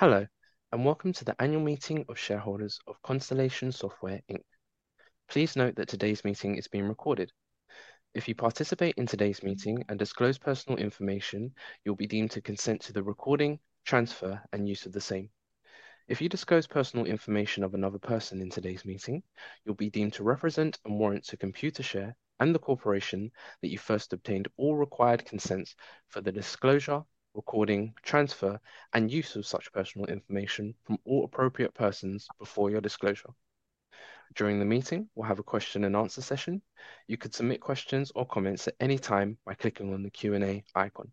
Hello and welcome to the annual meeting of shareholders of Constellation Software Inc. Please note that today's meeting is being recorded. If you participate in today's meeting and disclose personal information, you'll be deemed to consent to the recording, transfer, and use of the same. If you disclose personal information of another person in today's meeting, you'll be deemed to represent and warrant to Computershare and the corporation that you first obtained all required consents for the disclosure, recording, transfer, and use of such personal information from all appropriate persons before your disclosure. During the meeting, we'll have a question and answer session. You could submit questions or comments at any time by clicking on the Q&A icon.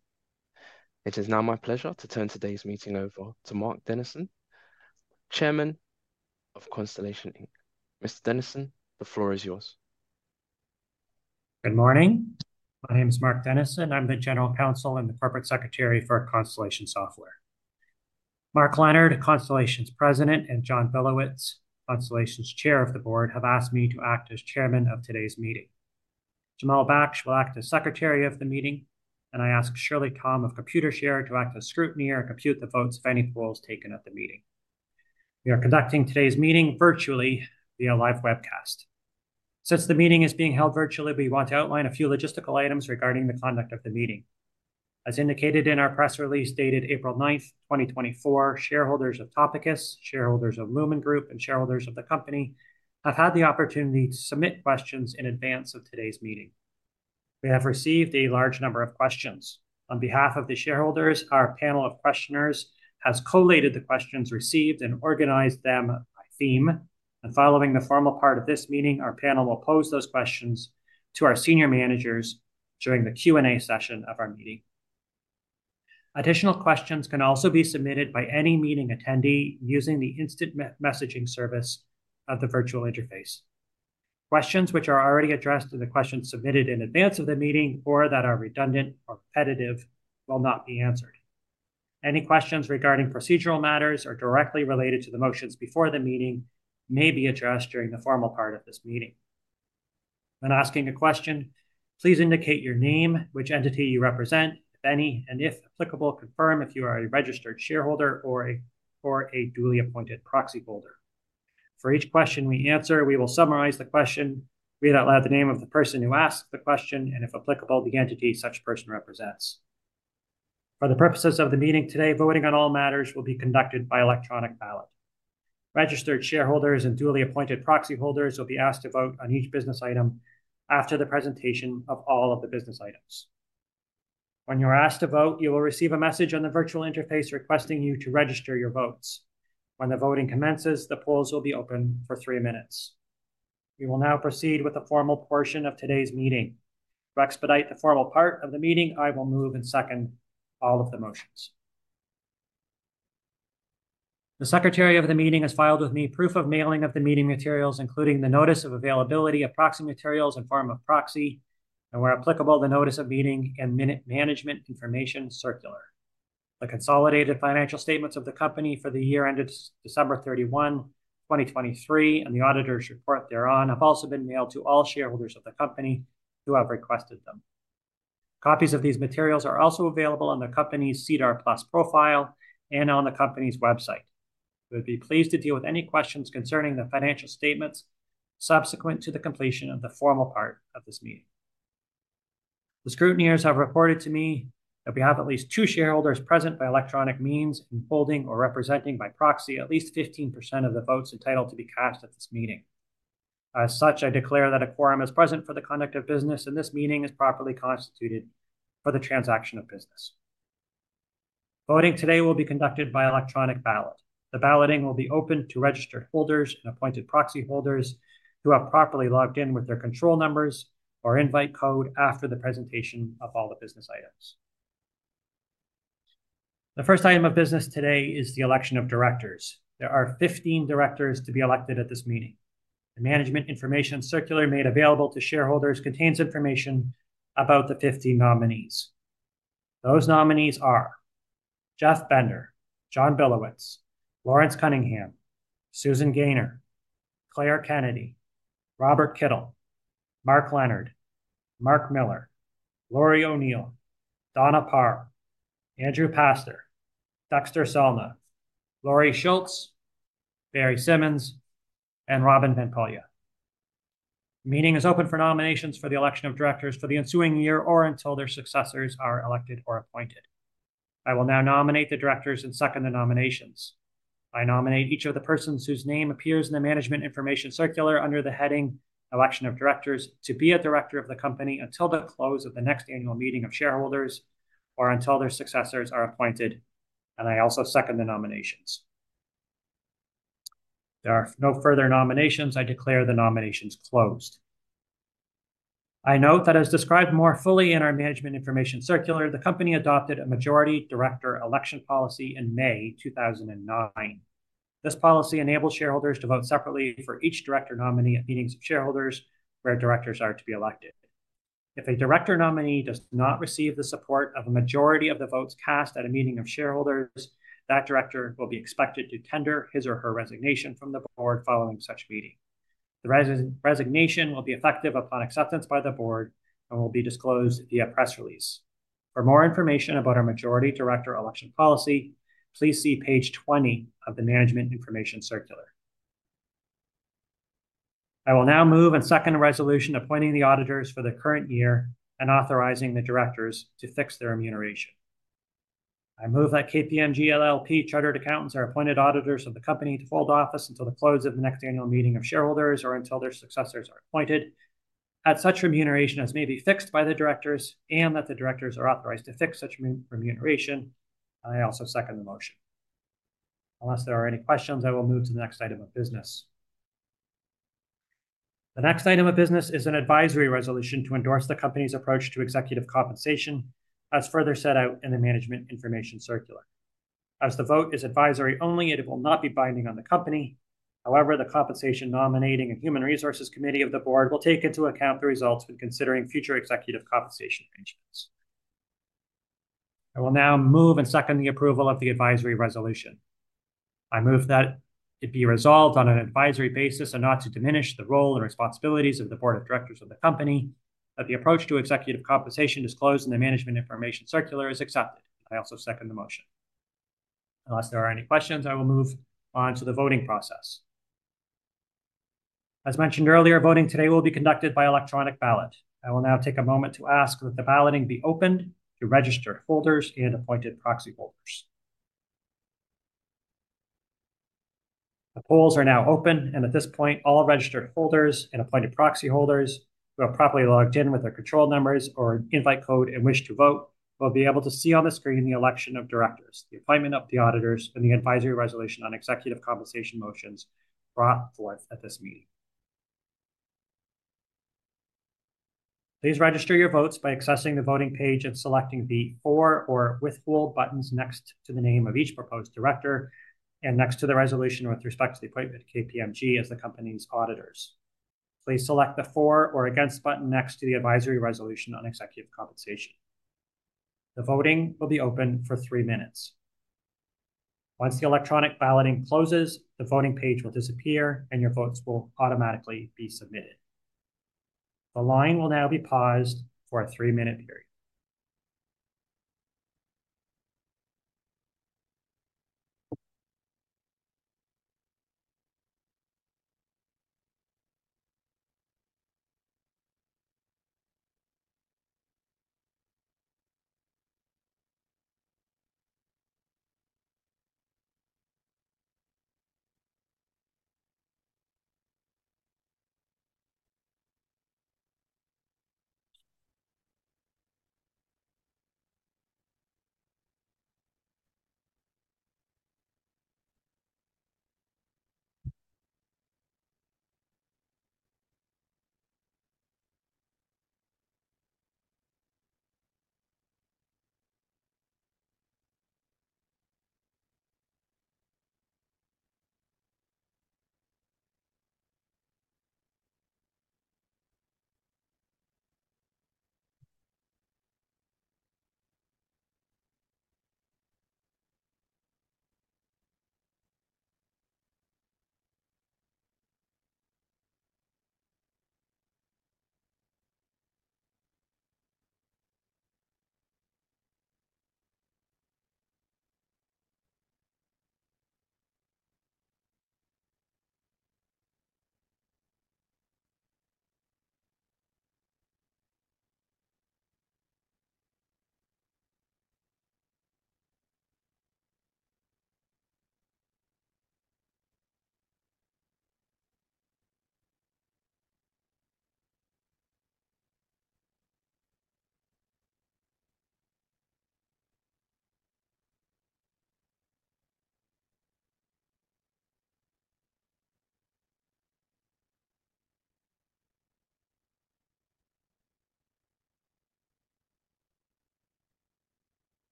It is now my pleasure to turn today's meeting over to Mark Dennison, Chairman of Constellation Software Inc.. Mr. Dennison, the floor is yours. Good morning. My name is Mark Dennison. I'm the General Counsel and the Corporate Secretary for Constellation Software. Mark Leonard, Constellation's President, and John Billowits, Constellation's Chair of the Board, have asked me to act as Chairman of today's meeting. Jamal Baksh will act as Secretary of the meeting, and I ask Shirley Tom of Computershare to act as scrutineer and compute the votes of any polls taken at the meeting. We are conducting today's meeting virtually via live webcast. Since the meeting is being held virtually, we want to outline a few logistical items regarding the conduct of the meeting. As indicated in our press release dated April 9, 2024, shareholders of Topicus, shareholders of Lumine Group, and shareholders of the company have had the opportunity to submit questions in advance of today's meeting. We have received a large number of questions. On behalf of the shareholders, our panel of questioners has collated the questions received and organized them by theme. Following the formal part of this meeting, our panel will pose those questions to our senior managers during the Q&A session of our meeting. Additional questions can also be submitted by any meeting attendee using the instant messaging service of the virtual interface. Questions which are already addressed in the questions submitted in advance of the meeting or that are redundant or repetitive will not be answered. Any questions regarding procedural matters or directly related to the motions before the meeting may be addressed during the formal part of this meeting. When asking a question, please indicate your name, which entity you represent, if any, and if applicable, confirm if you are a registered shareholder or a duly appointed proxy holder. For each question we answer, we will summarize the question, read out loud the name of the person who asked the question, and if applicable, the entity such person represents. For the purposes of the meeting today, voting on all matters will be conducted by electronic ballot. Registered shareholders and duly appointed proxy holders will be asked to vote on each business item after the presentation of all of the business items. When you're asked to vote, you will receive a message on the virtual interface requesting you to register your votes. When the voting commences, the polls will be open for three minutes. We will now proceed with the formal portion of today's meeting. To expedite the formal part of the meeting, I will move and second all of the motions. The Secretary of the Meeting has filed with me proof of mailing of the meeting materials, including the notice of availability of proxy materials in form of proxy, and where applicable, the notice of meeting and Management Information Circular. The consolidated financial statements of the company for the year ended December 31, 2023, and the auditor's report thereon have also been mailed to all shareholders of the company who have requested them. Copies of these materials are also available on the company's SEDAR+ profile and on the company's website. We would be pleased to deal with any questions concerning the financial statements subsequent to the completion of the formal part of this meeting. The scrutineers have reported to me that we have at least two shareholders present by electronic means in holding or representing by proxy at least 15% of the votes entitled to be cast at this meeting. As such, I declare that a quorum is present for the conduct of business and this meeting is properly constituted for the transaction of business. Voting today will be conducted by electronic ballot. The balloting will be opened to registered holders and appointed proxy holders who have properly logged in with their control numbers or invite code after the presentation of all the business items. The first item of business today is the election of directors. There are 15 directors to be elected at this meeting. The Management Information Circular made available to shareholders contains information about the 15 nominees. Those nominees are: Jeff Bender, John Billowits, Lawrence Cunningham, Susan Gayner, Claire Kennedy, Robert Kittel, Mark Leonard, Mark Miller, Lori O'Neill, Donna Parr, Andrew Pastor, Dexter Salna, Laurie Schultz, Barry Symons, and Robin van Poelje. The meeting is open for nominations for the election of directors for the ensuing year or until their successors are elected or appointed. I will now nominate the directors and second the nominations. I nominate each of the persons whose name appears in the Management Information Circular under the heading "Election of Directors" to be a director of the company until the close of the next annual meeting of shareholders or until their successors are appointed, and I also second the nominations. There are no further nominations. I declare the nominations closed. I note that, as described more fully in our Management Information Circular, the company adopted a Majority Director Election Policy in May 2009. This policy enables shareholders to vote separately for each director nominee at meetings of shareholders where directors are to be elected. If a director nominee does not receive the support of a majority of the votes cast at a meeting of shareholders, that director will be expected to tender his or her resignation from the board following such meeting. The resignation will be effective upon acceptance by the board and will be disclosed via press release. For more information about our Majority Director Election Policy, please see page 20 of the Management Information Circular. I will now move and second a resolution appointing the auditors for the current year and authorizing the directors to fix their remuneration. I move that KPMG LLP Chartered Accountants are appointed auditors of the company to hold office until the close of the next annual meeting of shareholders or until their successors are appointed. That such remuneration as may be fixed by the directors and that the directors are authorized to fix such remuneration. I also second the motion. Unless there are any questions, I will move to the next item of business. The next item of business is an advisory resolution to endorse the company's approach to executive compensation, as further set out in the Management Information Circular. As the vote is advisory only, it will not be binding on the company. However, the Compensation, Nominating and Human Resources Committee of the board will take into account the results when considering future executive compensation arrangements. I will now move and second the approval of the advisory resolution. I move that it be resolved on an advisory basis and not to diminish the role and responsibilities of the board of directors of the company. That the approach to executive compensation disclosed in the Management Information Circular is accepted. I also second the motion. Unless there are any questions, I will move on to the voting process. As mentioned earlier, voting today will be conducted by electronic ballot. I will now take a moment to ask that the balloting be opened to registered holders and appointed proxy holders. The polls are now open, and at this point, all registered holders and appointed proxy holders who have properly logged in with their control numbers or invite code and wish to vote will be able to see on the screen the election of directors, the appointment of the auditors, and the advisory resolution on executive compensation motions brought forth at this meeting. Please register your votes by accessing the voting page and selecting the For or Withhold buttons next to the name of each proposed director and next to the resolution with respect to the appointment of KPMG as the company's auditors. Please select the For or Against button next to the advisory resolution on executive compensation. The voting will be open for three minutes. Once the electronic balloting closes, the voting page will disappear and your votes will automatically be submitted. The line will now be paused for a three-minute period.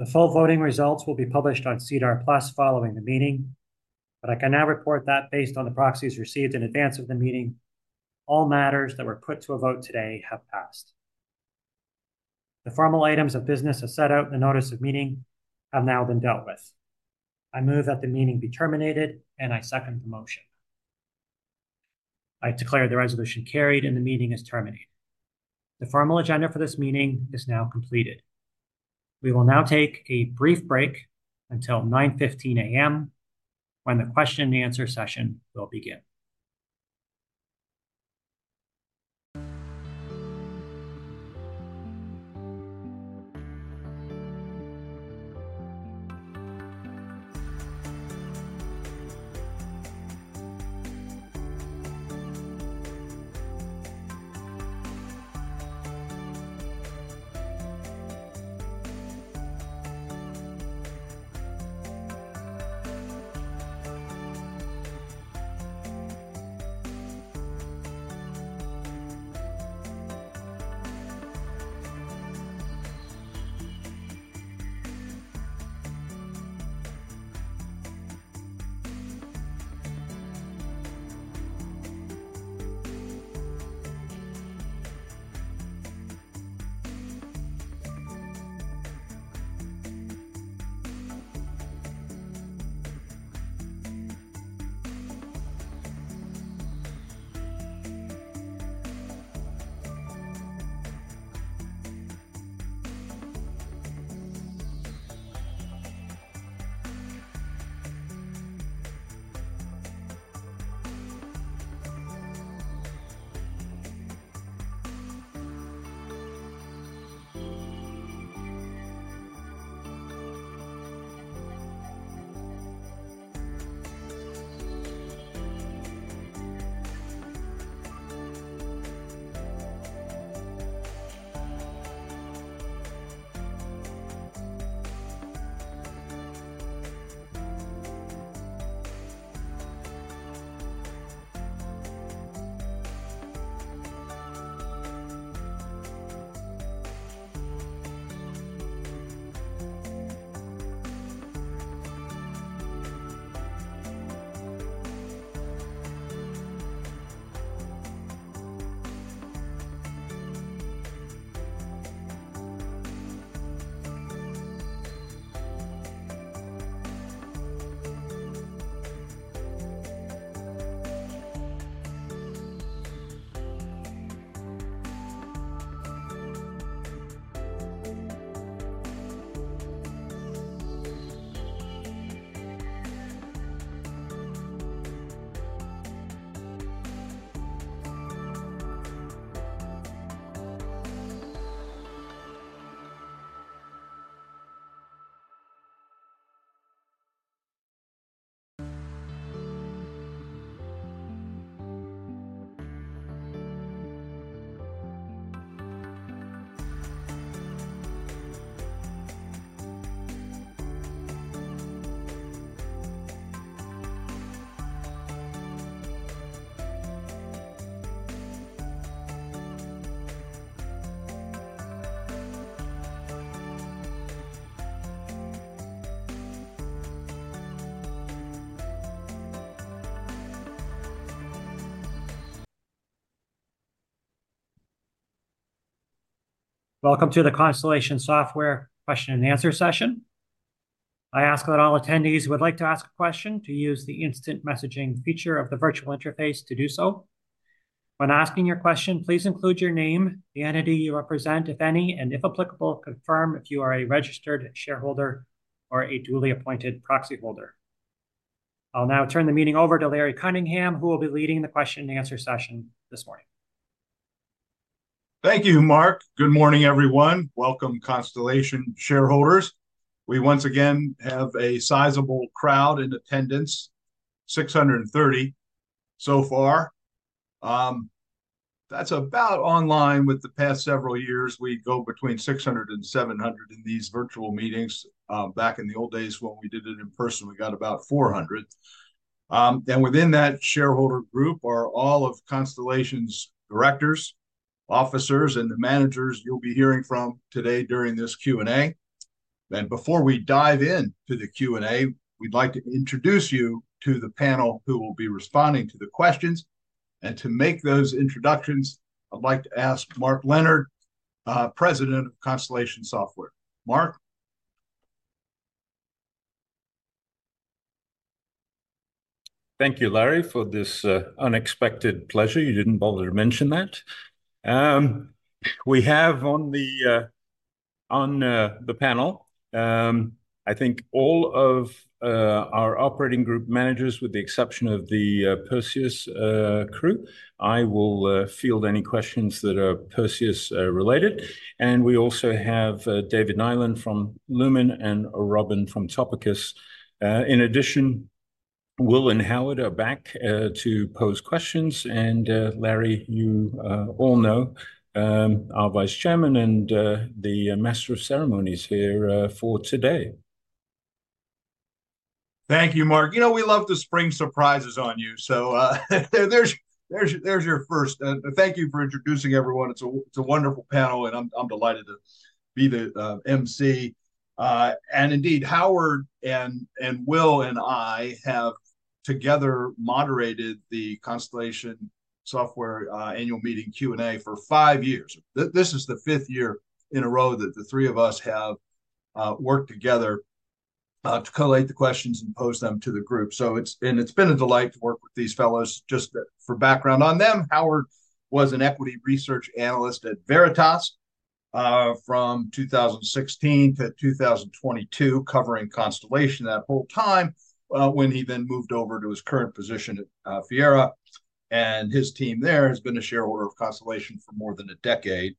The full voting results will be published on SEDAR+ following the meeting, but I can now report that based on the proxies received in advance of the meeting, all matters that were put to a vote today have passed. The formal items of business as set out in the notice of meeting have now been dealt with. I move that the meeting be terminated and I second the motion. I declare the resolution carried and the meeting is terminated. The formal agenda for this meeting is now completed. We will now take a brief break until 9:15 A.M. when the question and answer session will begin. Welcome to the Constellation Software Question and Answer session. I ask that all attendees who would like to ask a question to use the instant messaging feature of the virtual interface to do so. When asking your question, please include your name, the entity you represent, if any, and if applicable, confirm if you are a registered shareholder or a duly appointed proxy holder. I'll now turn the meeting over to Larry Cunningham, who will be leading the question and answer session this morning. Thank you, Mark. Good morning, everyone. Welcome, Constellation shareholders. We once again have a sizable crowd in attendance, 630 so far. That's about in line with the past several years. We go between 600-700 in these virtual meetings. Back in the old days when we did it in person, we got about 400. Within that shareholder group are all of Constellation's directors, officers, and the managers you'll be hearing from today during this Q&A. Before we dive into the Q&A, we'd like to introduce you to the panel who will be responding to the questions. To make those introductions, I'd like to ask Mark Leonard, President of Constellation Software. Mark? Thank you, Larry, for this unexpected pleasure. You didn't bother to mention that. We have on the panel, I think, all of our operating group managers, with the exception of the Perseus crew. I will field any questions that are Perseus-related. We also have David Nyland from Luminee and Robin from Topicus. In addition, Will and Howard are back to pose questions. Larry, you all know our Vice Chairman and the master of ceremonies here for today. Thank you, Mark. You know we love the spring surprises on you. So there's your first. Thank you for introducing everyone. It's a wonderful panel, and I'm delighted to be the emcee. Indeed, Howard and Will and I have together moderated the Constellation Software annual meeting Q&A for five years. This is the fifth year in a row that the three of us have worked together to collate the questions and pose them to the group. It's been a delight to work with these fellows. Just for background on them, Howard was an equity research analyst at Veritas from 2016 to 2022, covering Constellation that whole time when he then moved over to his current position at Fiera. And his team there has been a shareholder of Constellation for more than a decade.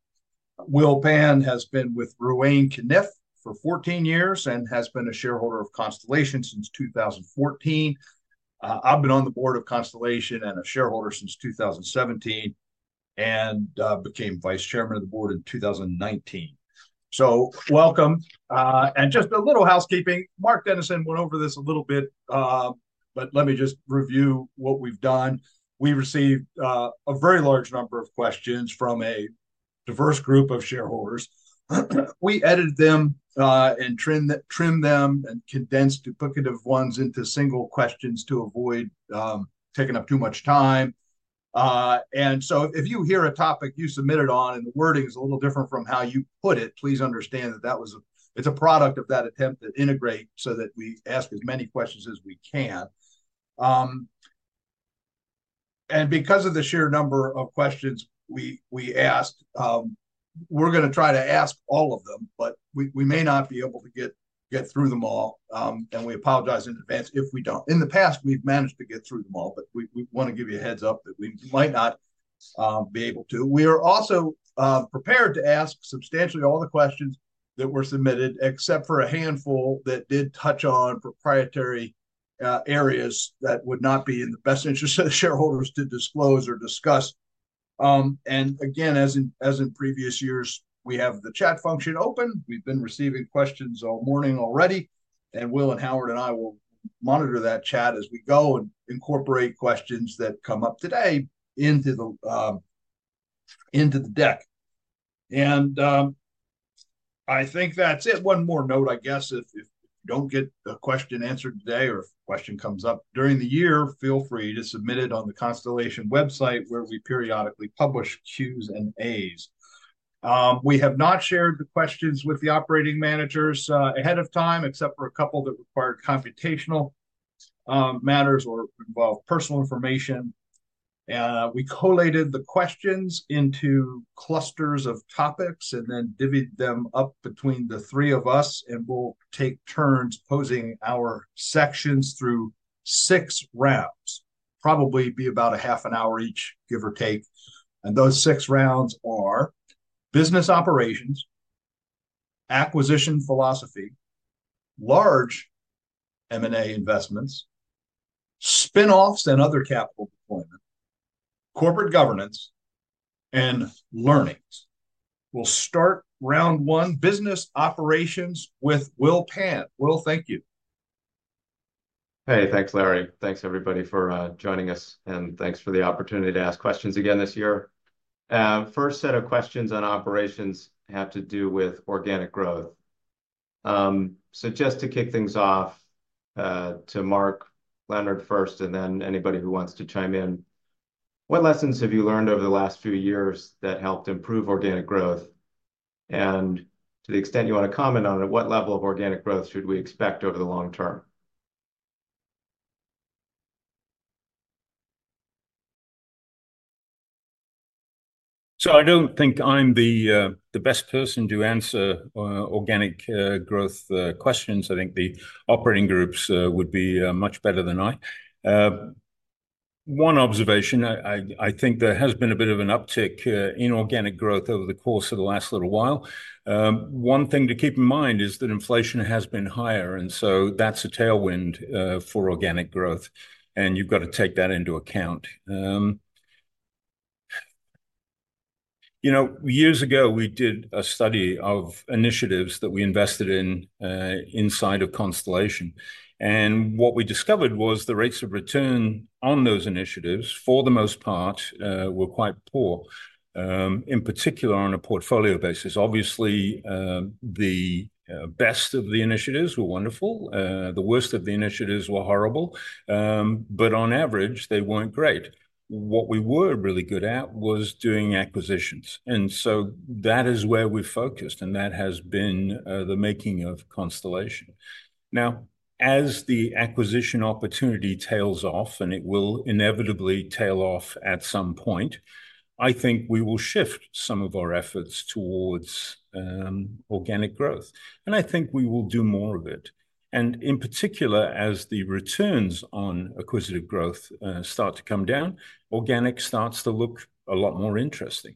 Will Pan has been with Ruane Cunniff for 14 years and has been a shareholder of Constellation since 2014. I've been on the board of Constellation and a shareholder since 2017 and became vice chairman of the board in 2019. So welcome. And just a little housekeeping. Mark Dennison went over this a little bit, but let me just review what we've done. We received a very large number of questions from a diverse group of shareholders. We edited them and trimmed them and condensed to put kind of ones into single questions to avoid taking up too much time. And so if you hear a topic you submitted on and the wording is a little different from how you put it, please understand that it's a product of that attempt to integrate so that we ask as many questions as we can. And because of the sheer number of questions we asked, we're going to try to ask all of them, but we may not be able to get through them all. And we apologize in advance if we don't. In the past, we've managed to get through them all, but we want to give you a heads up that we might not be able to. We are also prepared to ask substantially all the questions that were submitted, except for a handful that did touch on proprietary areas that would not be in the best interests of the shareholders to disclose or discuss. Again, as in previous years, we have the chat function open. We've been receiving questions all morning already. Will and Howard and I will monitor that chat as we go and incorporate questions that come up today into the deck. I think that's it. One more note, I guess. If you don't get a question answered today or if a question comes up during the year, feel free to submit it on the Constellation website where we periodically publish Qs and As. We have not shared the questions with the operating managers ahead of time, except for a couple that required computational matters or involved personal information. We collated the questions into clusters of topics and then divvied them up between the three of us, and we'll take turns posing our sections through six rounds, probably be about a half an hour each, give or take. Those six rounds are business operations, acquisition philosophy, large M&A investments, spinoffs, and other capital deployment, corporate governance, and learnings. We'll start round one, business operations, with Will Pan. Will, thank you. Hey, thanks, Larry. Thanks, everybody, for joining us, and thanks for the opportunity to ask questions again this year. First set of questions on operations have to do with organic growth. So just to kick things off, to Mark Leonard first, and then anybody who wants to chime in, what lessons have you learned over the last few years that helped improve organic growth? And to the extent you want to comment on it, what level of organic growth should we expect over the long term? So I don't think I'm the best person to answer organic growth questions. I think the operating groups would be much better than I. One observation, I think there has been a bit of an uptick in organic growth over the course of the last little while. One thing to keep in mind is that inflation has been higher, and so that's a tailwind for organic growth, and you've got to take that into account. Years ago, we did a study of initiatives that we invested in inside of Constellation. And what we discovered was the rates of return on those initiatives, for the most part, were quite poor, in particular on a portfolio basis. Obviously, the best of the initiatives were wonderful. The worst of the initiatives were horrible. But on average, they weren't great. What we were really good at was doing acquisitions. And so that is where we focused, and that has been the making of Constellation. Now, as the acquisition opportunity tails off, and it will inevitably tail off at some point, I think we will shift some of our efforts towards organic growth. And I think we will do more of it. And in particular, as the returns on acquisitive growth start to come down, organic starts to look a lot more interesting.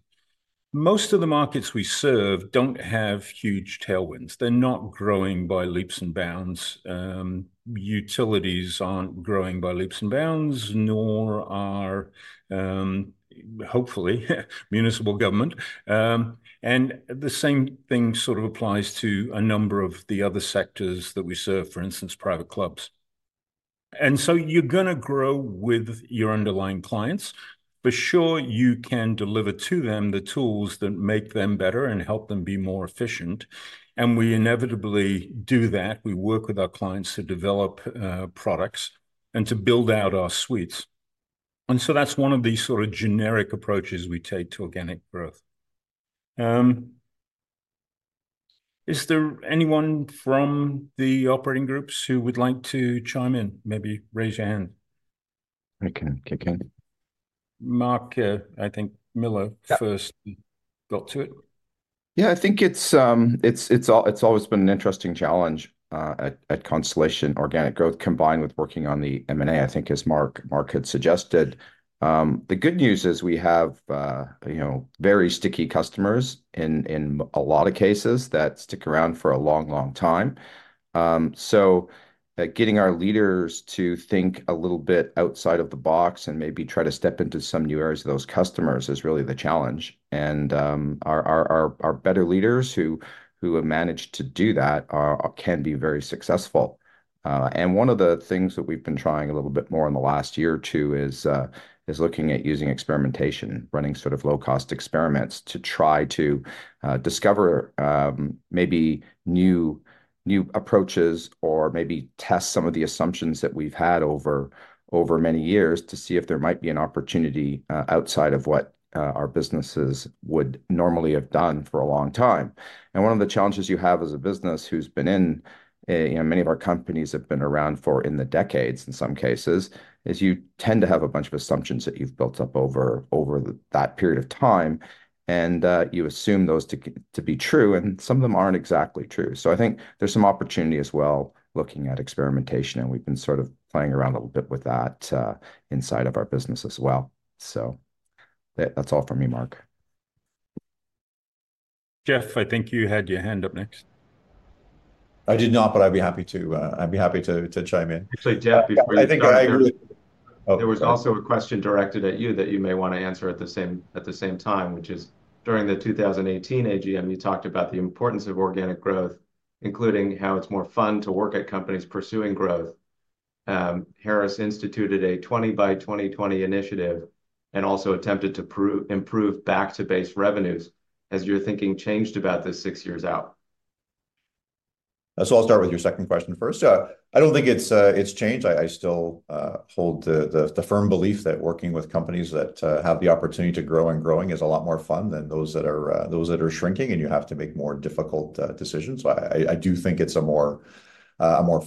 Most of the markets we serve don't have huge tailwinds. They're not growing by leaps and bounds. Utilities aren't growing by leaps and bounds, nor are hopefully municipal government. And the same thing sort of applies to a number of the other sectors that we serve, for instance, private clubs. And so you're going to grow with your underlying clients. For sure, you can deliver to them the tools that make them better and help them be more efficient. And we inevitably do that. We work with our clients to develop products and to build out our suites. And so that's one of these sort of generic approaches we take to organic growth. Is there anyone from the operating groups who would like to chime in, maybe raise your hand? I can kick in. Mark, I think Miller first got to it. Yeah, I think it's always been an interesting challenge at Constellation organic growth, combined with working on the M&A, I think, as Mark had suggested. The good news is we have very sticky customers in a lot of cases that stick around for a long, long time. So getting our leaders to think a little bit outside of the box and maybe try to step into some new areas of those customers is really the challenge. And our better leaders who have managed to do that can be very successful. One of the things that we've been trying a little bit more in the last year or two is looking at using experimentation, running sort of low-cost experiments to try to discover maybe new approaches or maybe test some of the assumptions that we've had over many years to see if there might be an opportunity outside of what our businesses would normally have done for a long time. One of the challenges you have as a business who's been in many of our companies have been around for in the decades in some cases is you tend to have a bunch of assumptions that you've built up over that period of time, and you assume those to be true. Some of them aren't exactly true. So I think there's some opportunity as well looking at experimentation. And we've been sort of playing around a little bit with that inside of our business as well. So that's all from me, Mark. Jeff, I think you had your hand up next. I did not, but I'd be happy to chime in. Actually, Jeff, before you start. I think I agree. There was also a question directed at you that you may want to answer at the same time, which is during the 2018 AGM, you talked about the importance of organic growth, including how it's more fun to work at companies pursuing growth. Harris instituted a 20 by 2020 initiative and also attempted to improve back-to-base revenues. Has your thinking changed about this six years out? So I'll start with your second question first. I don't think it's changed. I still hold the firm belief that working with companies that have the opportunity to grow and growing is a lot more fun than those that are shrinking and you have to make more difficult decisions. So I do think it's a more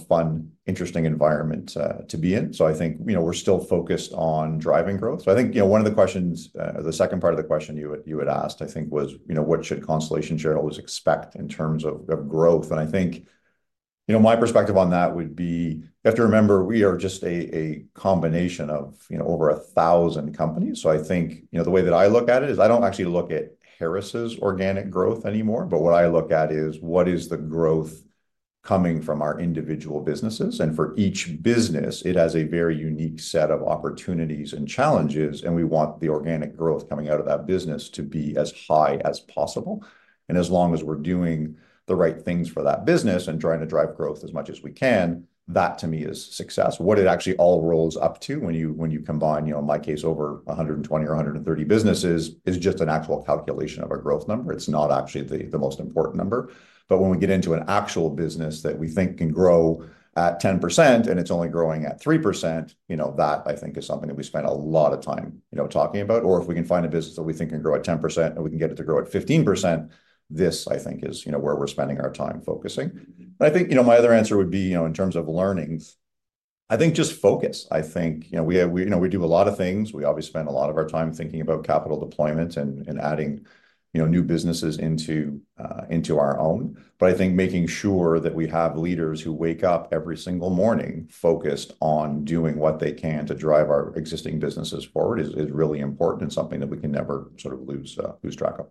fun, interesting environment to be in. So I think we're still focused on driving growth. So I think one of the questions, the second part of the question you had asked, I think, was what should Constellation shareholders expect in terms of growth? And I think my perspective on that would be you have to remember, we are just a combination of over 1,000 companies. So I think the way that I look at it is I don't actually look at Harris's organic growth anymore. But what I look at is what is the growth coming from our individual businesses? For each business, it has a very unique set of opportunities and challenges. We want the organic growth coming out of that business to be as high as possible. As long as we're doing the right things for that business and trying to drive growth as much as we can, that, to me, is success. What it actually all rolls up to when you combine, in my case, over 120 or 130 businesses, is just an actual calculation of a growth number. It's not actually the most important number. But when we get into an actual business that we think can grow at 10% and it's only growing at 3%, that, I think, is something that we spend a lot of time talking about. Or if we can find a business that we think can grow at 10% and we can get it to grow at 15%, this, I think, is where we're spending our time focusing. And I think my other answer would be in terms of learnings, I think just focus. I think we do a lot of things. We obviously spend a lot of our time thinking about capital deployment and adding new businesses into our own. But I think making sure that we have leaders who wake up every single morning focused on doing what they can to drive our existing businesses forward is really important and something that we can never sort of lose track of.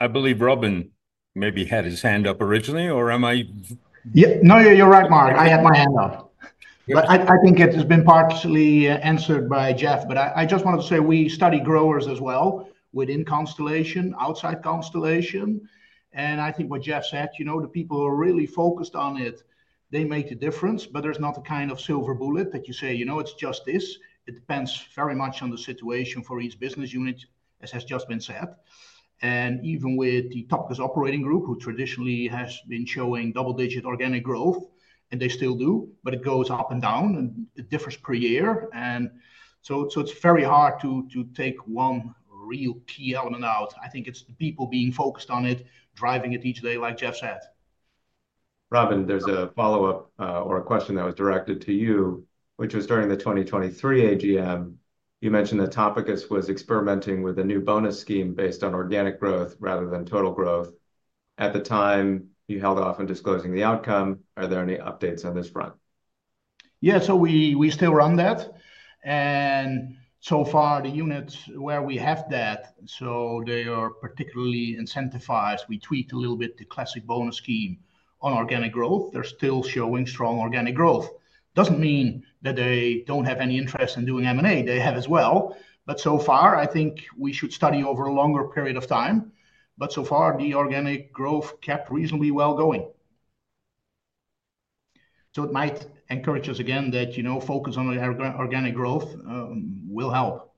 I believe Robin maybe had his hand up originally, or am I? Yeah. No, yeah, you're right, Mark. I had my hand up. But I think it has been partially answered by Jeff. But I just wanted to say we study growers as well within Constellation, outside Constellation. And I think what Jeff said, the people who are really focused on it, they make the difference. But there's not a kind of silver bullet that you say, "It's just this." It depends very much on the situation for each business unit, as has just been said. And even with the Topicus Operating Group, who traditionally has been showing double-digit organic growth, and they still do, but it goes up and down, and it differs per year. And so it's very hard to take one real key element out. I think it's the people being focused on it, driving it each day, like Jeff said. Robin, there's a follow-up or a question that was directed to you, which was during the 2023 AGM. You mentioned that Topicus was experimenting with a new bonus scheme based on organic growth rather than total growth. At the time, you held off on disclosing the outcome. Are there any updates on this front? Yeah, so we still run that. And so far, the units where we have that, so they are particularly incentivized, we tweaked a little bit the classic bonus scheme on organic growth. They're still showing strong organic growth. Doesn't mean that they don't have any interest in doing M&A. They have as well. But so far, I think we should study over a longer period of time. But so far, the organic growth kept reasonably well going. So it might encourage us again that focus on organic growth will help,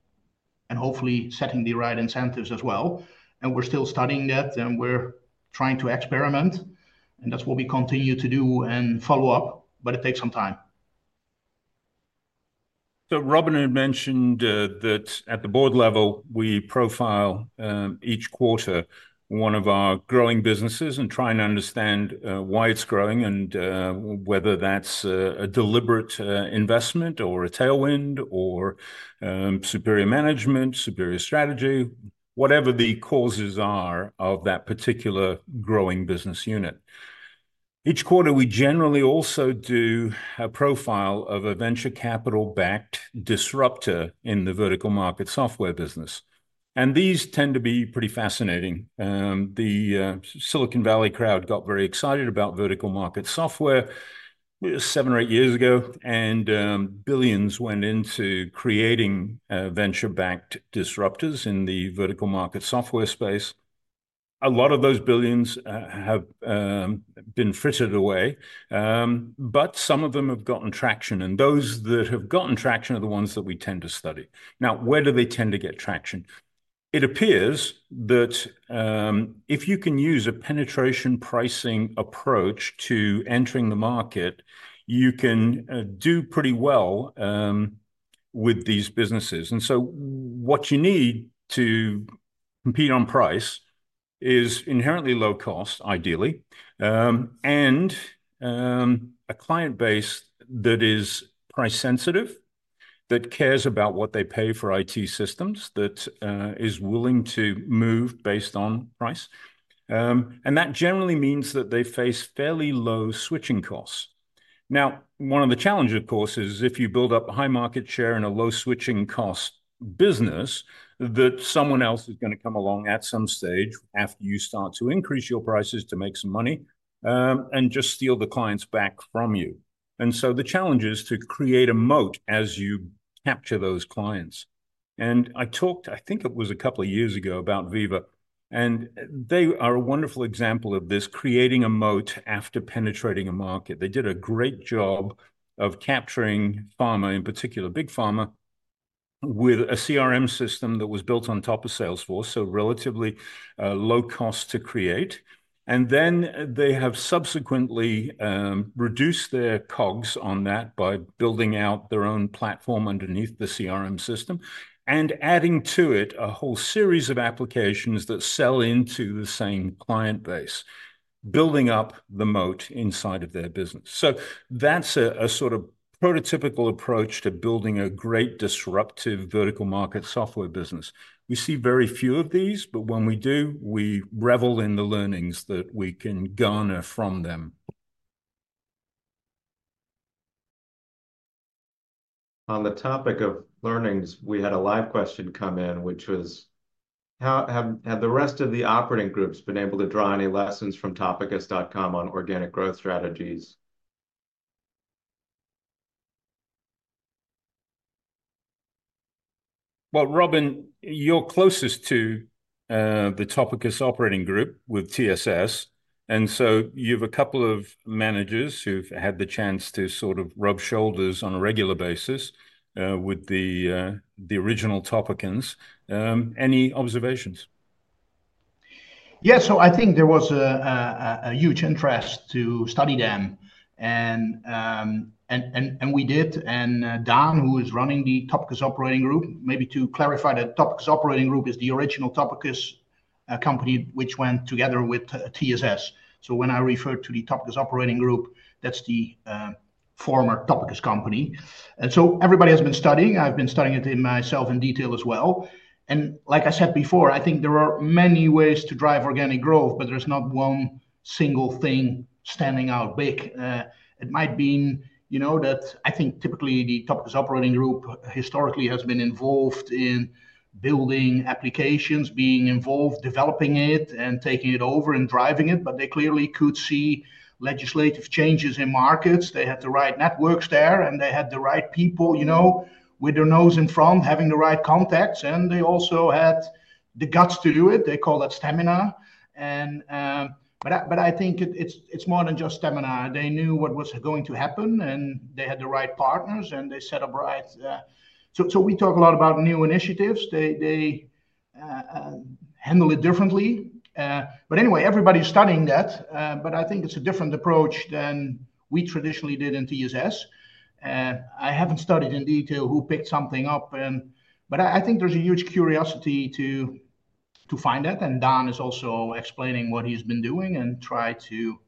and hopefully setting the right incentives as well. And we're still studying that, and we're trying to experiment. That's what we continue to do and follow up, but it takes some time. Robin had mentioned that at the board level, we profile each quarter one of our growing businesses and try and understand why it's growing and whether that's a deliberate investment or a tailwind or superior management, superior strategy, whatever the causes are of that particular growing business unit. Each quarter, we generally also do a profile of a venture capital-backed disruptor in the vertical market software business. These tend to be pretty fascinating. The Silicon Valley crowd got very excited about vertical market software 7 or 8 years ago, and billions went into creating venture-backed disruptors in the vertical market software space. A lot of those billions have been frittered away, but some of them have gotten traction. Those that have gotten traction are the ones that we tend to study. Now, where do they tend to get traction? It appears that if you can use a penetration pricing approach to entering the market, you can do pretty well with these businesses. So what you need to compete on price is inherently low-cost, ideally, and a client base that is price-sensitive, that cares about what they pay for IT systems, that is willing to move based on price. That generally means that they face fairly low switching costs. Now, one of the challenges, of course, is if you build up a high market share in a low-switching-cost business, that someone else is going to come along at some stage after you start to increase your prices to make some money and just steal the clients back from you. So the challenge is to create a moat as you capture those clients. I talked, I think it was a couple of years ago, about Veeva. They are a wonderful example of this, creating a moat after penetrating a market. They did a great job of capturing pharma, in particular big pharma, with a CRM system that was built on top of Salesforce, so relatively low-cost to create. Then they have subsequently reduced their COGS on that by building out their own platform underneath the CRM system and adding to it a whole series of applications that sell into the same client base, building up the moat inside of their business. So that's a sort of prototypical approach to building a great disruptive vertical market software business. We see very few of these, but when we do, we revel in the learnings that we can garner from them. On the topic of learnings, we had a live question come in, which was, have the rest of the operating groups been able to draw any lessons from Topicus.com on organic growth strategies? Well, Robin, you're closest to the Topicus Operating Group with TSS. And so you've a couple of managers who've had the chance to sort of rub shoulders on a regular basis with the original Topicans. Any observations? Yeah, so I think there was a huge interest to study them. And we did. And Dan, who is running the Topicus Operating Group, maybe to clarify, the Topicus Operating Group is the original Topicus company, which went together with TSS. So when I refer to the Topicus Operating Group, that's the former Topicus company. And so everybody has been studying. I've been studying it myself in detail as well. And like I said before, I think there are many ways to drive organic growth, but there's not one single thing standing out big. It might be that I think typically the Topicus Operating Group historically has been involved in building applications, being involved, developing it, and taking it over and driving it. But they clearly could see legislative changes in markets. They had the right networks there, and they had the right people with their nose in front, having the right contacts. And they also had the guts to do it. They call that stamina. But I think it's more than just stamina. They knew what was going to happen, and they had the right partners, and they set up right. So we talk a lot about new initiatives. They handle it differently. But anyway, everybody's studying that. I think it's a different approach than we traditionally did in TSS. I haven't studied in detail who picked something up. I think there's a huge curiosity to find that. Dan is also explaining what he's been doing and try to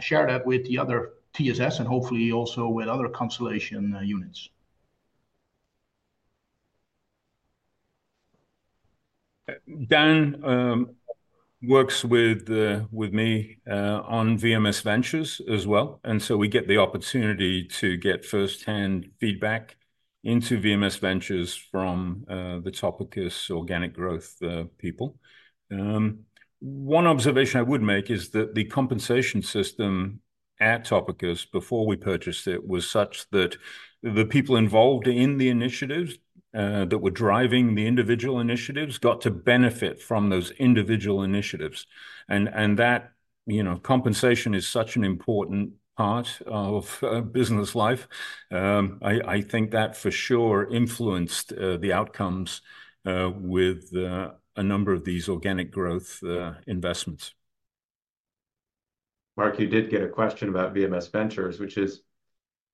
share that with the other TSS and hopefully also with other Constellation units. Dan works with me on VMS Ventures as well. So we get the opportunity to get firsthand feedback into VMS Ventures from the Topicus organic growth people. One observation I would make is that the compensation system at Topicus before we purchased it was such that the people involved in the initiatives that were driving the individual initiatives got to benefit from those individual initiatives. That compensation is such an important part of business life. I think that for sure influenced the outcomes with a number of these organic growth investments. Mark, you did get a question about VMS Ventures, which is,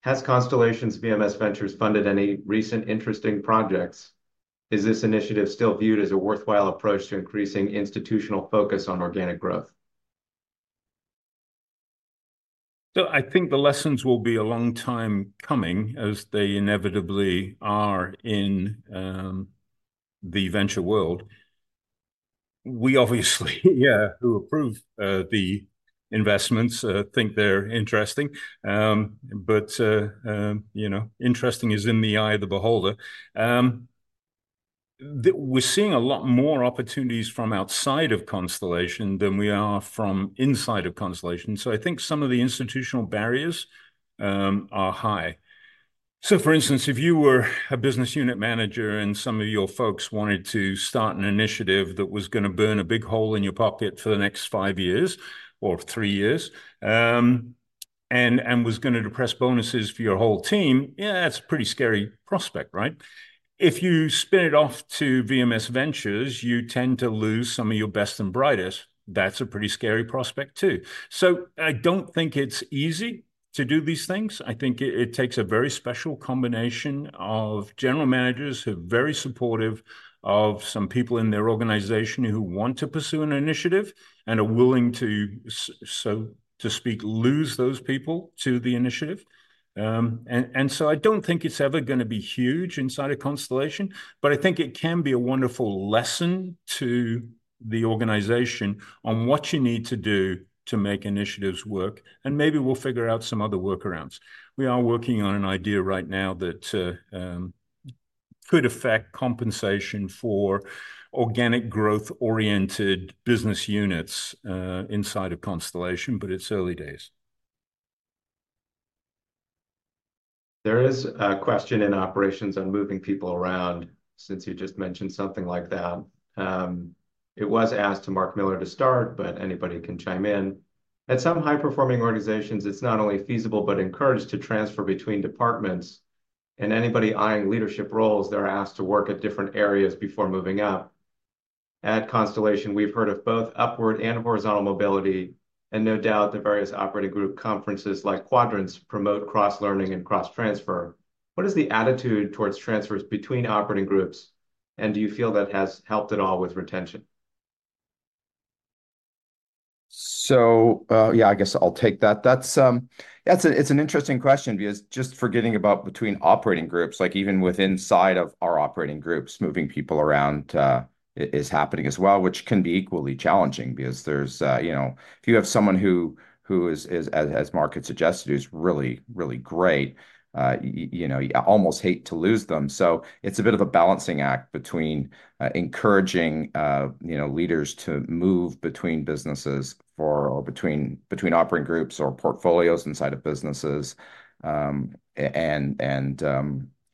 has Constellation's VMS Ventures funded any recent interesting projects? Is this initiative still viewed as a worthwhile approach to increasing institutional focus on organic growth? So I think the lessons will be a long time coming, as they inevitably are in the venture world. We obviously, yeah, who approve the investments think they're interesting. But interesting is in the eye of the beholder. We're seeing a lot more opportunities from outside of Constellation than we are from inside of Constellation. So I think some of the institutional barriers are high. So for instance, if you were a business unit manager and some of your folks wanted to start an initiative that was going to burn a big hole in your pocket for the next 5 years or 3 years and was going to depress bonuses for your whole team, yeah, that's a pretty scary prospect, right? If you spin it off to VMS Ventures, you tend to lose some of your best and brightest. That's a pretty scary prospect, too. So I don't think it's easy to do these things. I think it takes a very special combination of general managers who are very supportive of some people in their organization who want to pursue an initiative and are willing to, so to speak, lose those people to the initiative. And so I don't think it's ever going to be huge inside of Constellation. I think it can be a wonderful lesson to the organization on what you need to do to make initiatives work. And maybe we'll figure out some other workarounds. We are working on an idea right now that could affect compensation for organic growth-oriented business units inside of Constellation, but it's early days. There is a question in operations on moving people around since you just mentioned something like that. It was asked to Mark Miller to start, but anybody can chime in. At some high-performing organizations, it's not only feasible but encouraged to transfer between departments. And anybody eyeing leadership roles, they're asked to work at different areas before moving up. At Constellation, we've heard of both upward and horizontal mobility, and no doubt the various operating group conferences like Quadrants promote cross-learning and cross-transfer. What is the attitude towards transfers between operating groups? Do you feel that has helped at all with retention? Yeah, I guess I'll take that. Yeah, it's an interesting question because just forgetting about between operating groups, even within our operating groups, moving people around is happening as well, which can be equally challenging because if you have someone who, as Mark had suggested, is really, really great, you almost hate to lose them. It's a bit of a balancing act between encouraging leaders to move between businesses or between operating groups or portfolios inside of businesses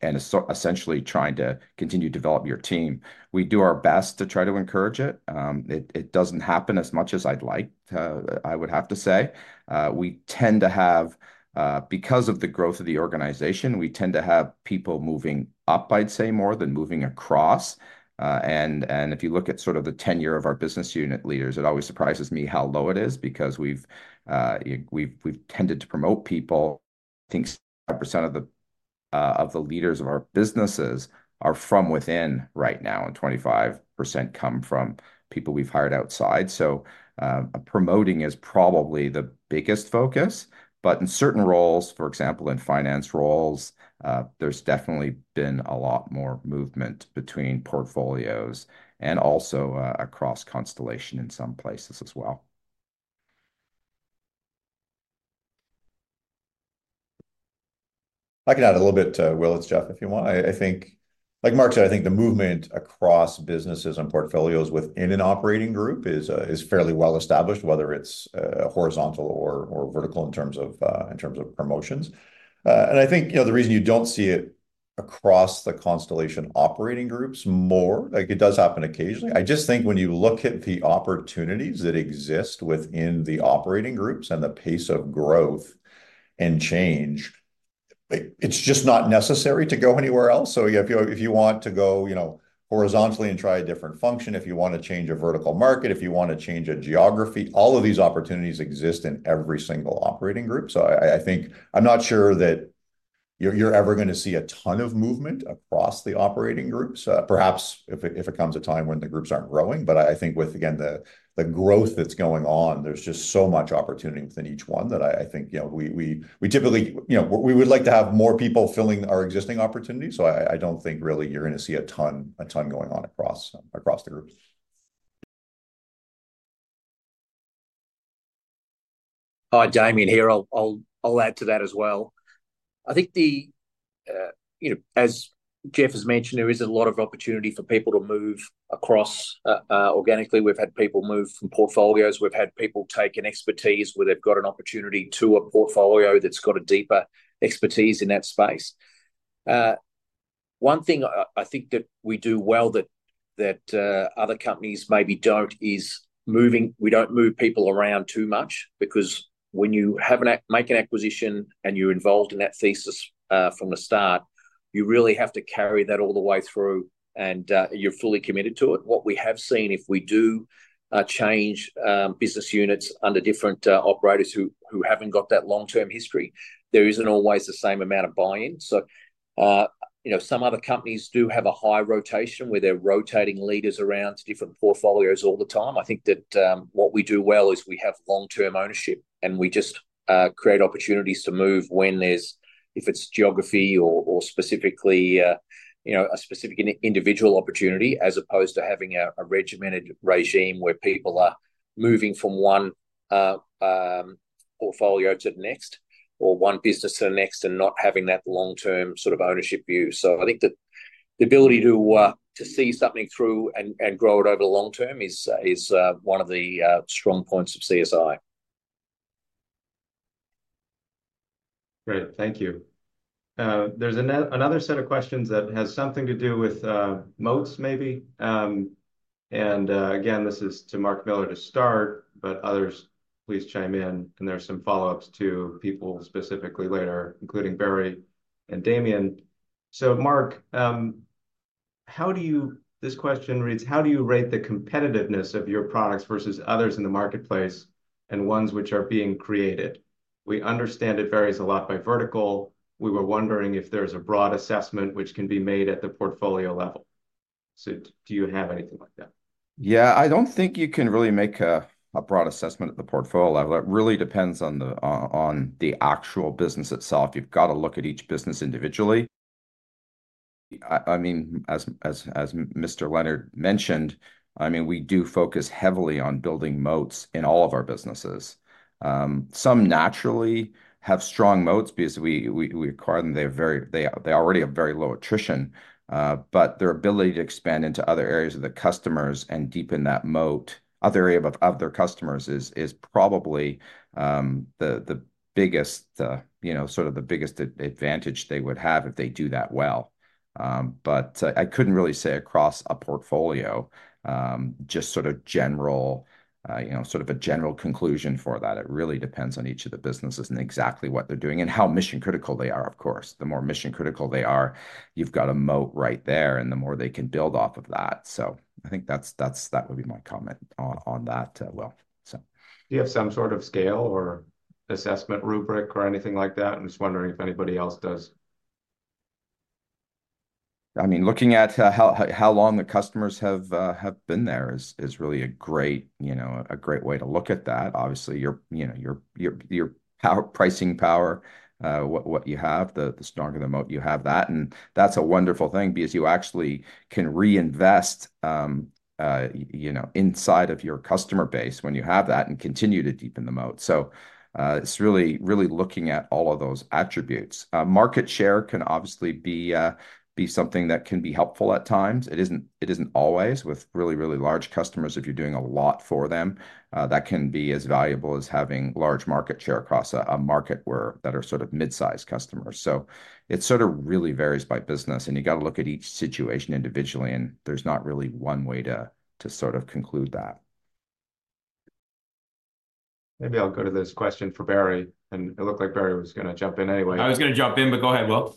and essentially trying to continue to develop your team. We do our best to try to encourage it. It doesn't happen as much as I'd like, I would have to say. We tend to have, because of the growth of the organization, we tend to have people moving up, I'd say, more than moving across. And if you look at sort of the tenure of our business unit leaders, it always surprises me how low it is because we've tended to promote people. I think 5% of the leaders of our businesses are from within right now, and 25% come from people we've hired outside. So promoting is probably the biggest focus. But in certain roles, for example, in finance roles, there's definitely been a lot more movement between portfolios and also across Constellation in some places as well. I can add a little bit to Will's, Jeff, if you want. Like Mark said, I think the movement across businesses and portfolios within an operating group is fairly well-established, whether it's horizontal or vertical in terms of promotions. And I think the reason you don't see it across the Constellation operating groups more, it does happen occasionally. I just think when you look at the opportunities that exist within the operating groups and the pace of growth and change, it's just not necessary to go anywhere else. So if you want to go horizontally and try a different function, if you want to change a vertical market, if you want to change a geography, all of these opportunities exist in every single operating group. So I'm not sure that you're ever going to see a ton of movement across the operating groups, perhaps if it comes a time when the groups aren't growing. But I think with, again, the growth that's going on, there's just so much opportunity within each one that I think we typically would like to have more people filling our existing opportunities. So I don't think really you're going to see a ton going on across the groups. Hi, Damian. Here, I'll add to that as well. I think, as Jeff has mentioned, there is a lot of opportunity for people to move across organically. We've had people move from portfolios. We've had people take an expertise where they've got an opportunity to a portfolio that's got a deeper expertise in that space. One thing I think that we do well that other companies maybe don't is we don't move people around too much because when you make an acquisition and you're involved in that thesis from the start, you really have to carry that all the way through, and you're fully committed to it. What we have seen, if we do change business units under different operators who haven't got that long-term history, there isn't always the same amount of buy-in. So some other companies do have a high rotation where they're rotating leaders around to different portfolios all the time. I think that what we do well is we have long-term ownership, and we just create opportunities to move if it's geography or specifically a specific individual opportunity, as opposed to having a regimented regime where people are moving from one portfolio to the next or one business to the next and not having that long-term sort of ownership view. So I think that the ability to see something through and grow it over the long term is one of the strong points of CSI. Great. Thank you. There's another set of questions that has something to do with moats, maybe. And again, this is to Mark Miller to start, but others, please chime in. And there are some follow-ups to people specifically later, including Barry and Damian. So, Mark, this question reads, "How do you rate the competitiveness of your products versus others in the marketplace and ones which are being created? We understand it varies a lot by vertical. We were wondering if there's a broad assessment which can be made at the portfolio level." So, do you have anything like that? Yeah, I don't think you can really make a broad assessment at the portfolio level. It really depends on the actual business itself. You've got to look at each business individually. I mean, as Mr. Leonard mentioned, I mean, we do focus heavily on building moats in all of our businesses. Some naturally have strong moats because we acquire them. They already have very low attrition. But their ability to expand into other areas of the customers and deepen that moat, other area of their customers, is probably the biggest sort of the biggest advantage they would have if they do that well. But I couldn't really say across a portfolio, just sort of general sort of a general conclusion for that. It really depends on each of the businesses and exactly what they're doing and how mission-critical they are, of course. The more mission-critical they are, you've got a moat right there, and the more they can build off of that. So I think that would be my comment on that, Will, so. Do you have some sort of scale or assessment rubric or anything like that? I'm just wondering if anybody else does. I mean, looking at how long the customers have been there is really a great way to look at that. Obviously, your pricing power, what you have, the stronger the moat, you have that. And that's a wonderful thing because you actually can reinvest inside of your customer base when you have that and continue to deepen the moat. So it's really looking at all of those attributes. Market share can obviously be something that can be helpful at times. It isn't always. With really, really large customers, if you're doing a lot for them, that can be as valuable as having large market share across a market that are sort of midsize customers. So it sort of really varies by business. And you've got to look at each situation individually, and there's not really one way to sort of conclude that. Maybe I'll go to this question for Barry. And it looked like Barry was going to jump in anyway. I was going to jump in, but go ahead, Will.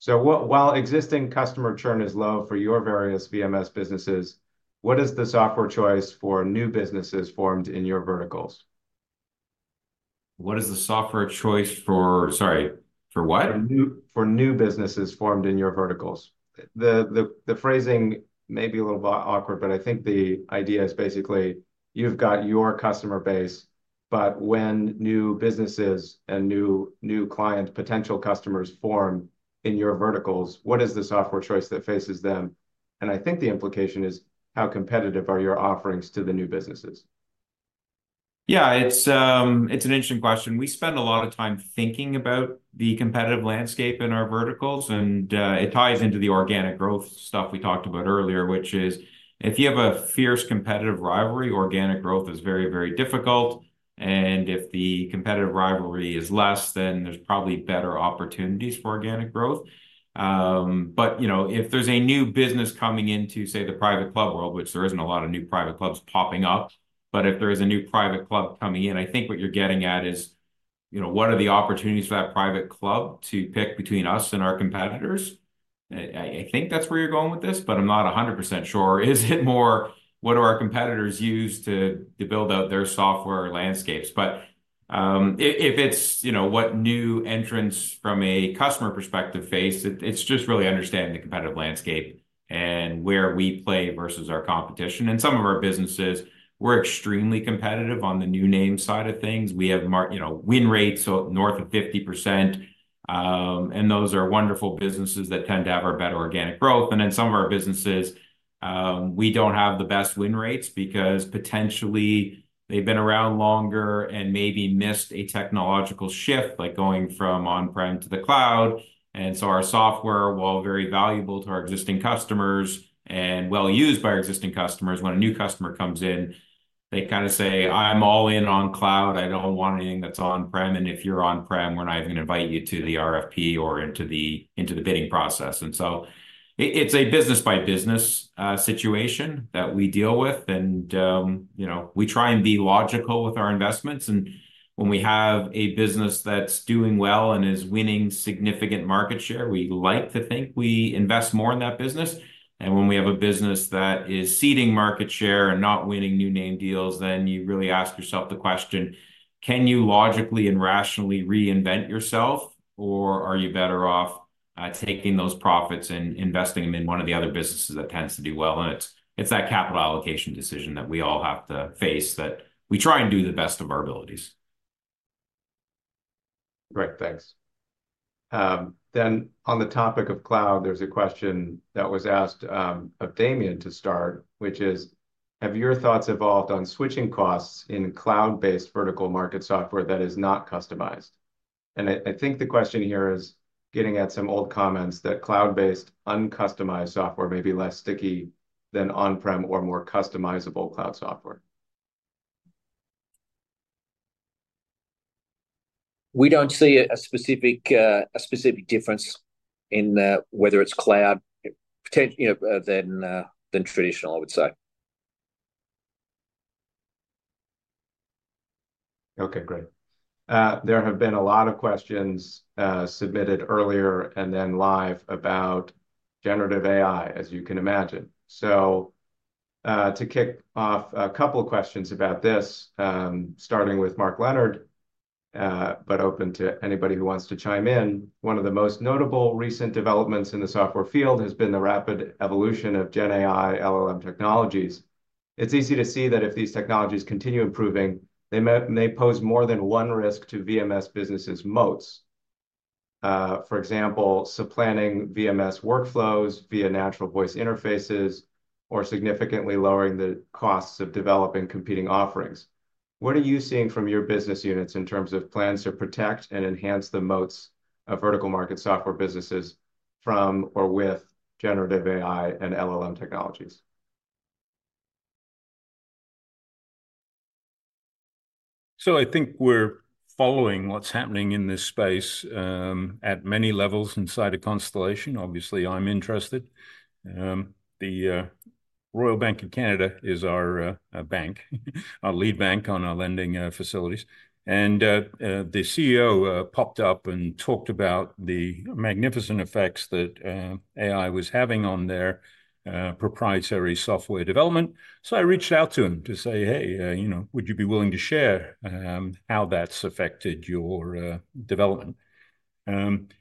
So while existing customer churn is low for your various VMS businesses, what is the software choice for new businesses formed in your verticals? What is the software choice for sorry, for what? For new businesses formed in your verticals. The phrasing may be a little awkward, but I think the idea is basically you've got your customer base. But when new businesses and new clients, potential customers, form in your verticals, what is the software choice that faces them? And I think the implication is how competitive are your offerings to the new businesses? Yeah, it's an interesting question. We spend a lot of time thinking about the competitive landscape in our verticals. It ties into the organic growth stuff we talked about earlier, which is if you have a fierce competitive rivalry, organic growth is very, very difficult. And if the competitive rivalry is less, then there's probably better opportunities for organic growth. But if there's a new business coming into, say, the private club world, which there isn't a lot of new private clubs popping up, but if there is a new private club coming in, I think what you're getting at is what are the opportunities for that private club to pick between us and our competitors? I think that's where you're going with this, but I'm not 100% sure. Is it more what do our competitors use to build out their software landscapes? But if it's what new entrants from a customer perspective face, it's just really understanding the competitive landscape and where we play versus our competition. And some of our businesses, we're extremely competitive on the new name side of things. We have win rates north of 50%. And those are wonderful businesses that tend to have our better organic growth. And then some of our businesses, we don't have the best win rates because potentially they've been around longer and maybe missed a technological shift like going from on-prem to the cloud. And so our software, while very valuable to our existing customers and well-used by our existing customers, when a new customer comes in, they kind of say, "I'm all in on cloud. I don't want anything that's on-prem. And if you're on-prem, we're not even going to invite you to the RFP or into the bidding process." And so it's a business-by-business situation that we deal with. And we try and be logical with our investments. When we have a business that's doing well and is winning significant market share, we like to think we invest more in that business. And when we have a business that is ceding market share and not winning new name deals, then you really ask yourself the question, "Can you logically and rationally reinvent yourself, or are you better off taking those profits and investing them in one of the other businesses that tends to do well?" And it's that capital allocation decision that we all have to face that we try and do the best of our abilities. Great. Thanks. Then on the topic of cloud, there's a question that was asked of Damian to start, which is, "Have your thoughts evolved on switching costs in cloud-based vertical market software that is not customized?" And I think the question here is getting at some old comments that cloud-based, uncustomized software may be less sticky than on-prem or more customizable cloud software. We don't see a specific difference in whether it's cloud than traditional, I would say. Okay. Great. There have been a lot of questions submitted earlier and then live about generative AI, as you can imagine. So to kick off a couple of questions about this, starting with Mark Leonard, but open to anybody who wants to chime in, one of the most notable recent developments in the software field has been the rapid evolution of GenAI LLM technologies. It's easy to see that if these technologies continue improving, they may pose more than one risk to VMS businesses' moats. For example, supplanting VMS workflows via natural voice interfaces or significantly lowering the costs of developing competing offerings. What are you seeing from your business units in terms of plans to protect and enhance the moats of vertical market software businesses from or with generative AI and LLM technologies? So I think we're following what's happening in this space at many levels inside Constellation. Obviously, I'm interested. The Royal Bank of Canada is our lead bank on our lending facilities. And the CEO popped up and talked about the magnificent effects that AI was having on their proprietary software development. So I reached out to him to say, "Hey, would you be willing to share how that's affected your development?"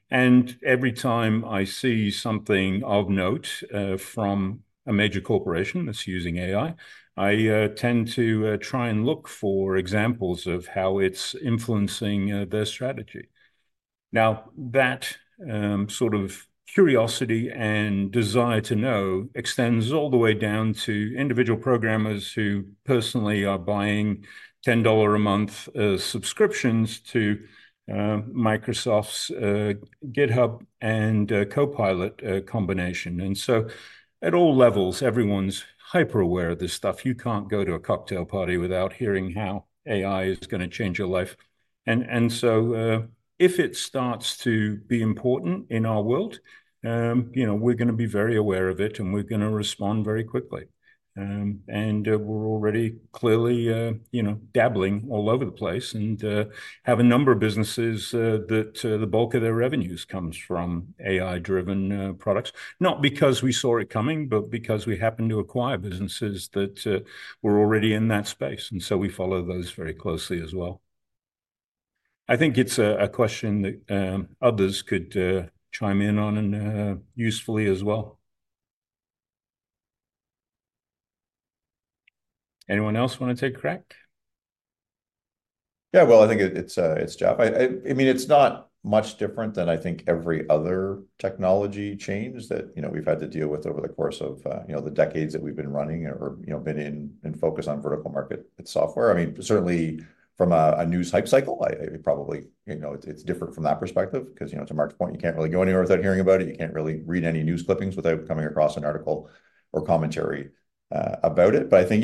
And every time I see something of note from a major corporation that's using AI, I tend to try and look for examples of how it's influencing their strategy. Now, that sort of curiosity and desire to know extends all the way down to individual programmers who personally are buying $10 a month subscriptions to Microsoft's GitHub and Copilot combination. And so at all levels, everyone's hyper-aware of this stuff. You can't go to a cocktail party without hearing how AI is going to change your life. And so if it starts to be important in our world, we're going to be very aware of it, and we're going to respond very quickly. And we're already clearly dabbling all over the place and have a number of businesses that the bulk of their revenues comes from AI-driven products, not because we saw it coming, but because we happen to acquire businesses that were already in that space. And so we follow those very closely as well. I think it's a question that others could chime in on usefully as well. Anyone else want to take a crack? Yeah, well, I think it's Jeff. I mean, it's not much different than, I think, every other technology change that we've had to deal with over the course of the decades that we've been running or been in focus on vertical market software. I mean, certainly from a news hype cycle, it's probably different from that perspective because, to Mark's point, you can't really go anywhere without hearing about it. You can't really read any news clippings without coming across an article or commentary about it. But I think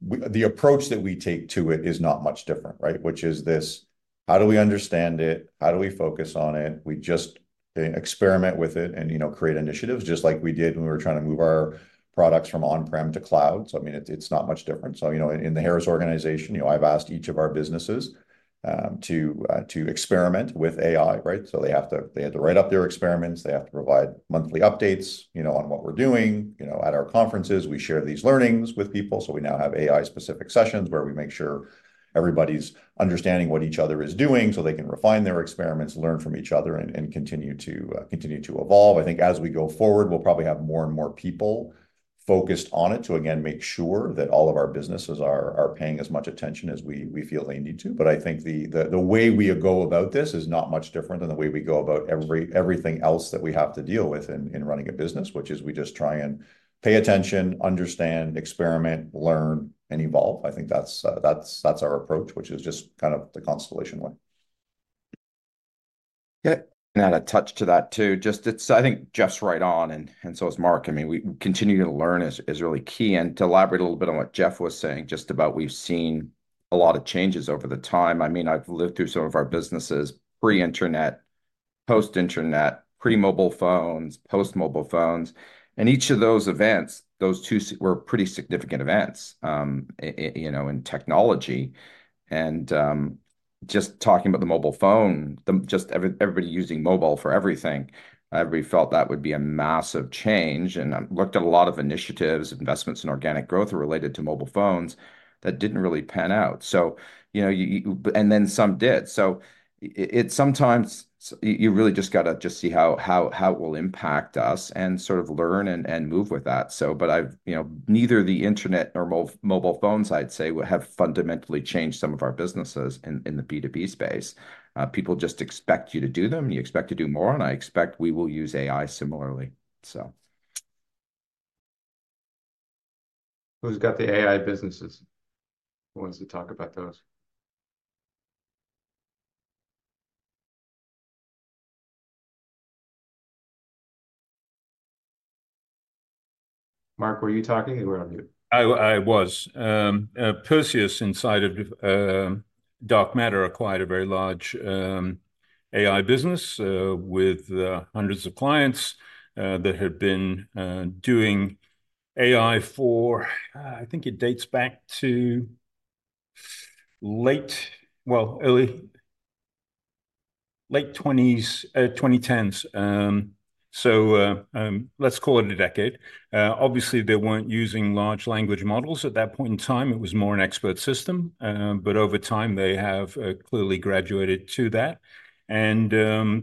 the approach that we take to it is not much different, right, which is this, "How do we understand it? How do we focus on it? We just experiment with it and create initiatives just like we did when we were trying to move our products from on-prem to cloud." So I mean, it's not much different. So in the Harris organization, I've asked each of our businesses to experiment with AI, right? So they had to write up their experiments. They have to provide monthly updates on what we're doing. At our conferences, we share these learnings with people. So we now have AI-specific sessions where we make sure everybody's understanding what each other is doing so they can refine their experiments, learn from each other, and continue to evolve. I think as we go forward, we'll probably have more and more people focused on it to again make sure that all of our businesses are paying as much attention as we feel they need to. But I think the way we go about this is not much different than the way we go about everything else that we have to deal with in running a business, which is we just try and pay attention, understand, experiment, learn, and evolve. I think that's our approach, which is just kind of the Constellation way. Yeah. And add a touch to that too. I think Jeff's right on. And so is Mark. I mean, we continue to learn is really key. And to elaborate a little bit on what Jeff was saying just about, we've seen a lot of changes over time. I mean, I've lived through some of our businesses pre-internet, post-internet, pre-mobile phones, post-mobile phones. Each of those events, those two were pretty significant events in technology. Just talking about the mobile phone, just everybody using mobile for everything, we felt that would be a massive change. I've looked at a lot of initiatives, investments in organic growth related to mobile phones that didn't really pan out. Then some did. Sometimes you really just got to just see how it will impact us and sort of learn and move with that. Neither the internet nor mobile phones, I'd say, have fundamentally changed some of our businesses in the B2B space. People just expect you to do them. You expect to do more. I expect we will use AI similarly, so. Who's got the AI businesses? Who wants to talk about those? Mark, were you talking? You were on mute. I was. Perseus inside of Black Knight acquired a very large AI business with hundreds of clients that had been doing AI for I think it dates back to late well, early 2010s. So let's call it a decade. Obviously, they weren't using large language models at that point in time. It was more an expert system. But over time, they have clearly graduated to that. And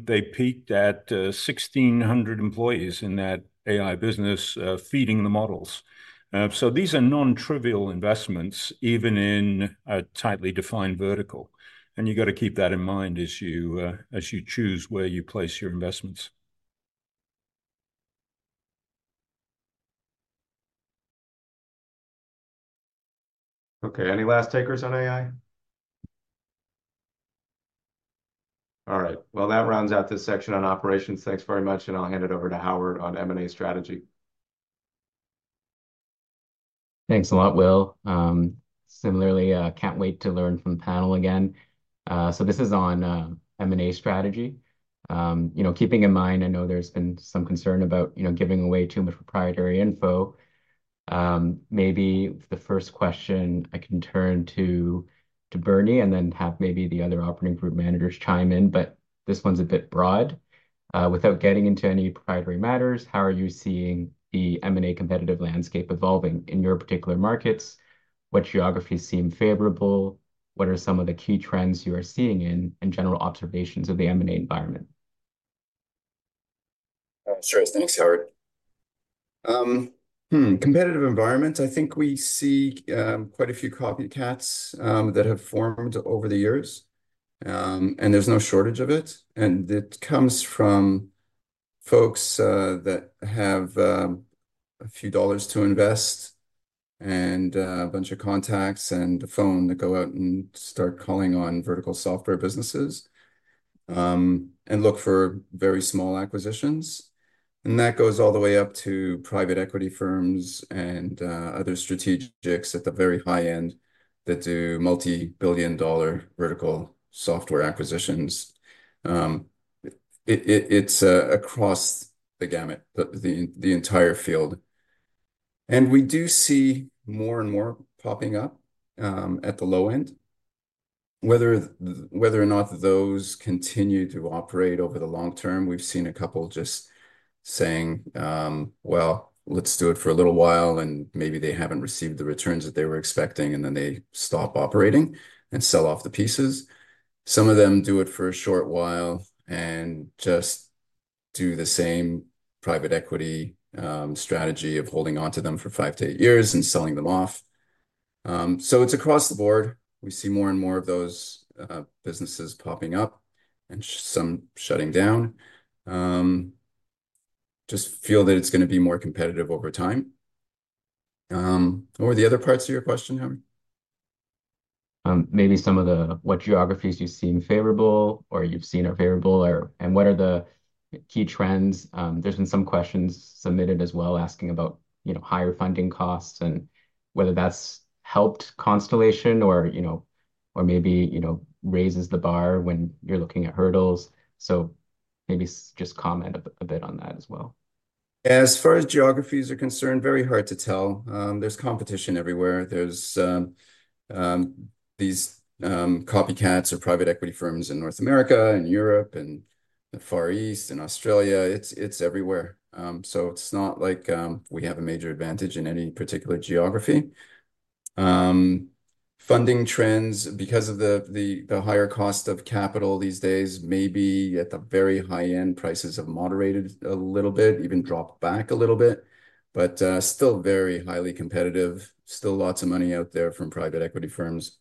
they peaked at 1,600 employees in that AI business feeding the models. So these are non-trivial investments, even in a tightly defined vertical. And you've got to keep that in mind as you choose where you place your investments. Okay. Any last takers on AI? All right. Well, that rounds out this section on operations. Thanks very much. And I'll hand it over to Howard on M&A strategy. Thanks a lot, Will. Similarly, can't wait to learn from the panel again. So this is on M&A strategy. Keeping in mind, I know there's been some concern about giving away too much proprietary info. Maybe the first question, I can turn to Bernie and then have maybe the other operating group managers chime in. But this one's a bit broad. Without getting into any proprietary matters, how are you seeing the M&A competitive landscape evolving in your particular markets? What geographies seem favorable? What are some of the key trends you are seeing in and general observations of the M&A environment? Sure. Thanks, Howard. Competitive environments, I think we see quite a few copycats that have formed over the years. And there's no shortage of it. It comes from folks that have a few dollars to invest and a bunch of contacts and a phone that go out and start calling on vertical software businesses and look for very small acquisitions. That goes all the way up to private equity firms and other strategics at the very high end that do multi-billion-dollar vertical software acquisitions. It's across the gamut, the entire field. We do see more and more popping up at the low end. Whether or not those continue to operate over the long term, we've seen a couple just saying, "Well, let's do it for a little while," and maybe they haven't received the returns that they were expecting, and then they stop operating and sell off the pieces. Some of them do it for a short while and just do the same private equity strategy of holding onto them for 5-8 years and selling them off. So it's across the board. We see more and more of those businesses popping up and some shutting down. Just feel that it's going to be more competitive over time. What were the other parts of your question, Howard? Maybe some of the what geographies you seem favorable or you've seen are favorable, and what are the key trends. There's been some questions submitted as well asking about higher funding costs and whether that's helped Constellation or maybe raises the bar when you're looking at hurdles. So maybe just comment a bit on that as well. As far as geographies are concerned, very hard to tell. There's competition everywhere. There's these copycats or private equity firms in North America and Europe and the Far East and Australia. It's everywhere. So it's not like we have a major advantage in any particular geography. Funding trends, because of the higher cost of capital these days, maybe at the very high-end prices have moderated a little bit, even dropped back a little bit, but still very highly competitive, still lots of money out there from private equity firms.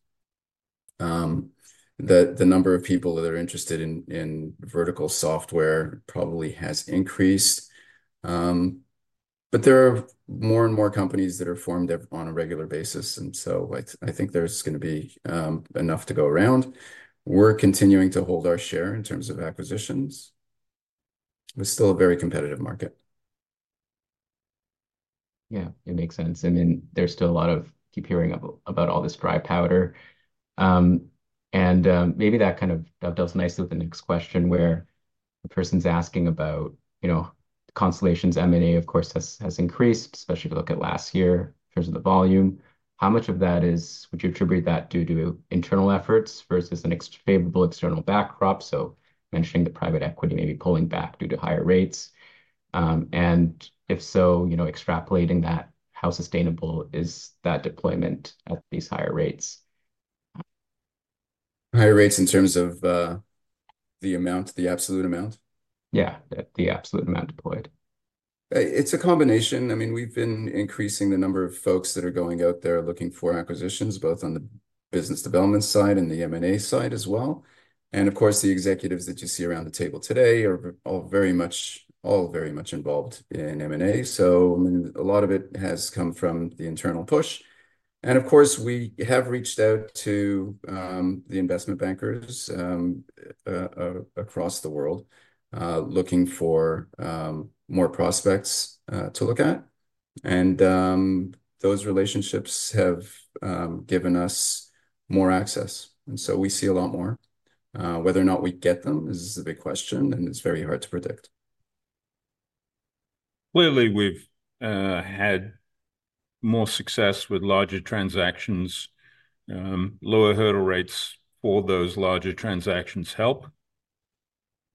The number of people that are interested in vertical software probably has increased. But there are more and more companies that are formed on a regular basis. And so I think there's going to be enough to go around. We're continuing to hold our share in terms of acquisitions. It was still a very competitive market. Yeah. It makes sense. I mean, there's still a lot of keep hearing about all this dry powder. Maybe that kind of dovetails nicely with the next question where a person's asking about Constellation's M&A, of course, has increased, especially if you look at last year in terms of the volume. How much of that is would you attribute that due to internal efforts versus a favorable external backdrop? So mentioning the private equity maybe pulling back due to higher rates. And if so, extrapolating that, how sustainable is that deployment at these higher rates? Higher rates in terms of the amount, the absolute amount? Yeah. The absolute amount deployed. It's a combination. I mean, we've been increasing the number of folks that are going out there looking for acquisitions, both on the business development side and the M&A side as well. And of course, the executives that you see around the table today are all very much involved in M&A. I mean, a lot of it has come from the internal push. Of course, we have reached out to the investment bankers across the world looking for more prospects to look at. Those relationships have given us more access. So we see a lot more. Whether or not we get them is the big question, and it's very hard to predict. Clearly, we've had more success with larger transactions. Lower hurdle rates for those larger transactions help.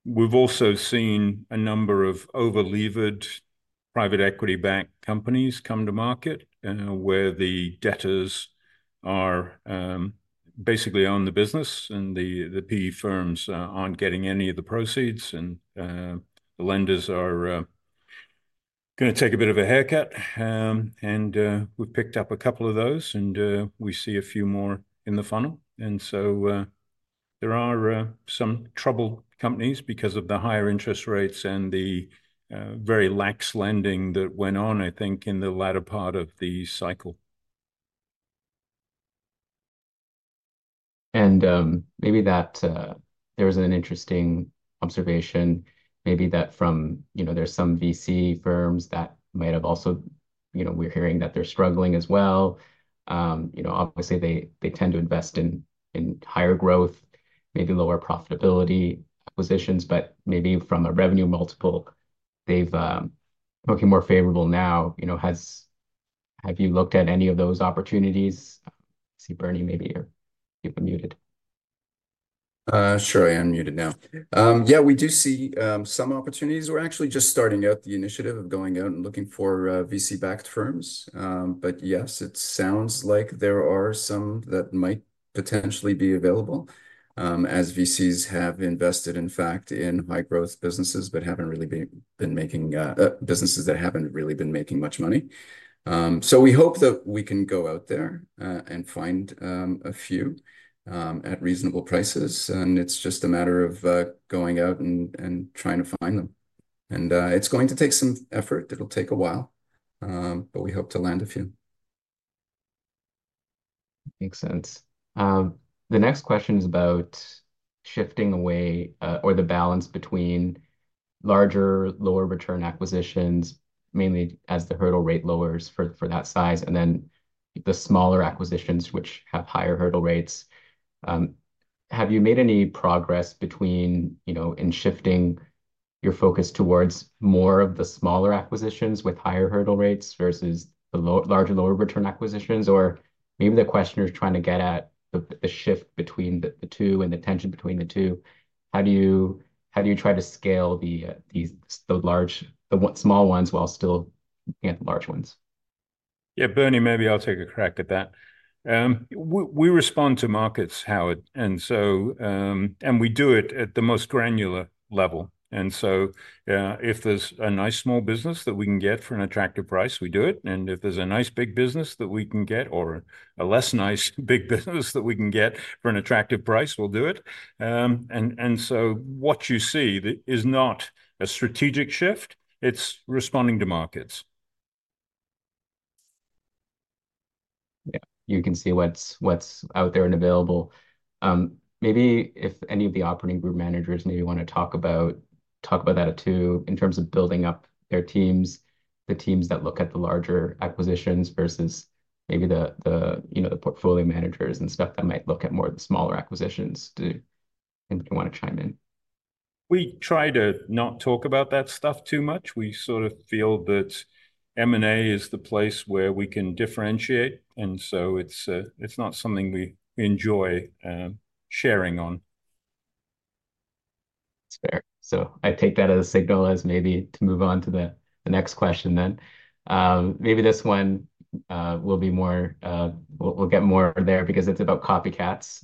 We've also seen a number of over-levered private equity-backed companies come to market where the debtors basically own the business and the PE firms aren't getting any of the proceeds, and the lenders are going to take a bit of a haircut. We've picked up a couple of those, and we see a few more in the funnel. And so there are some troubled companies because of the higher interest rates and the very lax lending that went on, I think, in the latter part of the cycle. And maybe there was an interesting observation, maybe that from there, there's some VC firms that might have also, we're hearing that they're struggling as well. Obviously, they tend to invest in higher growth, maybe lower profitability acquisitions, but maybe from a revenue multiple, they're looking more favorable now. Have you looked at any of those opportunities? I see, Bernie, maybe you've been muted. Sure. I am muted now. Yeah, we do see some opportunities. We're actually just starting out the initiative of going out and looking for VC-backed firms. But yes, it sounds like there are some that might potentially be available as VCs have invested, in fact, in high-growth businesses but haven't really been making businesses that haven't really been making much money. So we hope that we can go out there and find a few at reasonable prices. And it's just a matter of going out and trying to find them. And it's going to take some effort. It'll take a while, but we hope to land a few. Makes sense. The next question is about shifting away or the balance between larger, lower-return acquisitions, mainly as the hurdle rate lowers for that size, and then the smaller acquisitions which have higher hurdle rates. Have you made any progress in shifting your focus towards more of the smaller acquisitions with higher hurdle rates versus the larger, lower-return acquisitions? Or maybe the questioner's trying to get at the shift between the two and the tension between the two. How do you try to scale the small ones while still looking at the large ones? Yeah, Bernie, maybe I'll take a crack at that. We respond to markets, Howard, and we do it at the most granular level. And so if there's a nice small business that we can get for an attractive price, we do it. And if there's a nice big business that we can get or a less nice big business that we can get for an attractive price, we'll do it. And so what you see is not a strategic shift. It's responding to markets. Yeah. You can see what's out there and available. Maybe if any of the operating group managers maybe want to talk about that too in terms of building up their teams, the teams that look at the larger acquisitions versus maybe the portfolio managers and stuff that might look at more of the smaller acquisitions, do you want to chime in? We try to not talk about that stuff too much. We sort of feel that M&A is the place where we can differentiate. And so it's not something we enjoy sharing on. That's fair. So I take that as a signal as maybe to move on to the next question then. Maybe this one will be more we'll get more there because it's about copycats.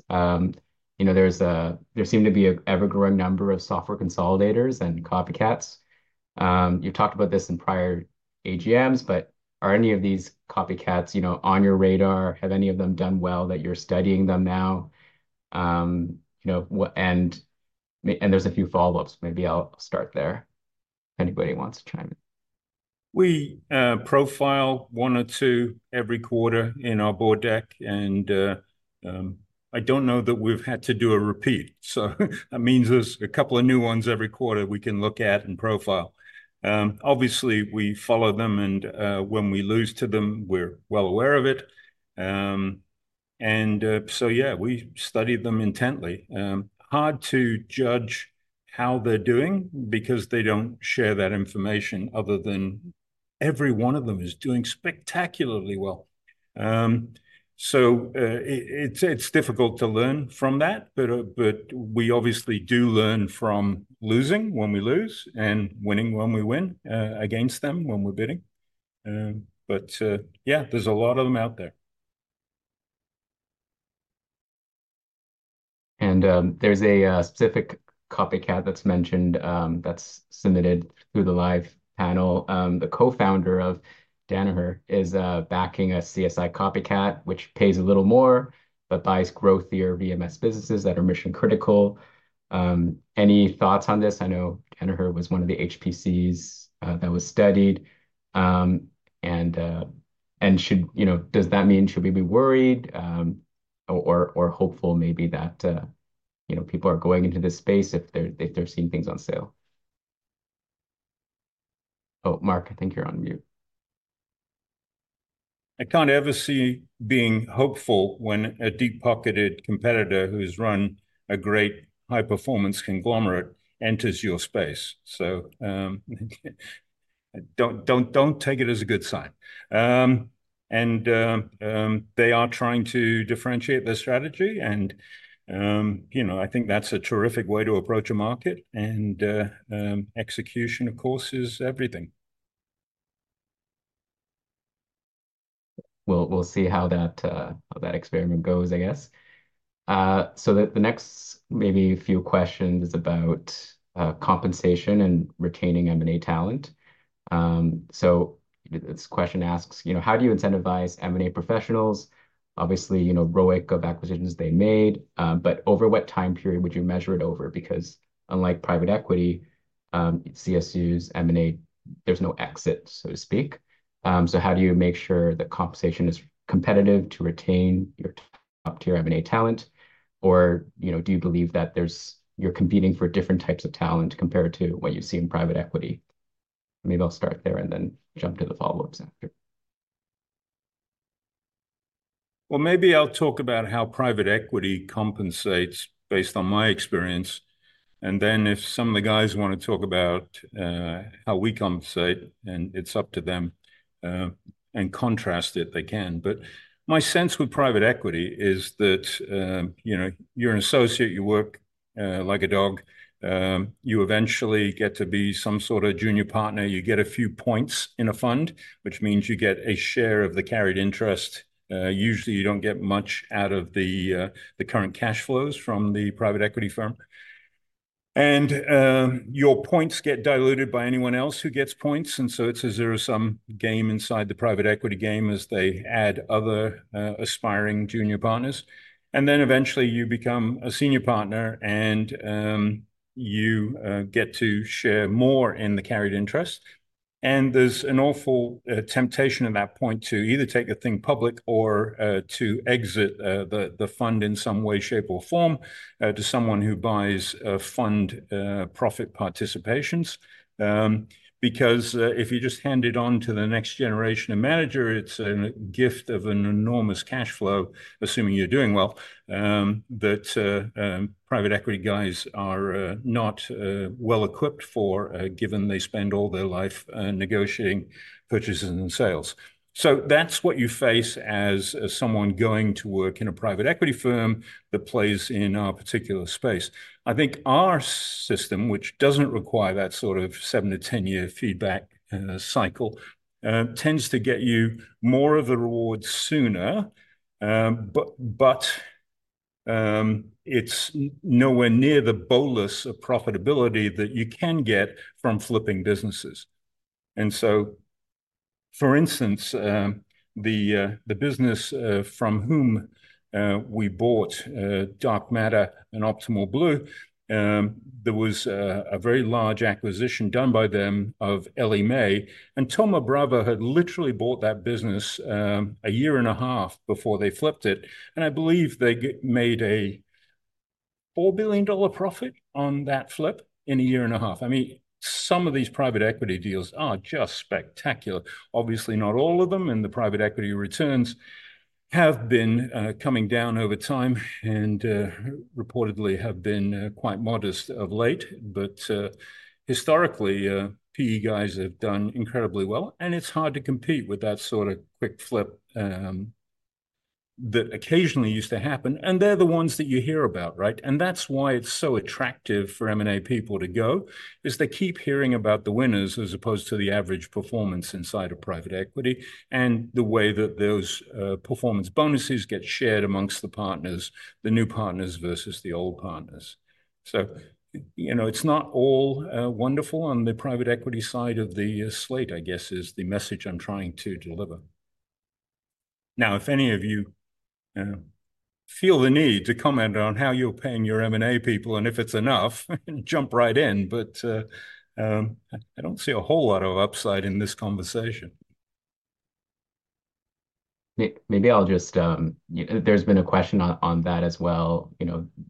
There seem to be an ever-growing number of software consolidators and copycats. You've talked about this in prior AGMs, but are any of these copycats on your radar? Have any of them done well that you're studying them now? There's a few follow-ups. Maybe I'll start there. Anybody wants to chime in? We profile 1 or 2 every quarter in our board deck. I don't know that we've had to do a repeat. That means there's a couple of new ones every quarter we can look at and profile. Obviously, we follow them. When we lose to them, we're well aware of it. So yeah, we study them intently. Hard to judge how they're doing because they don't share that information other than every one of them is doing spectacularly well. It's difficult to learn from that. We obviously do learn from losing when we lose and winning when we win against them when we're bidding. Yeah, there's a lot of them out there. There's a specific copycat that's mentioned that's submitted through the live panel. The co-founder of Danaher is backing a CSI copycat, which pays a little more but buys growthier VMS businesses that are mission-critical. Any thoughts on this? I know Danaher was one of the HPCs that was studied. Does that mean should we be worried or hopeful maybe that people are going into this space if they're seeing things on sale? Oh, Mark, I think you're on mute. I can't ever see being hopeful when a deep-pocketed competitor who's run a great high-performance conglomerate enters your space. So don't take it as a good sign. They are trying to differentiate their strategy. I think that's a terrific way to approach a market. Execution, of course, is everything. We'll see how that experiment goes, I guess. So the next maybe few questions is about compensation and retaining M&A talent. So this question asks, how do you incentivize M&A professionals? Obviously, rollback of acquisitions they made. But over what time period would you measure it over? Because unlike private equity, CSUs, M&A, there's no exit, so to speak. So how do you make sure that compensation is competitive to retain your top-tier M&A talent? Or do you believe that you're competing for different types of talent compared to what you see in private equity? Maybe I'll start there and then jump to the follow-ups after. Well, maybe I'll talk about how private equity compensates based on my experience. And then if some of the guys want to talk about how we compensate, and it's up to them, and contrast it, they can. But my sense with private equity is that you're an associate. You work like a dog. You eventually get to be some sort of junior partner. You get a few points in a fund, which means you get a share of the carried interest. Usually, you don't get much out of the current cash flows from the private equity firm. Your points get diluted by anyone else who gets points. So it's a zero-sum game inside the private equity game as they add other aspiring junior partners. Then eventually, you become a senior partner, and you get to share more in the carried interest. There's an awful temptation at that point to either take the thing public or to exit the fund in some way, shape, or form to someone who buys fund profit participations. Because if you just hand it on to the next generation of manager, it's a gift of an enormous cash flow, assuming you're doing well. But private equity guys are not well-equipped, given they spend all their life negotiating purchases and sales. So that's what you face as someone going to work in a private equity firm that plays in our particular space. I think our system, which doesn't require that sort of 7-10-year feedback cycle, tends to get you more of the rewards sooner. But it's nowhere near the bolus of profitability that you can get from flipping businesses. And so, for instance, the business from whom we bought Black Knight and Optimal Blue, there was a very large acquisition done by them of Ellie Mae. And Thoma Bravo had literally bought that business a year and a half before they flipped it. I believe they made a $4 billion profit on that flip in a year and a half. I mean, some of these private equity deals are just spectacular. Obviously, not all of them. And the private equity returns have been coming down over time and reportedly have been quite modest of late. But historically, PE guys have done incredibly well. And it's hard to compete with that sort of quick flip that occasionally used to happen. And they're the ones that you hear about, right? And that's why it's so attractive for M&A people to go, is they keep hearing about the winners as opposed to the average performance inside of private equity and the way that those performance bonuses get shared amongst the new partners versus the old partners. So it's not all wonderful on the private equity side of the slate, I guess, is the message I'm trying to deliver. Now, if any of you feel the need to comment on how you're paying your M&A people and if it's enough, jump right in. But I don't see a whole lot of upside in this conversation. Maybe I'll just. There's been a question on that as well.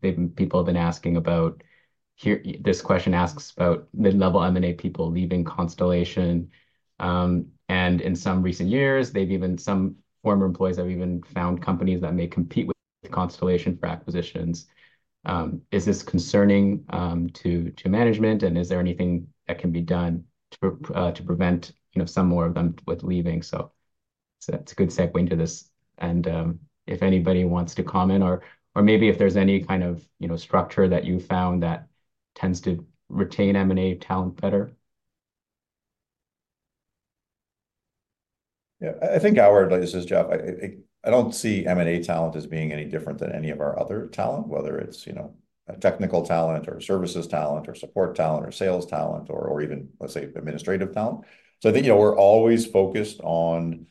People have been asking about this. Question asks about mid-level M&A people leaving Constellation. And in some recent years, some former employees have even founded companies that may compete with Constellation for acquisitions. Is this concerning to management? And is there anything that can be done to prevent some more of them from leaving? So it's a good segue into this. If anybody wants to comment or maybe if there's any kind of structure that you found that tends to retain M&A talent better. Yeah, I think, Howard, this is Jeff. I don't see M&A talent as being any different than any of our other talent, whether it's technical talent or services talent or support talent or sales talent or even, let's say, administrative talent. I think we're always focused on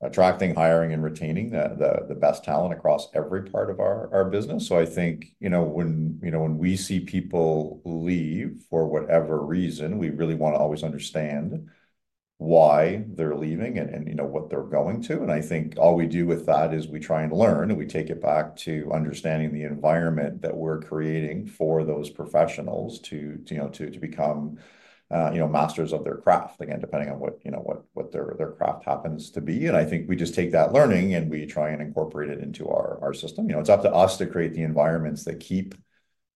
attracting, hiring, and retaining the best talent across every part of our business. I think when we see people leave for whatever reason, we really want to always understand why they're leaving and what they're going to. I think all we do with that is we try and learn. And we take it back to understanding the environment that we're creating for those professionals to become masters of their craft, again, depending on what their craft happens to be. And I think we just take that learning, and we try and incorporate it into our system. It's up to us to create the environments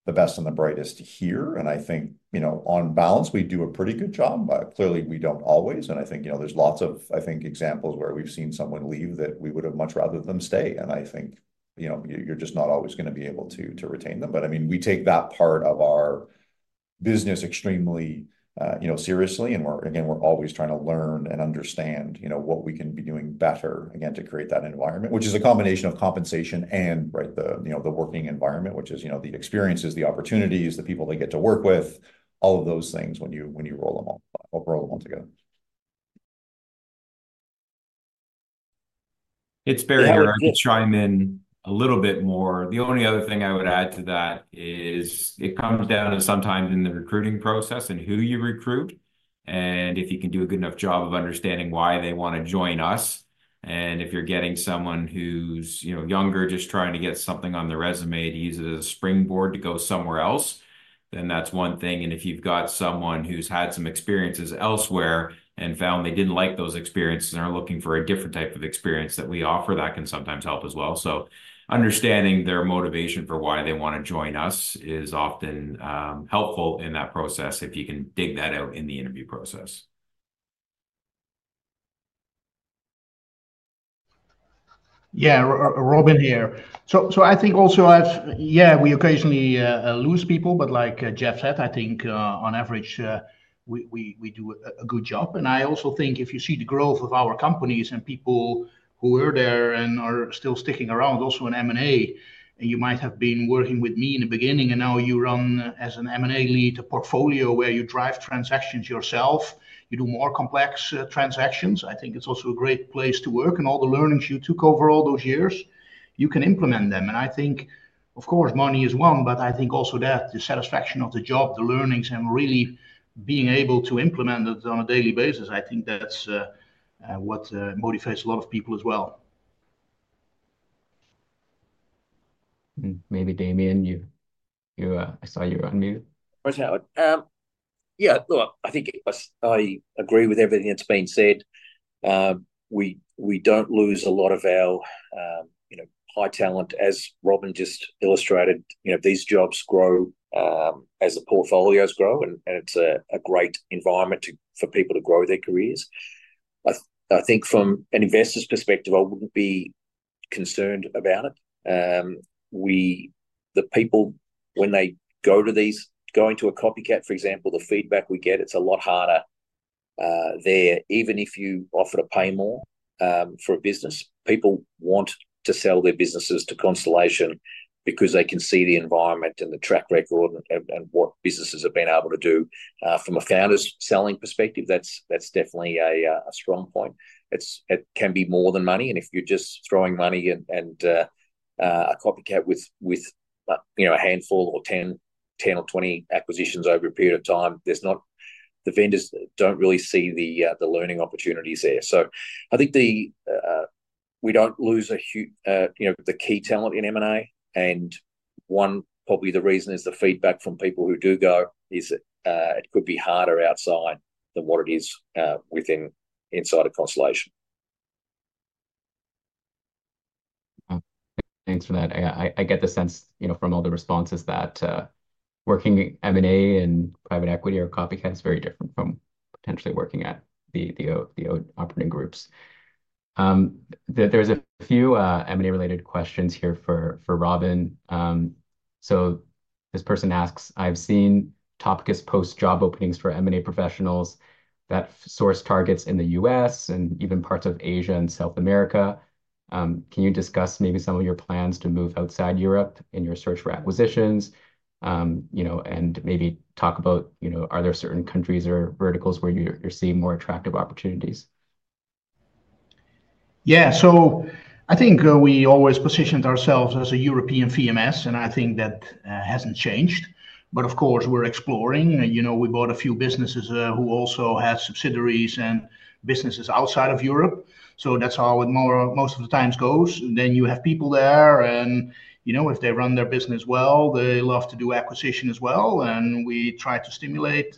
that keep the best and the brightest here. And I think on balance, we do a pretty good job, but clearly, we don't always. And I think there's lots of, I think, examples where we've seen someone leave that we would have much rather them stay. And I think you're just not always going to be able to retain them. But I mean, we take that part of our business extremely seriously. And again, we're always trying to learn and understand what we can be doing better, again, to create that environment, which is a combination of compensation and the working environment, which is the experiences, the opportunities, the people they get to work with, all of those things when you roll them all together. It's Barry to chime in a little bit more. The only other thing I would add to that is it comes down to sometimes in the recruiting process and who you recruit and if you can do a good enough job of understanding why they want to join us. And if you're getting someone who's younger, just trying to get something on their resume to use it as a springboard to go somewhere else, then that's one thing. And if you've got someone who's had some experiences elsewhere and found they didn't like those experiences and are looking for a different type of experience that we offer, that can sometimes help as well. So understanding their motivation for why they want to join us is often helpful in that process if you can dig that out in the interview process. Yeah, Robin here. So I think also, yeah, we occasionally lose people. But like Jeff said, I think on average, we do a good job. And I also think if you see the growth of our companies and people who were there and are still sticking around, also in M&A, and you might have been working with me in the beginning, and now you run as an M&A lead a portfolio where you drive transactions yourself. You do more complex transactions. I think it's also a great place to work. And all the learnings you took over all those years, you can implement them. And I think, of course, money is one. But I think also that the satisfaction of the job, the learnings, and really being able to implement it on a daily basis, I think that's what motivates a lot of people as well. Maybe, Damian, I saw you're unmuted. Yeah, look, I think I agree with everything that's been said. We don't lose a lot of our high talent. As Robin just illustrated, these jobs grow as the portfolios grow. And it's a great environment for people to grow their careers. I think from an investor's perspective, I wouldn't be concerned about it. When they go into a copycat, for example, the feedback we get, it's a lot harder there. Even if you offer to pay more for a business, people want to sell their businesses to Constellation because they can see the environment and the track record and what businesses have been able to do. From a founder's selling perspective, that's definitely a strong point. It can be more than money. If you're just throwing money and a copycat with a handful or 10 or 20 acquisitions over a period of time, the vendors don't really see the learning opportunities there. I think we don't lose the key talent in M&A. Probably the reason is the feedback from people who do go is it could be harder outside than what it is inside of Constellation. Thanks for that. I get the sense from all the responses that working in M&A and private equity or copycats is very different from potentially working at the operating groups. are a few M&A-related questions here for Robin. So this person asks, "I've seen Topicus post job openings for M&A professionals that source targets in the U.S. and even parts of Asia and South America. Can you discuss maybe some of your plans to move outside Europe in your search for acquisitions and maybe talk about are there certain countries or verticals where you're seeing more attractive opportunities?" Yeah, so I think we always positioned ourselves as a European CMS. I think that hasn't changed. But of course, we're exploring. We bought a few businesses who also have subsidiaries and businesses outside of Europe. So that's how it most of the times goes. Then you have people there. If they run their business well, they love to do acquisition as well. We try to stimulate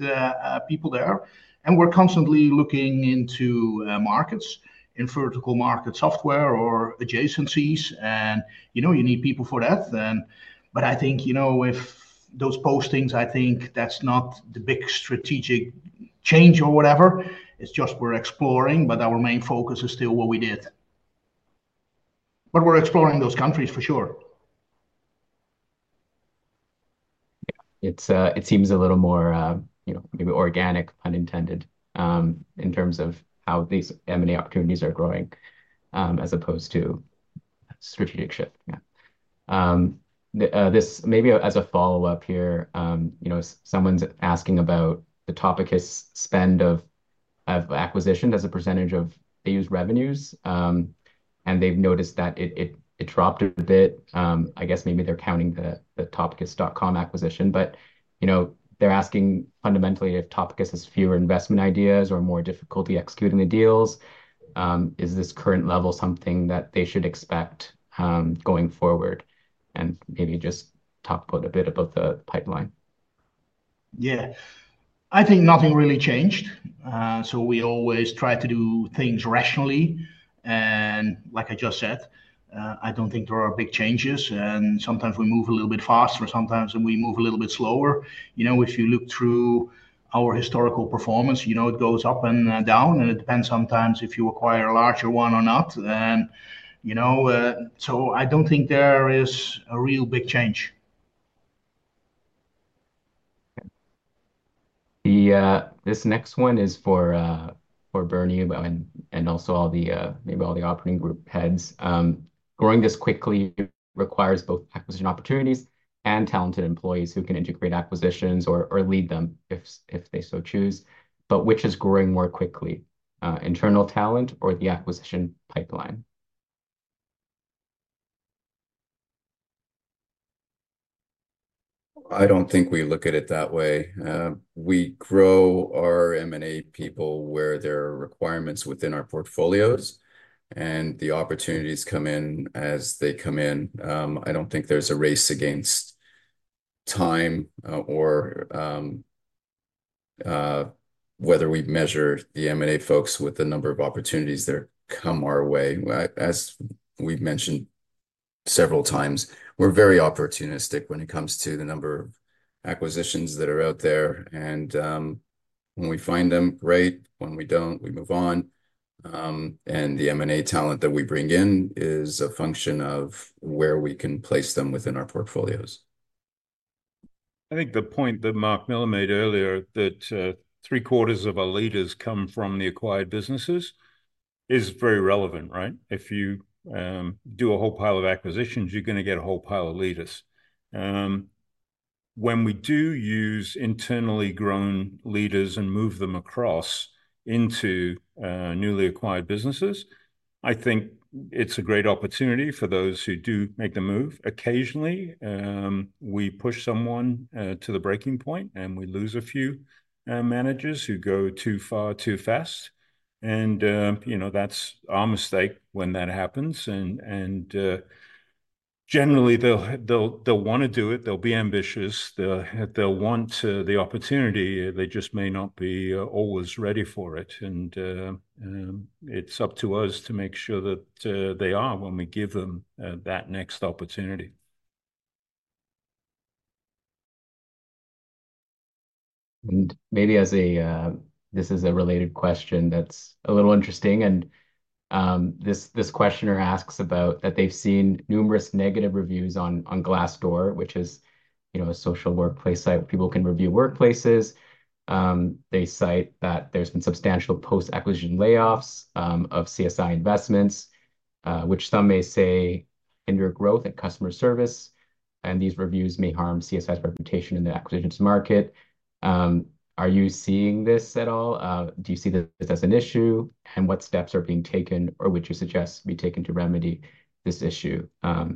people there. And we're constantly looking into markets, in vertical market software or adjacencies. And you need people for that. But I think with those postings, I think that's not the big strategic change or whatever. It's just we're exploring. But our main focus is still what we did. But we're exploring those countries, for sure. Yeah, it seems a little more maybe organic, pun intended, in terms of how these M&A opportunities are growing as opposed to strategic shift. Yeah. Maybe as a follow-up here, someone's asking about the Topicus spend on acquisitions as a percentage of its revenues. And they've noticed that it dropped a bit. I guess maybe they're counting the Topicus.com acquisition. But they're asking fundamentally if Topicus has fewer investment ideas or more difficulty executing the deals. Is this current level something that they should expect going forward? Maybe just talk a bit about the pipeline. Yeah, I think nothing really changed. We always try to do things rationally. Like I just said, I don't think there are big changes. Sometimes we move a little bit faster, sometimes we move a little bit slower. If you look through our historical performance, it goes up and down. It depends sometimes if you acquire a larger one or not. So I don't think there is a real big change. Okay. This next one is for Bernie and also maybe all the operating group heads. Growing this quickly requires both acquisition opportunities and talented employees who can integrate acquisitions or lead them if they so choose. But which is growing more quickly, internal talent or the acquisition pipeline? I don't think we look at it that way. We grow our M&A people where there are requirements within our portfolios. And the opportunities come in as they come in. I don't think there's a race against time or whether we measure the M&A folks with the number of opportunities that come our way. As we've mentioned several times, we're very opportunistic when it comes to the number of acquisitions that are out there. And when we find them, great. When we don't, we move on. And the M&A talent that we bring in is a function of where we can place them within our portfolios. I think the point that Mark Miller made earlier, that three-quarters of our leaders come from the acquired businesses, is very relevant, right? If you do a whole pile of acquisitions, you're going to get a whole pile of leaders. When we do use internally grown leaders and move them across into newly acquired businesses, I think it's a great opportunity for those who do make the move. Occasionally, we push someone to the breaking point, and we lose a few managers who go too far, too fast. That's our mistake when that happens. Generally, they'll want to do it. They'll be ambitious. They'll want the opportunity. They just may not be always ready for it. It's up to us to make sure that they are when we give them that next opportunity. Maybe this is a related question that's a little interesting. This questioner asks about that they've seen numerous negative reviews on Glassdoor, which is a social workplace site where people can review workplaces. They cite that there's been substantial post-acquisition layoffs of CSI investments, which some may say hinder growth and customer service. These reviews may harm CSI's reputation in the acquisitions market. Are you seeing this at all? Do you see this as an issue? What steps are being taken or would you suggest be taken to remedy this issue?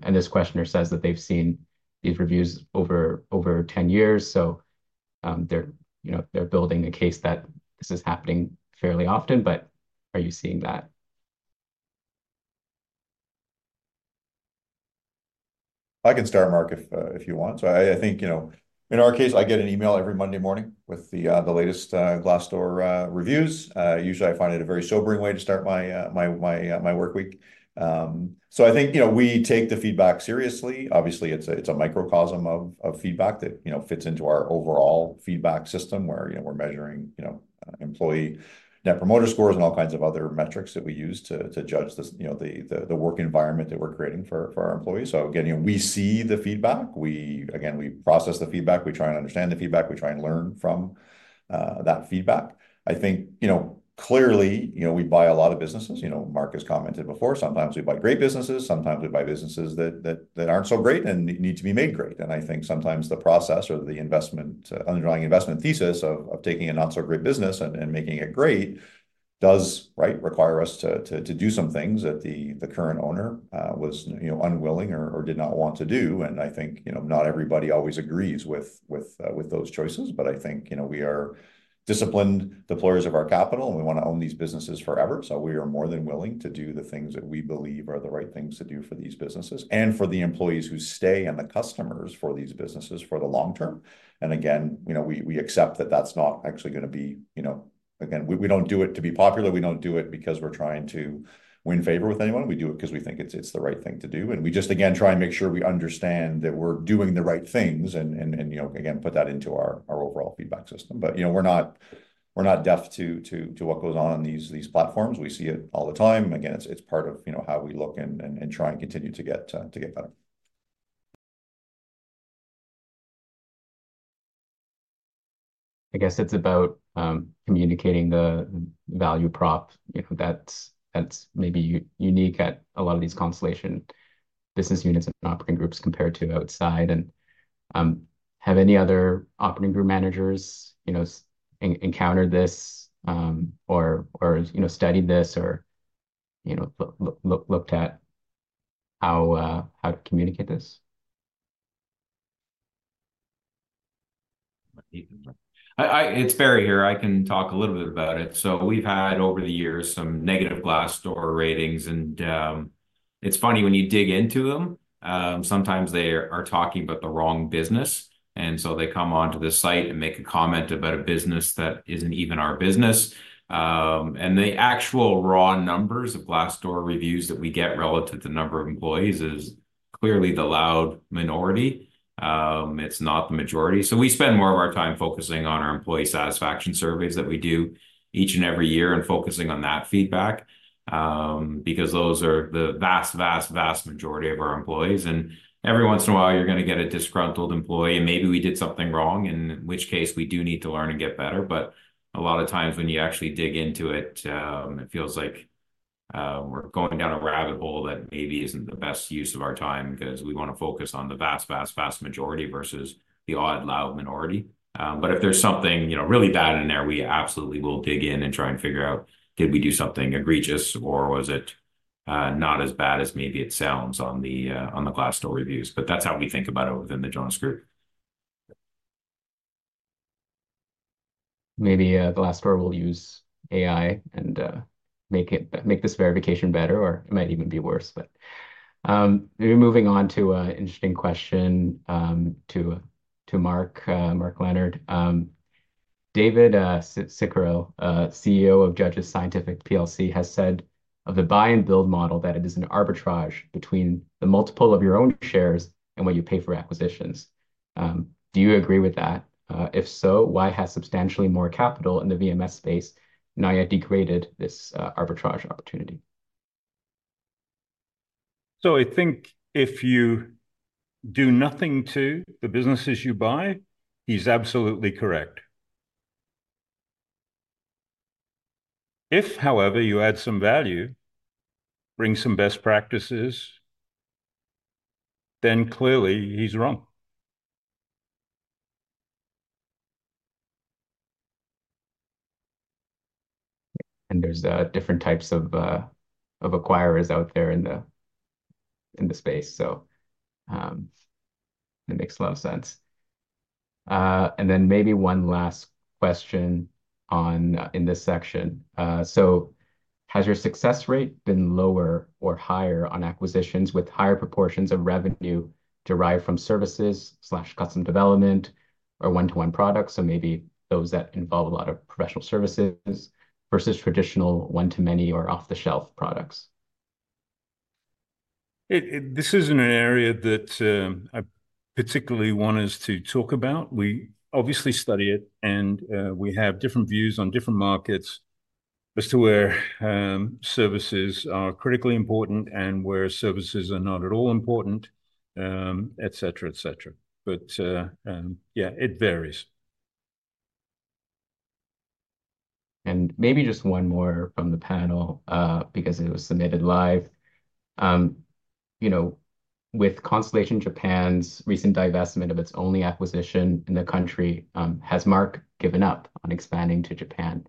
This questioner says that they've seen these reviews over 10 years. They're building a case that this is happening fairly often. But are you seeing that? I can start, Mark, if you want. I think in our case, I get an email every Monday morning with the latest Glassdoor reviews. Usually, I find it a very sobering way to start my workweek. I think we take the feedback seriously. Obviously, it's a microcosm of feedback that fits into our overall feedback system where we're measuring employee net promoter scores and all kinds of other metrics that we use to judge the work environment that we're creating for our employees. So again, we see the feedback. Again, we process the feedback. We try and understand the feedback. We try and learn from that feedback. I think clearly, we buy a lot of businesses. Mark has commented before, sometimes we buy great businesses. Sometimes we buy businesses that aren't so great and need to be made great. And I think sometimes the process or the underlying investment thesis of taking a not-so-great business and making it great does require us to do some things that the current owner was unwilling or did not want to do. And I think not everybody always agrees with those choices. But I think we are disciplined deployers of our capital, and we want to own these businesses forever. So we are more than willing to do the things that we believe are the right things to do for these businesses and for the employees who stay and the customers for these businesses for the long term. And again, we accept that that's not actually going to be again. We don't do it to be popular. We don't do it because we're trying to win favor with anyone. We do it because we think it's the right thing to do. And we just, again, try and make sure we understand that we're doing the right things and, again, put that into our overall feedback system. But we're not deaf to what goes on on these platforms. We see it all the time. Again, it's part of how we look and try and continue to get better. I guess it's about communicating the value prop that's maybe unique at a lot of these Constellation business units and operating groups compared to outside. Have any other operating group managers encountered this or studied this or looked at how to communicate this? It's Barry here. I can talk a little bit about it. We've had over the years some negative Glassdoor ratings. It's funny when you dig into them; sometimes they are talking about the wrong business. So they come onto the site and make a comment about a business that isn't even our business. The actual raw numbers of Glassdoor reviews that we get relative to the number of employees is clearly the loud minority. It's not the majority. So we spend more of our time focusing on our employee satisfaction surveys that we do each and every year and focusing on that feedback because those are the vast, vast, vast majority of our employees. And every once in a while, you're going to get a disgruntled employee. And maybe we did something wrong, in which case we do need to learn and get better. But a lot of times when you actually dig into it, it feels like we're going down a rabbit hole that maybe isn't the best use of our time because we want to focus on the vast, vast, vast majority versus the odd, loud minority. But if there's something really bad in there, we absolutely will dig in and try and figure out, did we do something egregious or was it not as bad as maybe it sounds on the Glassdoor reviews? But that's how we think about it within the Jonas Group. Maybe Glassdoor will use AI and make this verification better, or it might even be worse. Moving on to an interesting question to Mark, Mark Leonard. David Cicurel, CEO of Judges Scientific plc, has said of the buy-and-build model that it is an arbitrage between the multiple of your own shares and what you pay for acquisitions. Do you agree with that? If so, why has substantially more capital in the VMS space not yet degraded this arbitrage opportunity? I think if you do nothing to the businesses you buy, he's absolutely correct. If, however, you add some value, bring some best practices, then clearly he's wrong. There's different types of acquirers out there in the space. It makes a lot of sense. Then maybe one last question in this section. So has your success rate been lower or higher on acquisitions with higher proportions of revenue derived from services/custom development or one-to-one products, so maybe those that involve a lot of professional services versus traditional one-to-many or off-the-shelf products? This isn't an area that I particularly want us to talk about. We obviously study it, and we have different views on different markets as to where services are critically important and where services are not at all important, etc., etc. But yeah, it varies. And maybe just one more from the panel because it was submitted live. With Constellation Japan's recent divestment of its only acquisition in the country, has Mark given up on expanding to Japan?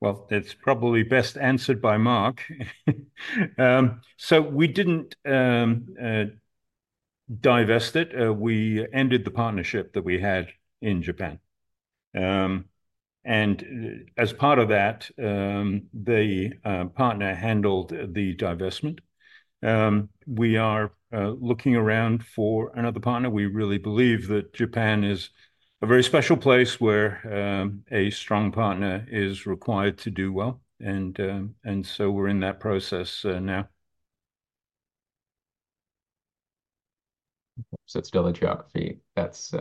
Well, it's probably best answered by Mark. So we didn't divest it. We ended the partnership that we had in Japan. And as part of that, the partner handled the divestment. We are looking around for another partner. We really believe that Japan is a very special place where a strong partner is required to do well. And so we're in that process now. So it's still a geography that's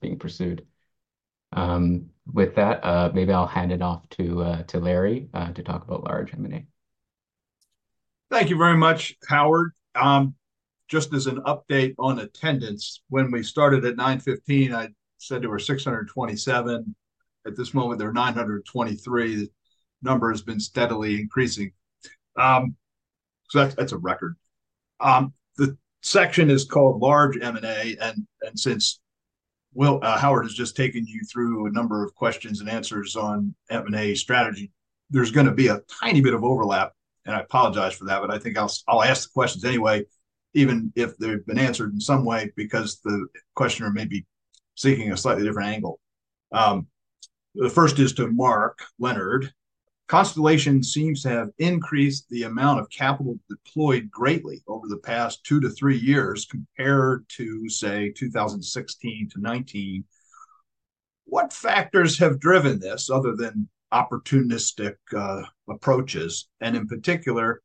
being pursued. With that, maybe I'll hand it off to Larry to talk about large M&A. Thank you very much, Howard. Just as an update on attendance, when we started at 9:15 A.M., I said there were 627. At this moment, there are 923. The number has been steadily increasing because that's a record. The section is called Large M&A. And since Howard has just taken you through a number of questions and answers on M&A strategy, there's going to be a tiny bit of overlap. And I apologize for that, but I think I'll ask the questions anyway, even if they've been answered in some way because the questioner may be seeking a slightly different angle. The first is to Mark Leonard. Constellation seems to have increased the amount of capital deployed greatly over the past two to three years compared to, say, 2016 to 2019. What factors have driven this other than opportunistic approaches? And in particular,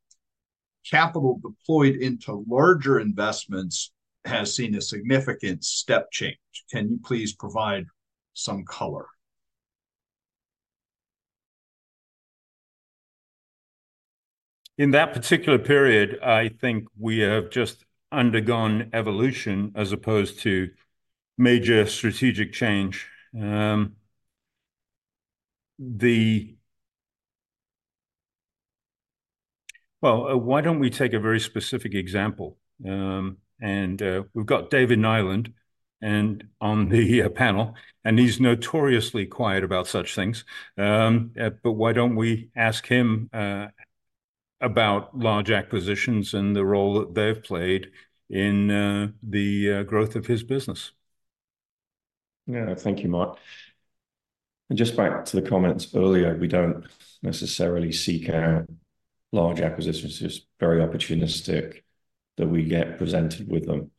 capital deployed into larger investments has seen a significant step change. Can you please provide some color? In that particular period, I think we have just undergone evolution as opposed to major strategic change. Well, why don't we take a very specific example? And we've got David Nyland on the panel, and he's notoriously quiet about such things. Why don't we ask him about large acquisitions and the role that they've played in the growth of his business? Yeah, thank you, Mark. Just back to the comments earlier, we don't necessarily seek out large acquisitions. It's just very opportunistic that we get presented with them.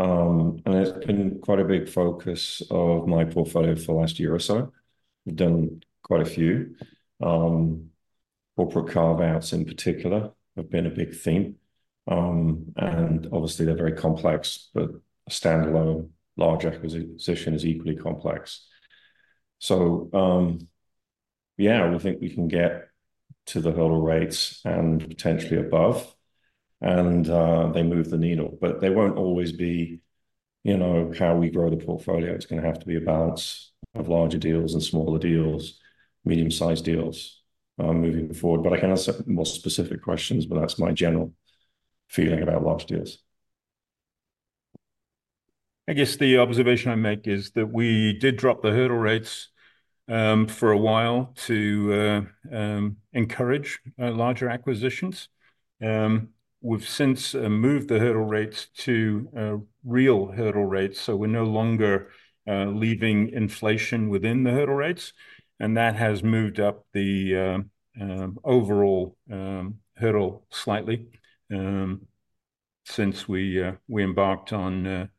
It's been quite a big focus of my portfolio for the last year or so. We've done quite a few. Corporate carve-outs in particular have been a big theme. Obviously, they're very complex, but a standalone large acquisition is equally complex. Yeah, we think we can get to the hurdle rates and potentially above, and they move the needle. They won't always be how we grow the portfolio. It's going to have to be a balance of larger deals and smaller deals, medium-sized deals moving forward. But I can answer more specific questions, but that's my general feeling about large deals. I guess the observation I make is that we did drop the hurdle rates for a while to encourage larger acquisitions. We've since moved the hurdle rates to real hurdle rates. So we're no longer leaving inflation within the hurdle rates. And that has moved up the overall hurdle slightly since we embarked on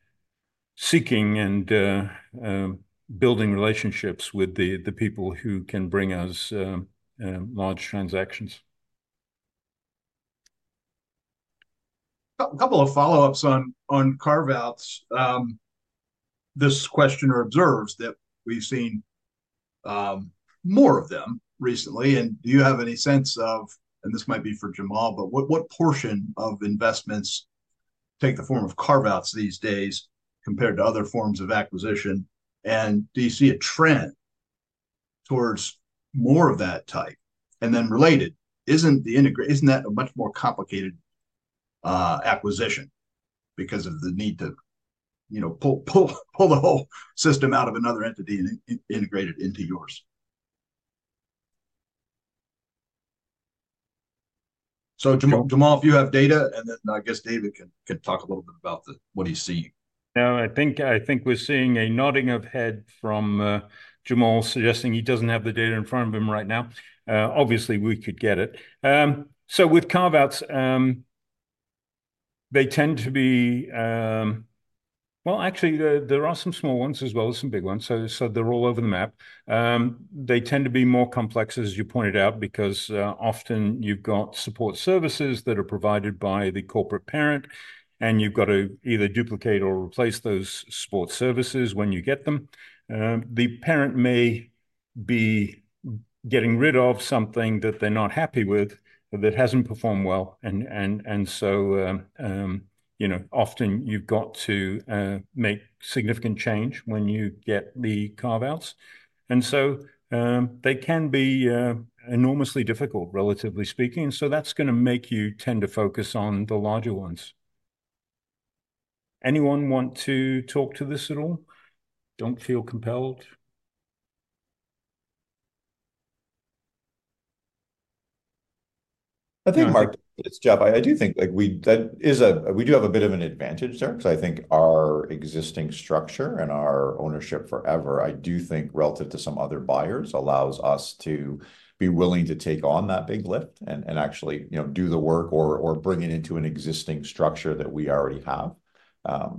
seeking and building relationships with the people who can bring us large transactions. A couple of follow-ups on carve-outs. This questioner observes that we've seen more of them recently. And do you have any sense of and this might be for Jamal, but what portion of investments take the form of carve-outs these days compared to other forms of acquisition? And do you see a trend towards more of that type? And then, related, isn't that a much more complicated acquisition because of the need to pull the whole system out of another entity and integrate it into yours? So, Jamal, if you have data, and then I guess David can talk a little bit about what he's seeing. No, I think we're seeing a nodding of head from Jamal suggesting he doesn't have the data in front of him right now. Obviously, we could get it. So with carve-outs, they tend to be well, actually, there are some small ones as well as some big ones. So they're all over the map. They tend to be more complex, as you pointed out, because often you've got support services that are provided by the corporate parent, and you've got to either duplicate or replace those support services when you get them. The parent may be getting rid of something that they're not happy with that hasn't performed well. And so often you've got to make significant change when you get the carve-outs. And so they can be enormously difficult, relatively speaking. So that's going to make you tend to focus on the larger ones. Anyone want to talk to this at all? Don't feel compelled? I think Mark did his job. I do think we do have a bit of an advantage there because I think our existing structure and our ownership forever, I do think relative to some other buyers, allows us to be willing to take on that big lift and actually do the work or bring it into an existing structure that we already have.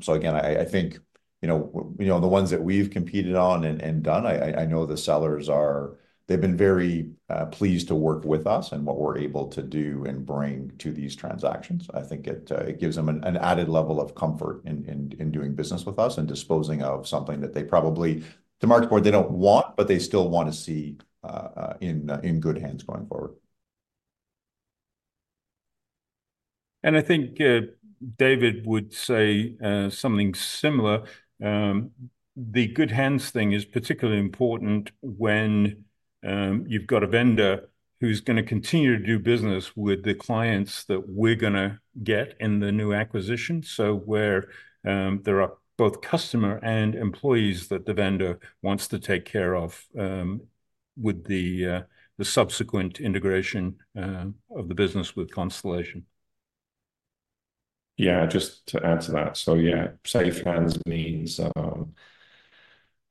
So again, I think the ones that we've competed on and done. I know the sellers are, they've been very pleased to work with us and what we're able to do and bring to these transactions. I think it gives them an added level of comfort in doing business with us and disposing of something that they probably, to Mark's point, don't want, but they still want to see in good hands going forward. And I think David would say something similar. The good hands thing is particularly important when you've got a vendor who's going to continue to do business with the clients that we're going to get in the new acquisition. So where there are both customer and employees that the vendor wants to take care of with the subsequent integration of the business with Constellation. Yeah, just to answer that. So yeah, safe hands means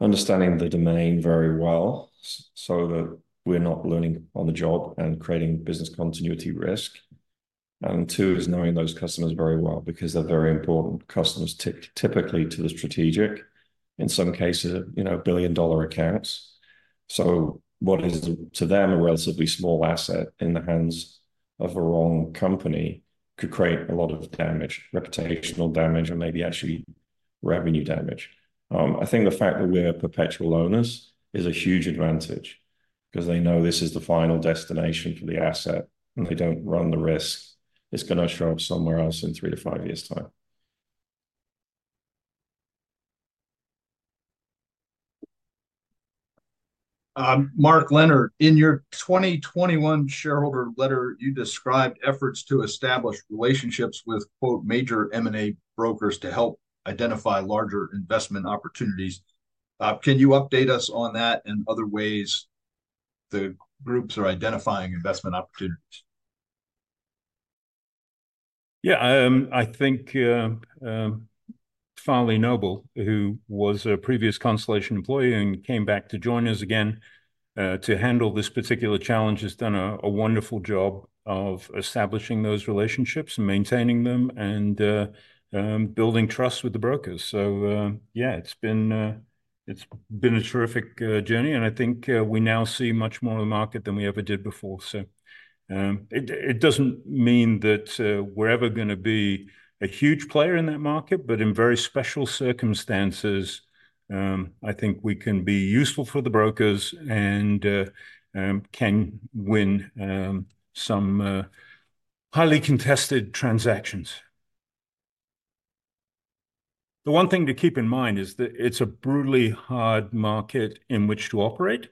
understanding the domain very well so that we're not learning on the job and creating business continuity risk. And two is knowing those customers very well because they're very important. Customers stick typically to the strategic, in some cases, billion-dollar accounts. So what is to them a relatively small asset in the hands of a wrong company could create a lot of damage, reputational damage, or maybe actually revenue damage. I think the fact that we're perpetual owners is a huge advantage because they know this is the final destination for the asset, and they don't run the risk it's going to show up somewhere else in three to five years' time. Mark Leonard, in your 2021 shareholder letter, you described efforts to establish relationships with "major M&A brokers" to help identify larger investment opportunities. Can you update us on that and other ways the groups are identifying investment opportunities? Yeah, I think Finlay Noble, who was a previous Constellation employee and came back to join us again to handle this particular challenge, has done a wonderful job of establishing those relationships and maintaining them and building trust with the brokers. So yeah, it's been a terrific journey. And I think we now see much more of the market than we ever did before. So it doesn't mean that we're ever going to be a huge player in that market, but in very special circumstances, I think we can be useful for the brokers and can win some highly contested transactions. The one thing to keep in mind is that it's a brutally hard market in which to operate.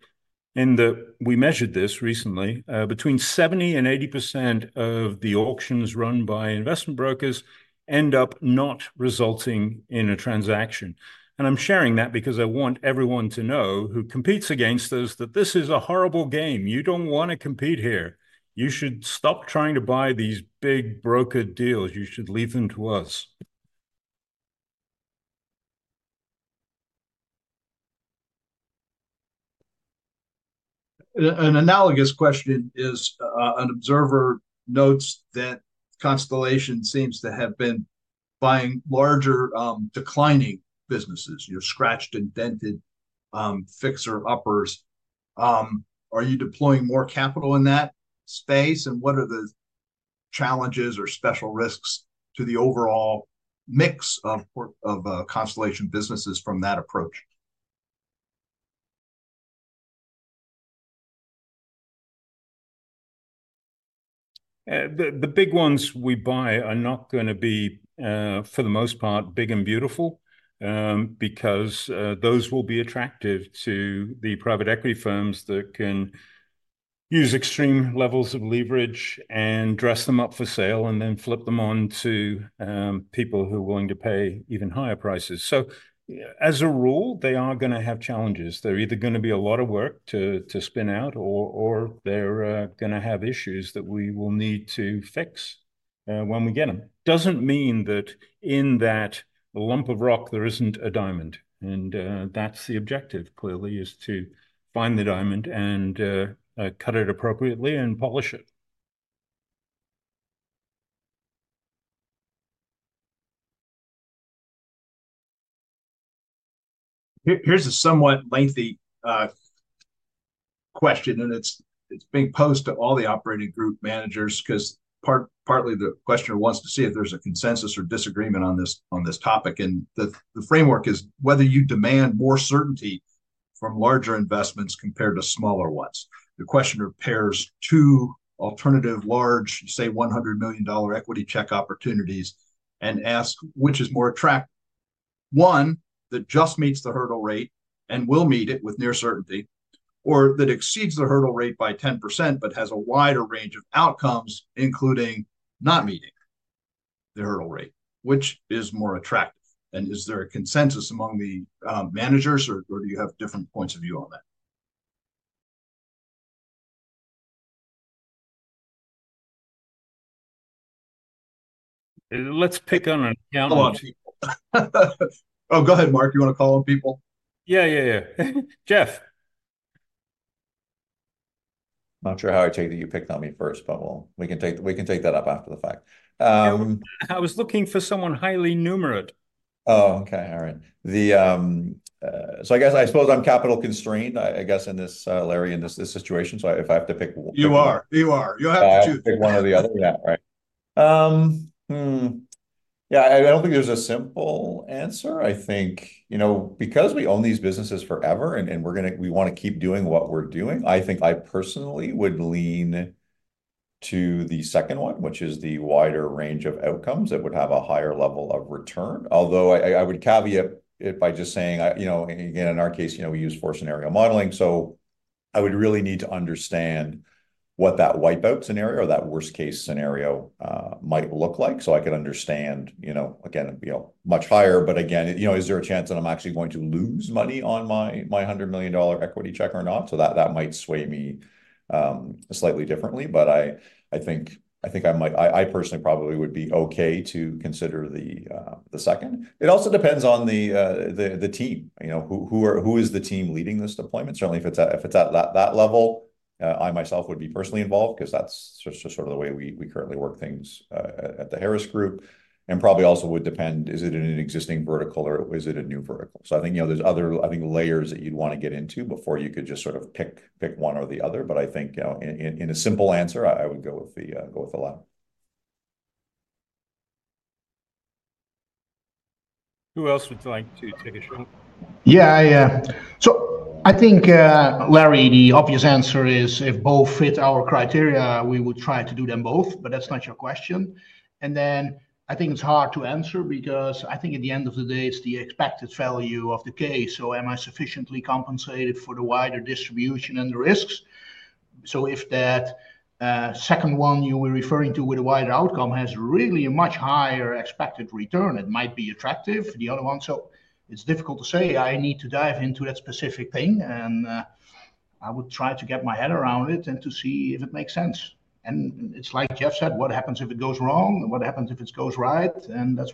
And we measured this recently. Between 70%-80% of the auctions run by investment brokers end up not resulting in a transaction. I'm sharing that because I want everyone to know who competes against us that this is a horrible game. You don't want to compete here. You should stop trying to buy these big broker deals. You should leave them to us. An analogous question is an observer notes that Constellation seems to have been buying larger declining businesses, scratched and dented fixer-uppers. Are you deploying more capital in that space, and what are the challenges or special risks to the overall mix of Constellation businesses from that approach? The big ones we buy are not going to be, for the most part, big and beautiful because those will be attractive to the private equity firms that can use extreme levels of leverage and dress them up for sale and then flip them on to people who are willing to pay even higher prices. So as a rule, they are going to have challenges. They're either going to be a lot of work to spin out, or they're going to have issues that we will need to fix when we get them. Doesn't mean that in that lump of rock, there isn't a diamond. And that's the objective, clearly, is to find the diamond and cut it appropriately and polish it. Here's a somewhat lengthy question, and it's being posed to all the operating group managers because partly the questioner wants to see if there's a consensus or disagreement on this topic. And the framework is whether you demand more certainty from larger investments compared to smaller ones. The questioner pairs two alternative large, say, $100 million equity check opportunities and asks which is more attractive: one that just meets the hurdle rate and will meet it with near certainty, or that exceeds the hurdle rate by 10% but has a wider range of outcomes, including not meeting the hurdle rate, which is more attractive? And is there a consensus among the managers, or do you have different points of view on that? Let's pick on an accountant. Come on, people. Oh, go ahead, Mark. You want to call on people? Yeah, yeah, yeah. Jeff. I'm not sure how I take that you picked on me first, but we can take that up after the fact. I was looking for someone highly numerate. Oh, okay. All right. So I suppose I'm capital-constrained, I guess, Larry, in this situation. So if I have to pick. You are. You are. You'll have to choose. Pick one or the other. Yeah, right. Yeah, I don't think there's a simple answer. I think because we own these businesses forever and we want to keep doing what we're doing, I think I personally would lean to the second one, which is the wider range of outcomes that would have a higher level of return, although I would caveat it by just saying again, in our case, we use four scenario modeling. So I would really need to understand what that wipeout scenario or that worst-case scenario might look like so I could understand, again, much higher. But again, is there a chance that I'm actually going to lose money on my $100 million equity check or not? So that might sway me slightly differently. But I think I might I personally probably would be okay to consider the second. It also depends on the team. Who is the team leading this deployment? Certainly, if it's at that level, I myself would be personally involved because that's just sort of the way we currently work things at the Harris Group. And probably also would depend, is it in an existing vertical or is it a new vertical? So I think there's other layers that you'd want to get into before you could just sort of pick one or the other. But I think in a simple answer, I would go with the latter. Who else would like to take a shot? Yeah. So I think, Larry, the obvious answer is if both fit our criteria, we would try to do them both. But that's not your question. And then I think it's hard to answer because I think at the end of the day, it's the expected value of the case. So am I sufficiently compensated for the wider distribution and the risks? So if that second one you were referring to with a wider outcome has really a much higher expected return, it might be attractive, the other one. So it's difficult to say. I need to dive into that specific thing, and I would try to get my head around it and to see if it makes sense. It's like Jeff said, what happens if it goes wrong? What happens if it goes right? That's what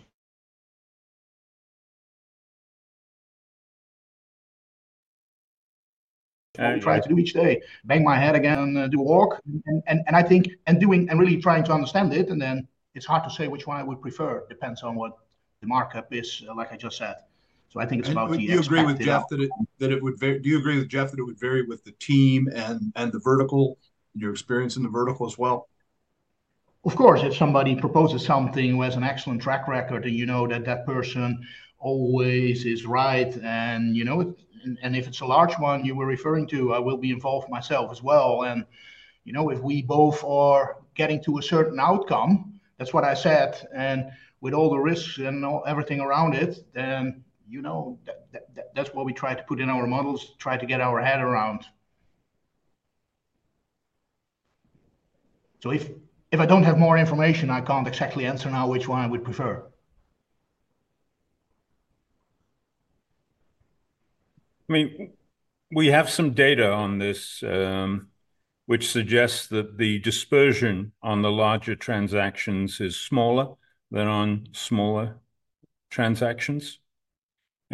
I try to do each day: bang my head against. Do a walk. Really trying to understand it. Then it's hard to say which one I would prefer. It depends on what the markup is, like I just said. I think it's about the experience with the. Do you agree with Jeff that it would vary with the team and the vertical and your experience in the vertical as well? Of course. If somebody proposes something who has an excellent track record, then you know that that person always is right. If it's a large one you were referring to, I will be involved myself as well. And if we both are getting to a certain outcome - that's what I said - and with all the risks and everything around it, then that's what we try to put in our models, try to get our head around. So if I don't have more information, I can't exactly answer now which one I would prefer. I mean, we have some data on this which suggests that the dispersion on the larger transactions is smaller than on smaller transactions.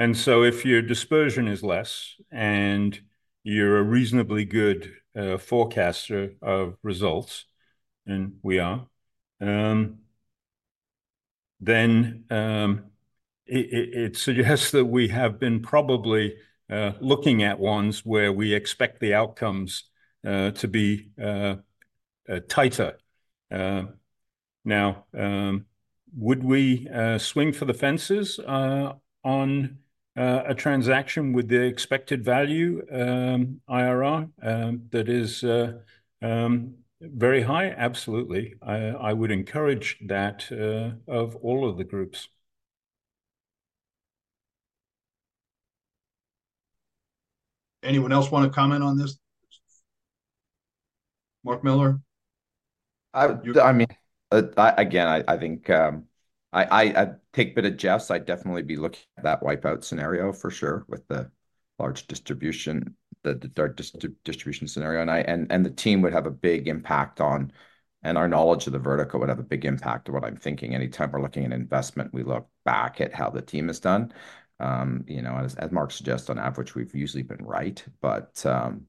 And so if your dispersion is less and you're a reasonably good forecaster of results - and we are - then it suggests that we have been probably looking at ones where we expect the outcomes to be tighter. Now, would we swing for the fences on a transaction with the expected value IRR that is very high? Absolutely. I would encourage that of all of the groups. Anyone else want to comment on this? Mark Miller? I mean, again, I think a tidbit of Jeff's, I'd definitely be looking at that wipeout scenario for sure with the large distribution, the dark distribution scenario. And the team would have a big impact on and our knowledge of the vertical would have a big impact on what I'm thinking. Anytime we're looking at an investment, we look back at how the team has done. As Mark suggests, on average, we've usually been right. But in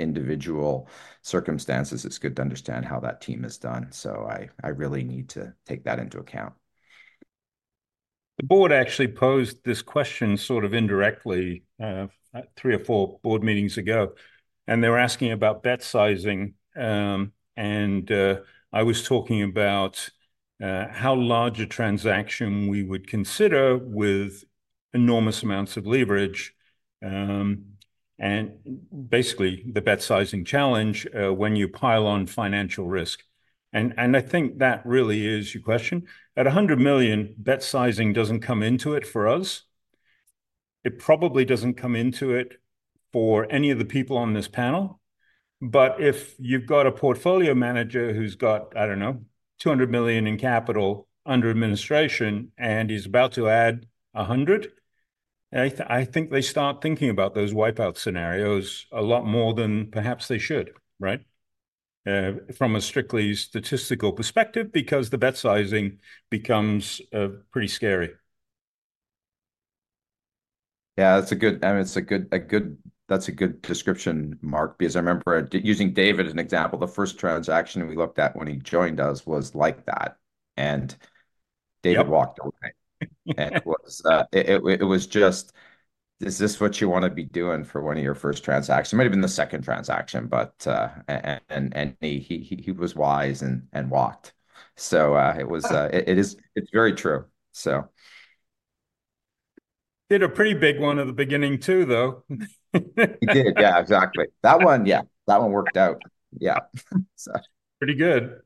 individual circumstances, it's good to understand how that team has done. So I really need to take that into account. The board actually posed this question sort of indirectly three or four board meetings ago. And they were asking about bet sizing. I was talking about how large a transaction we would consider with enormous amounts of leverage and basically the bet sizing challenge when you pile on financial risk. I think that really is your question. At $100 million, bet sizing doesn't come into it for us. It probably doesn't come into it for any of the people on this panel. But if you've got a portfolio manager who's got, I don't know, $200 million in capital under administration and he's about to add $100 million, I think they start thinking about those wipeout scenarios a lot more than perhaps they should, right, from a strictly statistical perspective because the bet sizing becomes pretty scary. Yeah, that's a good I mean, that's a good description, Mark, because I remember using David as an example. The first transaction we looked at when he joined us was like that. And David walked away. And it was just, "Is this what you want to be doing for one of your first transactions?" It might have been the second transaction, but he was wise and walked. So it's very true, so. Did a pretty big one at the beginning too, though. He did. Yeah, exactly. Yeah, that one worked out. Yeah, so. Pretty good.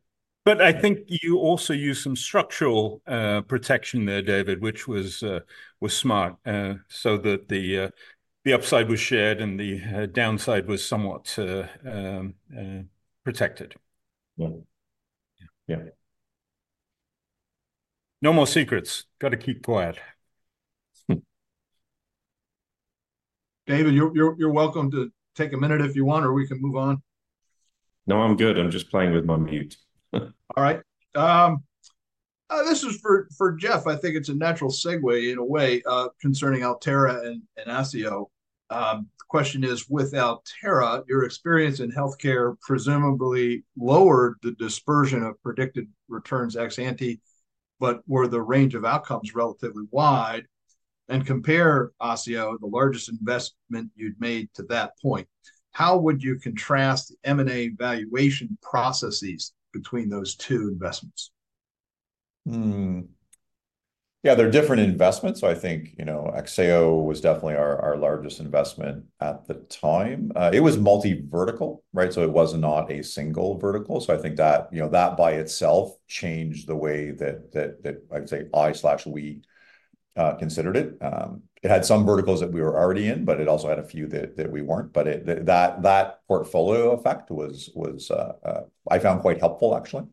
But I think you also used some structural protection there, David, which was smart so that the upside was shared and the downside was somewhat protected. Yeah. Yeah. No more secrets. Got to keep quiet. David, you're welcome to take a minute if you want, or we can move on. No, I'm good. I'm just playing with my mute. All right. This is for Jeff. I think it's a natural segue in a way concerning Altera and Acceo. The question is, with Altera, your experience in healthcare presumably lowered the dispersion of predicted returns ex ante, but were the range of outcomes relatively wide? And compare ASIO, the largest investment you'd made to that point. How would you contrast the M&A valuation processes between those two investments? Yeah, they're different investments. So I think ASIO was definitely our largest investment at the time. It was multi-vertical, right? So I think that by itself changed the way that, I would say, I/we considered it. It had some verticals that we were already in, but it also had a few that we weren't. But that portfolio effect was, I found, quite helpful, actually,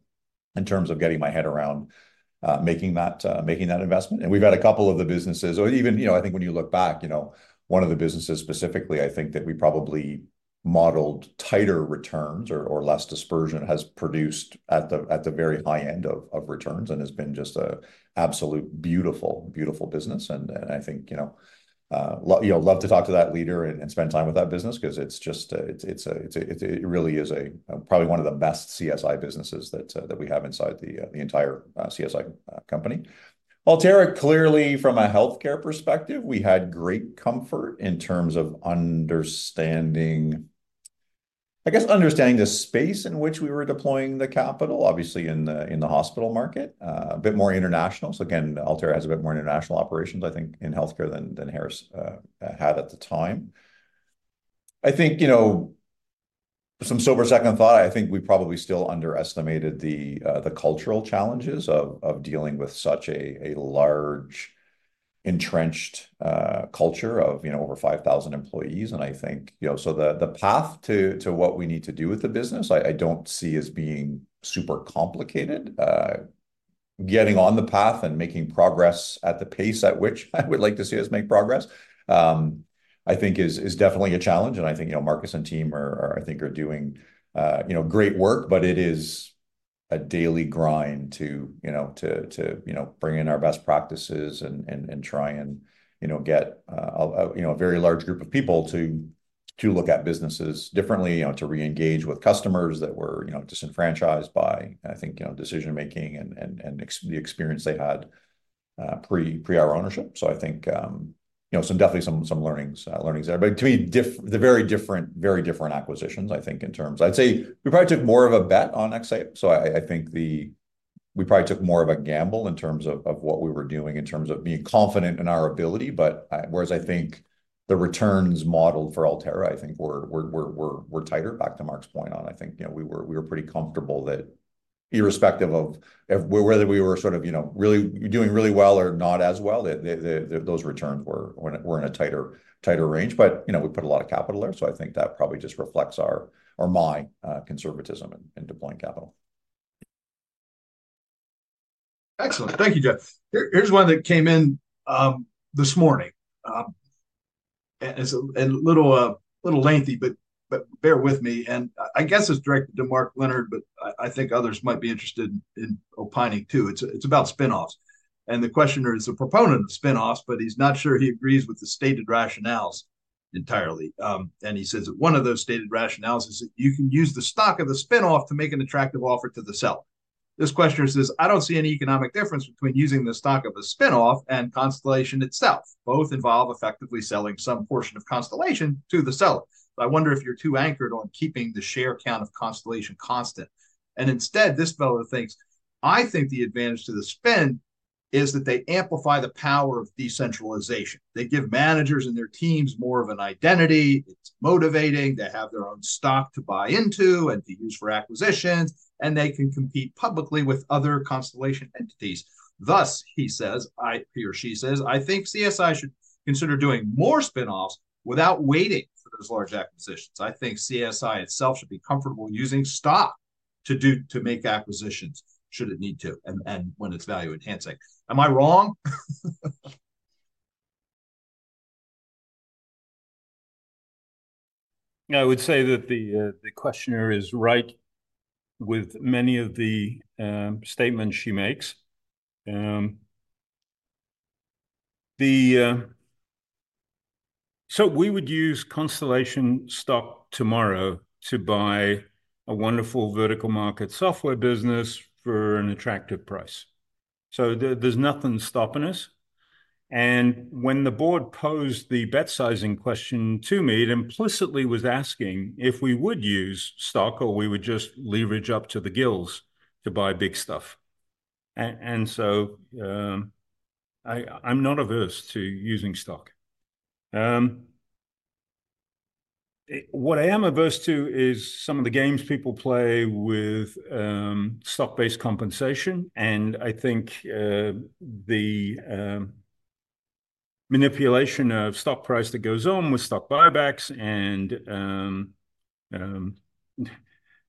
in terms of getting my head around making that investment. And we've had a couple of the businesses or even, I think when you look back, one of the businesses specifically, I think that we probably modeled tighter returns or less dispersion has produced at the very high end of returns and has been just an absolute beautiful, beautiful business. And I think love to talk to that leader and spend time with that business because it's just a it really is probably one of the best CSI businesses that we have inside the entire CSI company. Altera, clearly, from a healthcare perspective, we had great comfort in terms of understanding, I guess, understanding the space in which we were deploying the capital, obviously in the hospital market, a bit more international. So again, Altera has a bit more international operations, I think, in healthcare than Harris had at the time. I think some sober second thought. I think we probably still underestimated the cultural challenges of dealing with such a large, entrenched culture of over 5,000 employees. I think so the path to what we need to do with the business, I don't see as being super complicated. Getting on the path and making progress at the pace at which I would like to see us make progress, I think, is definitely a challenge. I think Marcus and team, I think, are doing great work, but it is a daily grind to bring in our best practices and try and get a very large group of people to look at businesses differently, to reengage with customers that were disenfranchised by, I think, decision-making and the experience they had pre-our ownership. I think definitely some learnings there. But to me, the very different, very different acquisitions, I think, in terms I'd say we probably took more of a bet on Acceo. So I think we probably took more of a gamble in terms of what we were doing, in terms of being confident in our ability. But whereas I think the returns model for Altera, I think, were tighter, back to Mark's point on, I think we were pretty comfortable that irrespective of whether we were sort of really doing really well or not as well, those returns were in a tighter range. But we put a lot of capital there. So I think that probably just reflects my conservatism in deploying capital. Excellent. Thank you, Jeff. Here's one that came in this morning. It's a little lengthy, but bear with me. I guess it's directed to Mark Leonard, but I think others might be interested in opining too. It's about spin-offs. The questioner is a proponent of spin-offs, but he's not sure he agrees with the stated rationales entirely. He says that one of those stated rationales is that you can use the stock of the spin-off to make an attractive offer to the seller. This questioner says, "I don't see any economic difference between using the stock of a spin-off and Constellation itself. Both involve effectively selling some portion of Constellation to the seller. So I wonder if you're too anchored on keeping the share count of Constellation constant." Instead, this fellow thinks, "I think the advantage to the spin-off is that they amplify the power of decentralization. They give managers and their teams more of an identity. It's motivating. They have their own stock to buy into and to use for acquisitions. They can compete publicly with other Constellation entities. Thus, he or she says, "I think CSI should consider doing more spin-offs without waiting for those large acquisitions. I think CSI itself should be comfortable using stock to make acquisitions should it need to and when it's value-enhancing." Am I wrong? I would say that the questioner is right with many of the statements she makes. We would use Constellation stock tomorrow to buy a wonderful vertical market software business for an attractive price. There's nothing stopping us. When the board posed the bet sizing question to me, it implicitly was asking if we would use stock or we would just leverage up to the gills to buy big stuff. So I'm not averse to using stock. What I am averse to is some of the games people play with stock-based compensation. I think the manipulation of stock price that goes on with stock buybacks and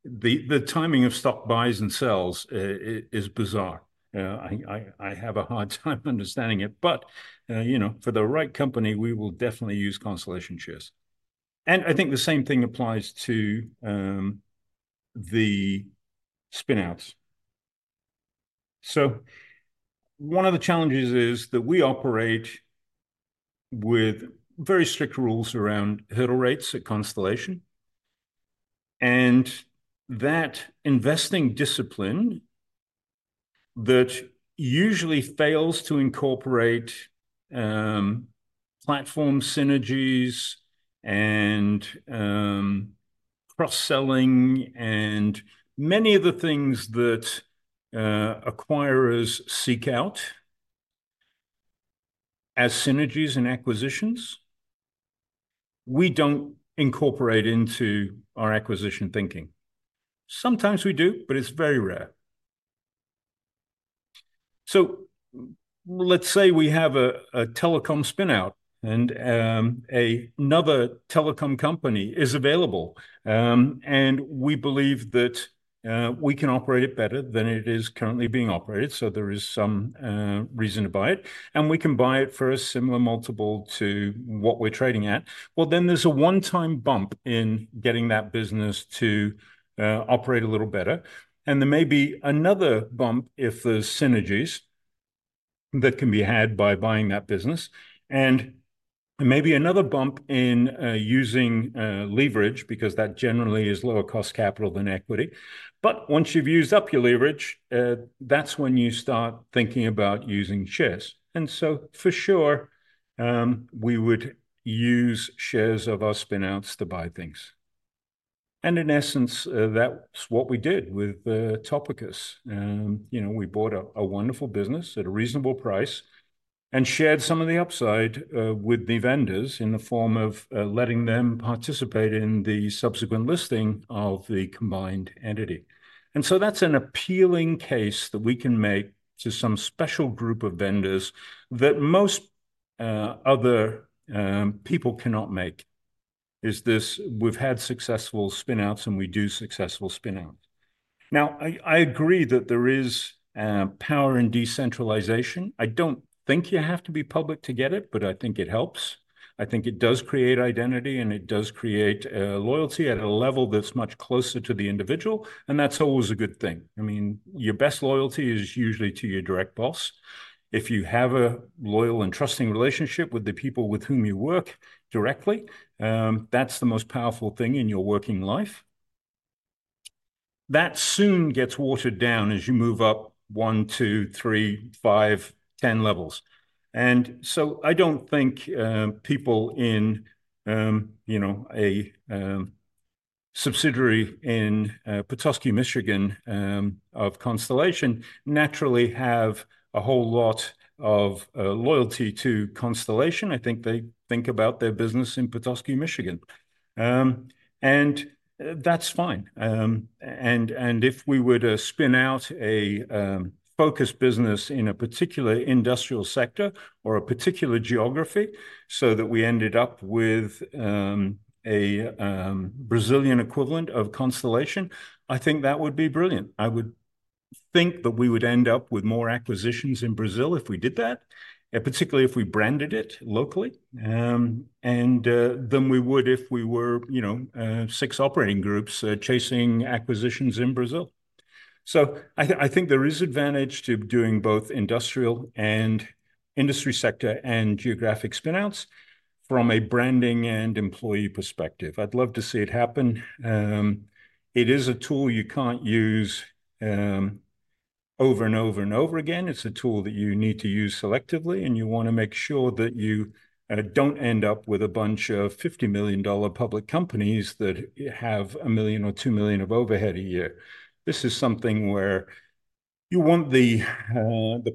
the timing of stock buys and sells is bizarre. I have a hard time understanding it. But for the right company, we will definitely use Constellation shares. I think the same thing applies to the spinouts. One of the challenges is that we operate with very strict rules around hurdle rates at Constellation. That investing discipline that usually fails to incorporate platform synergies and cross-selling and many of the things that acquirers seek out as synergies and acquisitions, we don't incorporate into our acquisition thinking. Sometimes we do, but it's very rare. Let's say we have a telecom spinout and another telecom company is available. We believe that we can operate it better than it is currently being operated. So there is some reason to buy it. We can buy it for a similar multiple to what we're trading at. Well, then there's a one-time bump in getting that business to operate a little better. There may be another bump if there's synergies that can be had by buying that business. There may be another bump in using leverage because that generally is lower-cost capital than equity. But once you've used up your leverage, that's when you start thinking about using shares. So for sure, we would use shares of our spinouts to buy things. In essence, that's what we did with Topicus. We bought a wonderful business at a reasonable price and shared some of the upside with the vendors in the form of letting them participate in the subsequent listing of the combined entity. And so that's an appealing case that we can make to some special group of vendors that most other people cannot make, is this we've had successful spinouts and we do successful spinouts. Now, I agree that there is power in decentralization. I don't think you have to be public to get it, but I think it helps. I think it does create identity, and it does create loyalty at a level that's much closer to the individual. And that's always a good thing. I mean, your best loyalty is usually to your direct boss. If you have a loyal and trusting relationship with the people with whom you work directly, that's the most powerful thing in your working life. That soon gets watered down as you move up 1, 2, 3, 5, 10 levels. And so I don't think people in a subsidiary in Petoskey, Michigan, of Constellation naturally have a whole lot of loyalty to Constellation. I think they think about their business in Petoskey, Michigan. And that's fine. And if we would spin out a focused business in a particular industrial sector or a particular geography so that we ended up with a Brazilian equivalent of Constellation, I think that would be brilliant. I would think that we would end up with more acquisitions in Brazil if we did that, particularly if we branded it locally. And then we would if we were six operating groups chasing acquisitions in Brazil. So I think there is advantage to doing both industrial and industry sector and geographic spinouts from a branding and employee perspective. I'd love to see it happen. It is a tool you can't use over and over and over again. It's a tool that you need to use selectively, and you want to make sure that you don't end up with a bunch of $50 million public companies that have $1 million or $2 million of overhead a year. This is something where you want the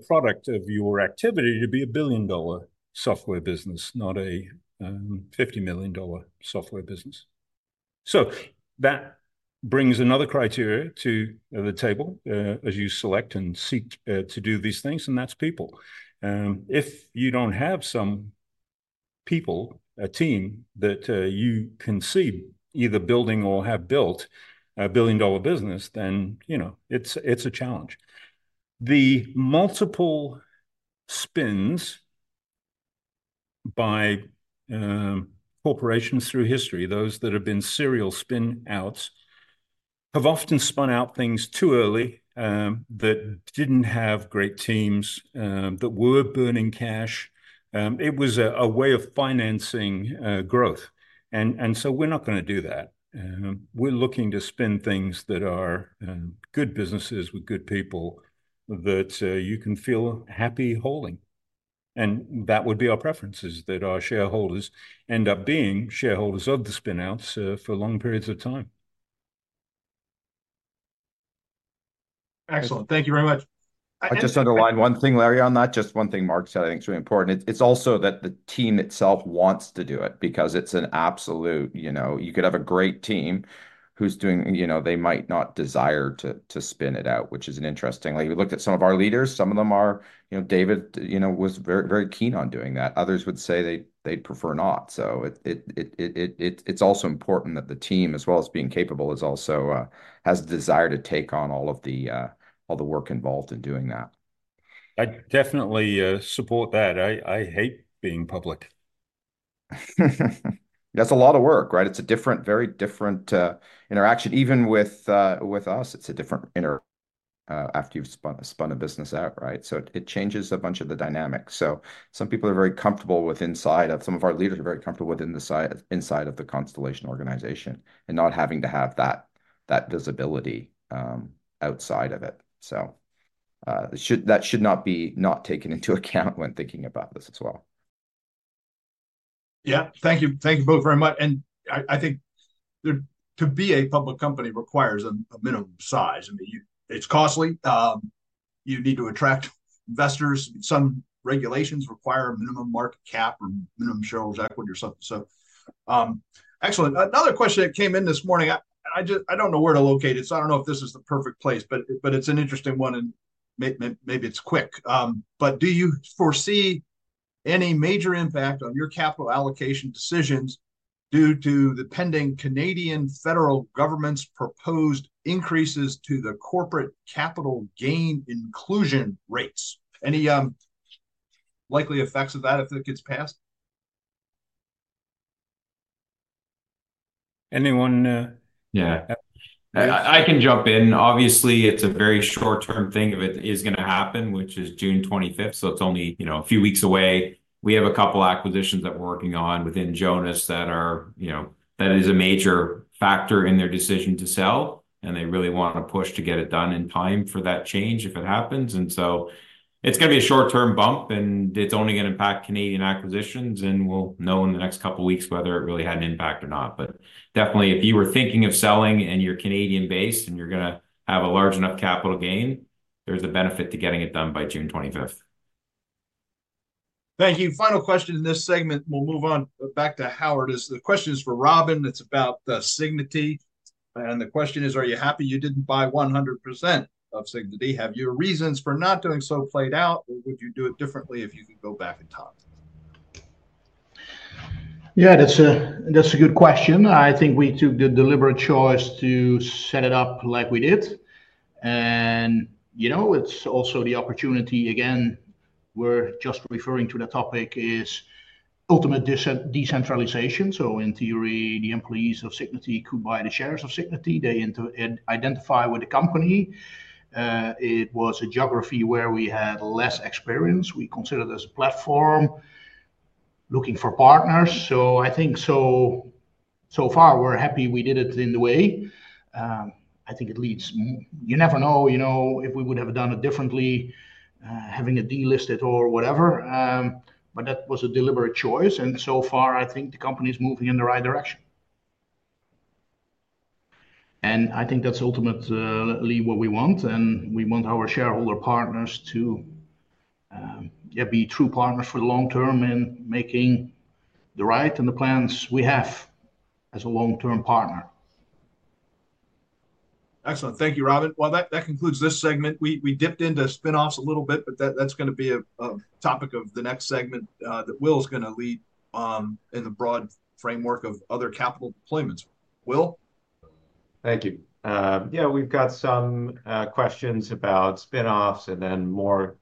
product of your activity to be a billion-dollar software business, not a $50 million software business. So that brings another criteria to the table as you select and seek to do these things, and that's people. If you don't have some people, a team that you conceive either building or have built, a billion-dollar business, then it's a challenge. The multiple spins by corporations through history, those that have been serial spin-outs, have often spun out things too early that didn't have great teams, that were burning cash. It was a way of financing growth. And so we're not going to do that. We're looking to spin things that are good businesses with good people that you can feel happy holding. And that would be our preference, is that our shareholders end up being shareholders of the spinouts for long periods of time. Excellent. Thank you very much. I just underline one thing, Larry, on that, just one thing Mark said I think is really important. It's also that the team itself wants to do it because it's an absolute you could have a great team who's doing they might not desire to spin it out, which is an interesting thing. We looked at some of our leaders. Some of them are David was very keen on doing that. Others would say they'd prefer not. So it's also important that the team, as well as being capable, has the desire to take on all the work involved in doing that. I definitely support that. I hate being public. That's a lot of work, right? It's a very different interaction. Even with us, it's different after you've spun a business out, right? So it changes a bunch of the dynamics. So some people are very comfortable. Some of our leaders are very comfortable within the inside of the Constellation organization and not having to have that visibility outside of it. So that should not be not taken into account when thinking about this as well. Yeah. Thank you. Thank you both very much. I think to be a public company requires a minimum size. I mean, it's costly. You need to attract investors. Some regulations require a minimum market cap or minimum shareholders' equity or something. So excellent. Another question that came in this morning, I don't know where to locate it. So I don't know if this is the perfect place, but it's an interesting one. And maybe it's quick. But do you foresee any major impact on your capital allocation decisions due to the pending Canadian federal government's proposed increases to the corporate capital gain inclusion rates? Any likely effects of that if it gets passed? Anyone? Yeah. I can jump in. Obviously, it's a very short-term thing if it is going to happen, which is June 25th. So it's only a few weeks away. We have a couple of acquisitions that we're working on within Jonas that is a major factor in their decision to sell. And they really want to push to get it done in time for that change if it happens. And so it's going to be a short-term bump, and it's only going to impact Canadian acquisitions. And we'll know in the next couple of weeks whether it really had an impact or not. But definitely, if you were thinking of selling and you're Canadian-based and you're going to have a large enough capital gain, there's a benefit to getting it done by June 25th. Thank you. Final question in this segment. We'll move on back to Howard. The question is for Robin. It's about Sygnity. And the question is, are you happy you didn't buy 100% of Sygnity? Have your reasons for not doing so played out, or would you do it differently if you could go back and talk? Yeah, that's a good question. I think we took the deliberate choice to set it up like we did. And it's also the opportunity, again, we're just referring to the topic, is ultimate decentralization. So in theory, the employees of Sygnity could buy the shares of Sygnity. They identify with the company. It was a geography where we had less experience. We considered it as a platform looking for partners. So I think so far, we're happy we did it in the way. I think it leads you never know if we would have done it differently, having it delisted or whatever. But that was a deliberate choice. And so far, I think the company is moving in the right direction. And I think that's ultimately what we want. We want our shareholder partners to be true partners for the long term in making the right and the plans we have as a long-term partner. Excellent. Thank you, Robin. Well, that concludes this segment. We dipped into spinoffs a little bit, but that's going to be a topic of the next segment that Will is going to lead in the broad framework of other capital deployments. Will? Thank you. Yeah, we've got some questions about spinoffs and then more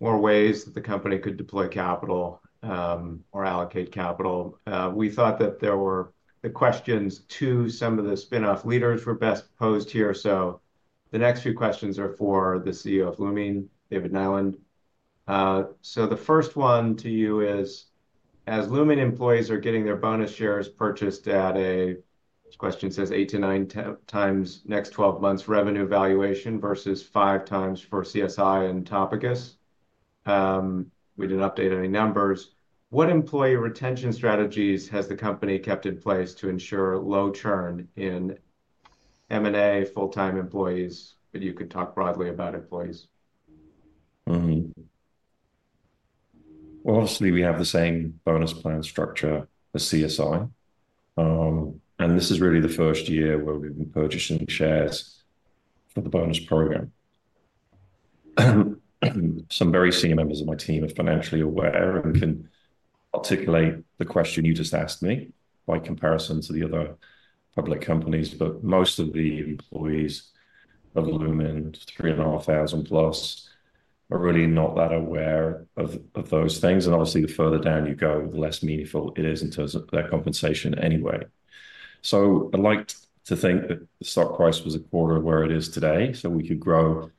ways that the company could deploy capital or allocate capital. We thought that there were the questions to some of the spinoff leaders were best posed here. So the next few questions are for the CEO of Luminee, David Nyland. So the first one to you is, as Luminee employees are getting their bonus shares purchased at a this question says, "8-9 times next 12 months revenue valuation versus 5 times for CSI and Topicus." We didn't update any numbers. What employee retention strategies has the company kept in place to ensure low churn in M&A, full-time employees? But you could talk broadly about employees. Well, obviously, we have the same bonus plan structure as CSI. This is really the first year where we've been purchasing shares for the bonus program. Some very senior members of my team are financially aware and can articulate the question you just asked me by comparison to the other public companies. But most of the employees of Luminee, 3,500-plus, are really not that aware of those things. Obviously, the further down you go, the less meaningful it is in terms of their compensation anyway. I liked to think that the stock price was a quarter where it is today. We could grow,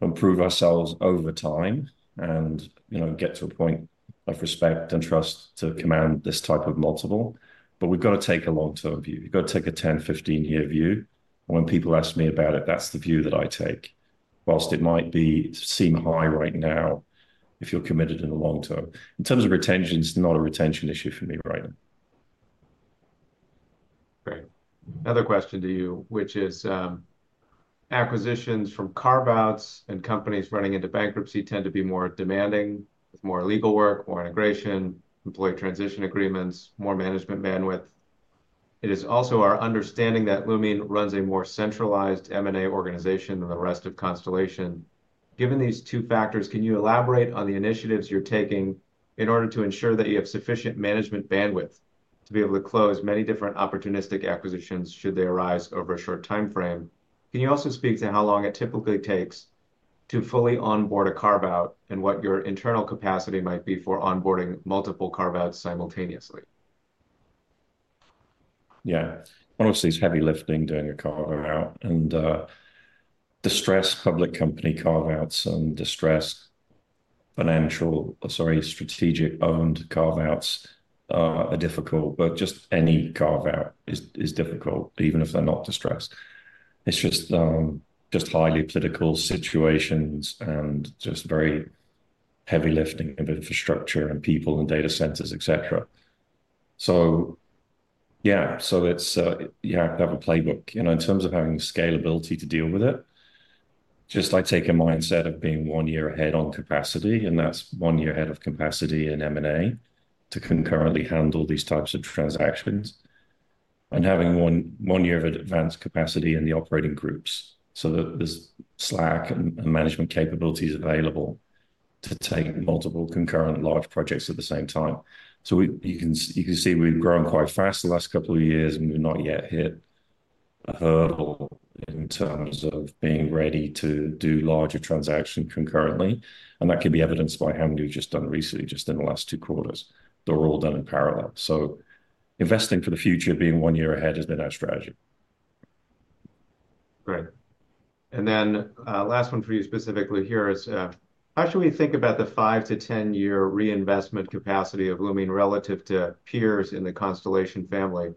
improve ourselves over time, and get to a point of respect and trust to command this type of multiple. But we've got to take a long-term view. You've got to take a 10, 15-year view. When people ask me about it, that's the view that I take, whilst it might seem high right now if you're committed in the long term. In terms of retention, it's not a retention issue for me right now. Great. Another question to you, which is, acquisitions from carve-outs and companies running into bankruptcy tend to be more demanding with more legal work, more integration, employee transition agreements, more management bandwidth. It is also our understanding that Luminee runs a more centralized M&A organization than the rest of Constellation. Given these two factors, can you elaborate on the initiatives you're taking in order to ensure that you have sufficient management bandwidth to be able to close many different opportunistic acquisitions should they arise over a short timeframe? Can you also speak to how long it typically takes to fully onboard a carve-out and what your internal capacity might be for onboarding multiple carve-outs simultaneously? Yeah. Obviously, it's heavy lifting doing a carve-out. And distressed public company carve-outs and distressed financial, sorry, strategic-owned carve-outs are difficult. But just any carve-out is difficult, even if they're not distressed. It's just highly political situations and just very heavy lifting of infrastructure and people and data centers, etc. So yeah, so you have to have a playbook. In terms of having scalability to deal with it, just I take a mindset of being one year ahead on capacity. And that's one year ahead of capacity in M&A to concurrently handle these types of transactions and having one year of advanced capacity in the operating groups so that there's slack and management capabilities available to take multiple concurrent large projects at the same time. You can see we've grown quite fast the last couple of years, and we've not yet hit a hurdle in terms of being ready to do larger transactions concurrently. That could be evidenced by how many we've just done recently, just in the last two quarters. They're all done in parallel. Investing for the future, being one year ahead, has been our strategy. Great. Last one for you specifically here is, how should we think about the 5-10-year reinvestment capacity of Lumine relative to peers in the Constellation family?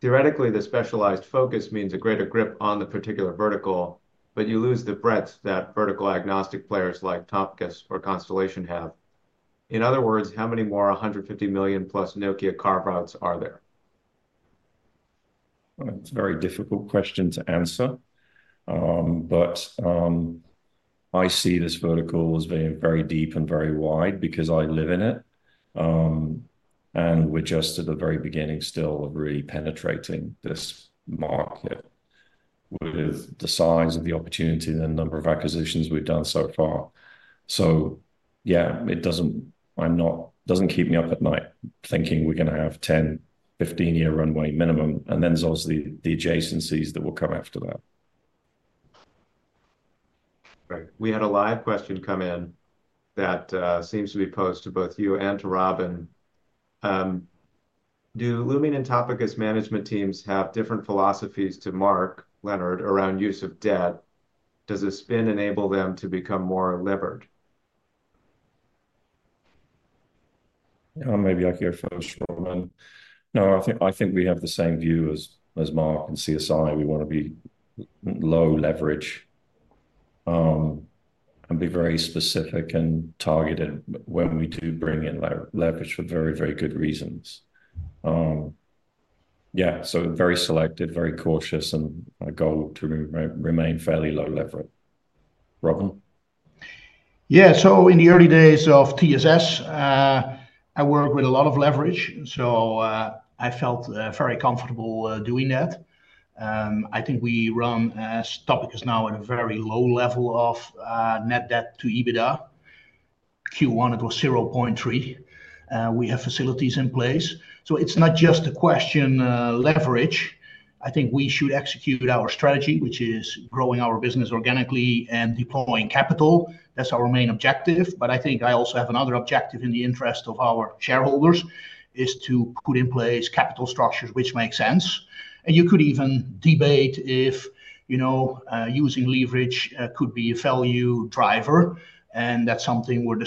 Theoretically, the specialized focus means a greater grip on the particular vertical, but you lose the breadth that vertical agnostic players like Topicus or Constellation have. In other words, how many more $150 million-plus Nokia carve-outs are there? It's a very difficult question to answer. But I see this vertical as being very deep and very wide because I live in it. And we're just at the very beginning still of really penetrating this market with the size of the opportunity and the number of acquisitions we've done so far. So yeah, it doesn't keep me up at night thinking we're going to have 10-15-year runway minimum. And then there's obviously the adjacencies that will come after that. Great. We had a live question come in that seems to be posed to both you and to Robin. Do Lumine and Topicus management teams have different philosophies to Mark Leonard around use of debt? Does a spin enable them to become more levered? Maybe I can go first, Robin. No, I think we have the same view as Mark and CSI. We want to be low leverage and be very specific and targeted when we do bring in leverage for very, very good reasons. Yeah, so very selective, very cautious, and a goal to remain fairly low leverage. Robin? Yeah. So in the early days of TSS, I worked with a lot of leverage. So I felt very comfortable doing that. I think we run as Topicus now at a very low level of net debt to EBITDA. Q1, it was 0.3. We have facilities in place. So it's not just a question of leverage. I think we should execute our strategy, which is growing our business organically and deploying capital. That's our main objective. But I think I also have another objective in the interest of our shareholders is to put in place capital structures, which makes sense. And you could even debate if using leverage could be a value driver. And that's something we're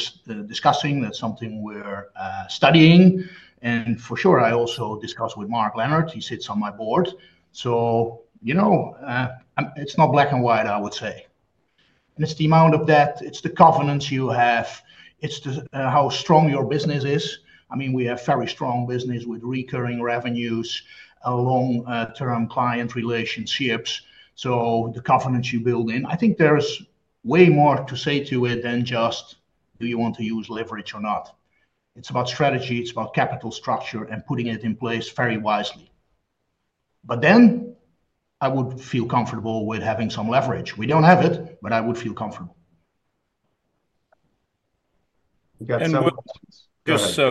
discussing. That's something we're studying. And for sure, I also discuss with Mark Leonard. He sits on my board. So it's not black and white, I would say. It's the amount of debt. It's the covenants you have. It's how strong your business is. I mean, we have a very strong business with recurring revenues, long-term client relationships. The covenants you build in. I think there's way more to say to it than just, "Do you want to use leverage or not?" It's about strategy. It's about capital structure and putting it in place very wisely. Then I would feel comfortable with having some leverage. We don't have it, but I would feel comfortable. You got some questions? Just so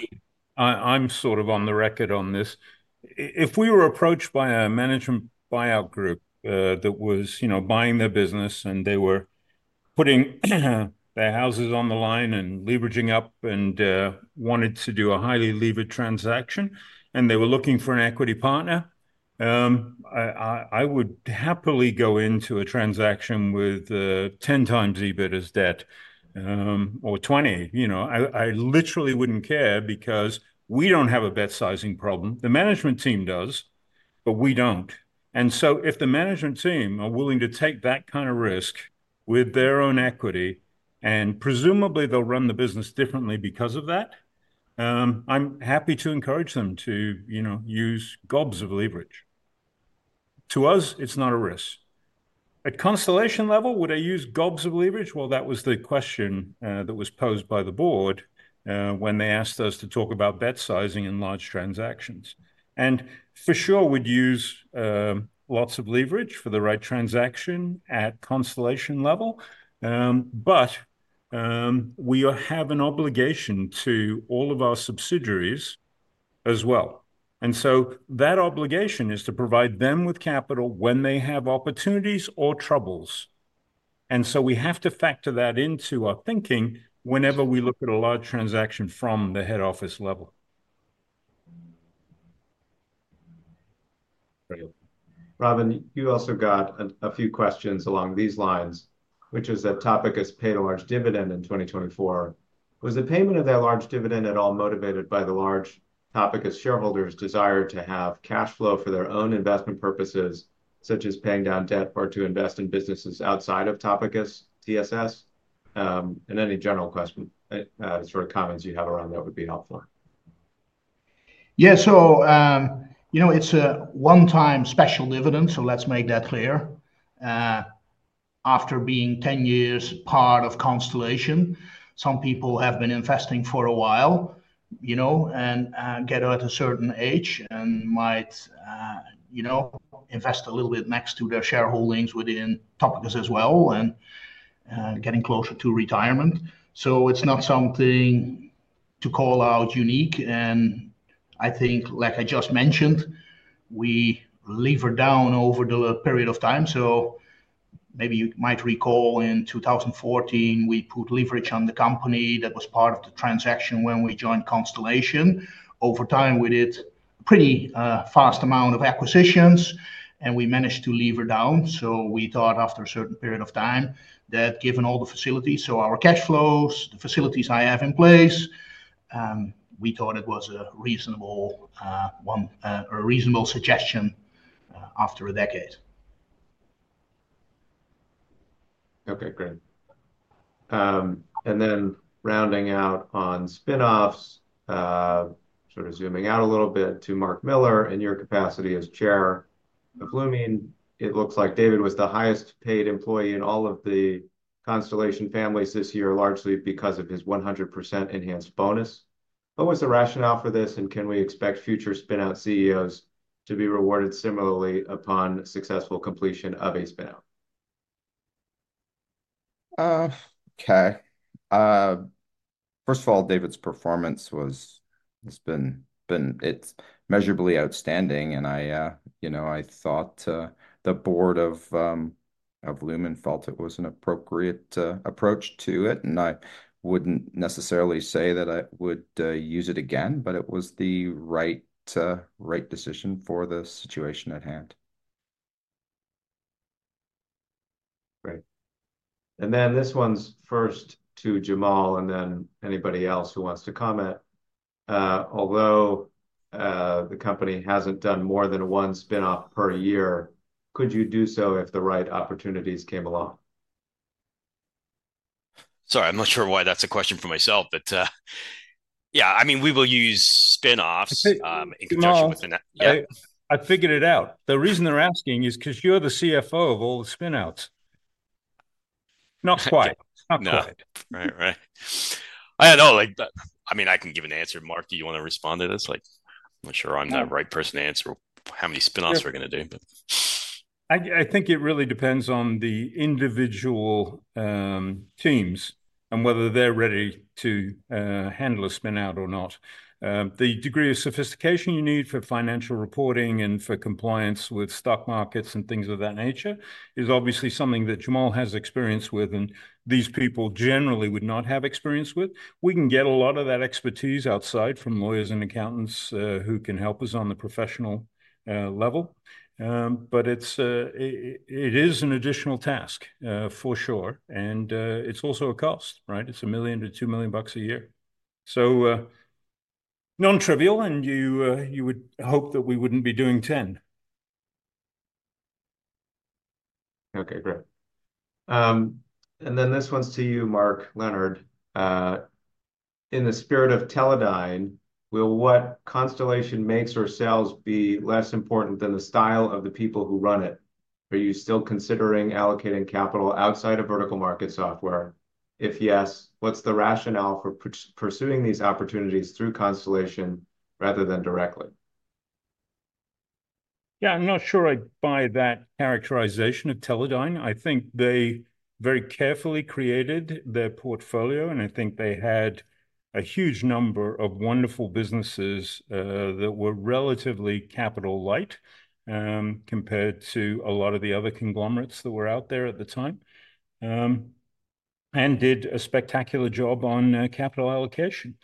I'm sort of on the record on this, if we were approached by a management buyout group that was buying their business, and they were putting their houses on the line and leveraging up and wanted to do a highly levered transaction, and they were looking for an equity partner, I would happily go into a transaction with 10x EBIT as debt or 20. I literally wouldn't care because we don't have a bet sizing problem. The management team does, but we don't. So if the management team are willing to take that kind of risk with their own equity, and presumably, they'll run the business differently because of that, I'm happy to encourage them to use gobs of leverage. To us, it's not a risk. At Constellation level, would I use gobs of leverage? Well, that was the question that was posed by the board when they asked us to talk about bet sizing and large transactions. For sure, we'd use lots of leverage for the right transaction at Constellation level. But we have an obligation to all of our subsidiaries as well. That obligation is to provide them with capital when they have opportunities or troubles. We have to factor that into our thinking whenever we look at a large transaction from the head office level. Robin, you also got a few questions along these lines, which is that Topicus paid a large dividend in 2024. Was the payment of that large dividend at all motivated by the large Topicus shareholders' desire to have cash flow for their own investment purposes, such as paying down debt or to invest in businesses outside of Topicus, TSS? And any general questions, sort of comments you have around that would be helpful. Yeah. So it's a one-time special dividend. So let's make that clear. After being 10 years part of Constellation, some people have been investing for a while and get at a certain age and might invest a little bit next to their shareholdings within Topicus as well and getting closer to retirement. So it's not something to call out unique. And I think, like I just mentioned, we lever down over the period of time. So maybe you might recall, in 2014, we put leverage on the company that was part of the transaction when we joined Constellation. Over time, we did a pretty fast amount of acquisitions, and we managed to lever down. So we thought, after a certain period of time, that given all the facilities so our cash flows, the facilities I have in place, we thought it was a reasonable suggestion after a decade. Okay. Great. And then rounding out on spin-offs, sort of zooming out a little bit to Mark Miller in your capacity as chair of Lumine, it looks like David was the highest-paid employee in all of the Constellation families this year, largely because of his 100% enhanced bonus. What was the rationale for this? And can we expect future spinout CEOs to be rewarded similarly upon successful completion of a spinout? Okay. First of all, David's performance has been measurably outstanding. I thought the board of Luminee felt it was an appropriate approach to it. I wouldn't necessarily say that I would use it again, but it was the right decision for the situation at hand. Great. And then this one's first to Jamal and then anybody else who wants to comment. Although the company hasn't done more than one spinoff per year, could you do so if the right opportunities came along? Sorry. I'm not sure why that's a question for myself. But yeah, I mean, we will use spin-offs in conjunction with the yeah. I figured it out. The reason they're asking is because you're the CFO of all the spinouts. Not quite. Not quite. No. Right. Right. Yeah. No, I mean, I can give an answer. Mark, do you want to respond to this? I'm not sure I'm the right person to answer how many spinoffs we're going to do, but. I think it really depends on the individual teams and whether they're ready to handle a spinout or not. The degree of sophistication you need for financial reporting and for compliance with stock markets and things of that nature is obviously something that Jamal has experience with and these people generally would not have experience with. We can get a lot of that expertise outside from lawyers and accountants who can help us on the professional level. But it is an additional task, for sure. And it's also a cost, right? It's $1 million-$2 million a year. So non-trivial. And you would hope that we wouldn't be doing 10. Okay. Great. And then this one's to you, Mark Leonard. In the spirit of Teledyne, will what Constellation makes or sells be less important than the style of the people who run it? Are you still considering allocating capital outside of vertical market software? If yes, what's the rationale for pursuing these opportunities through Constellation rather than directly? Yeah, I'm not sure I'd buy that characterization of Teledyne. I think they very carefully created their portfolio. I think they had a huge number of wonderful businesses that were relatively capital-light compared to a lot of the other conglomerates that were out there at the time and did a spectacular job on capital allocation.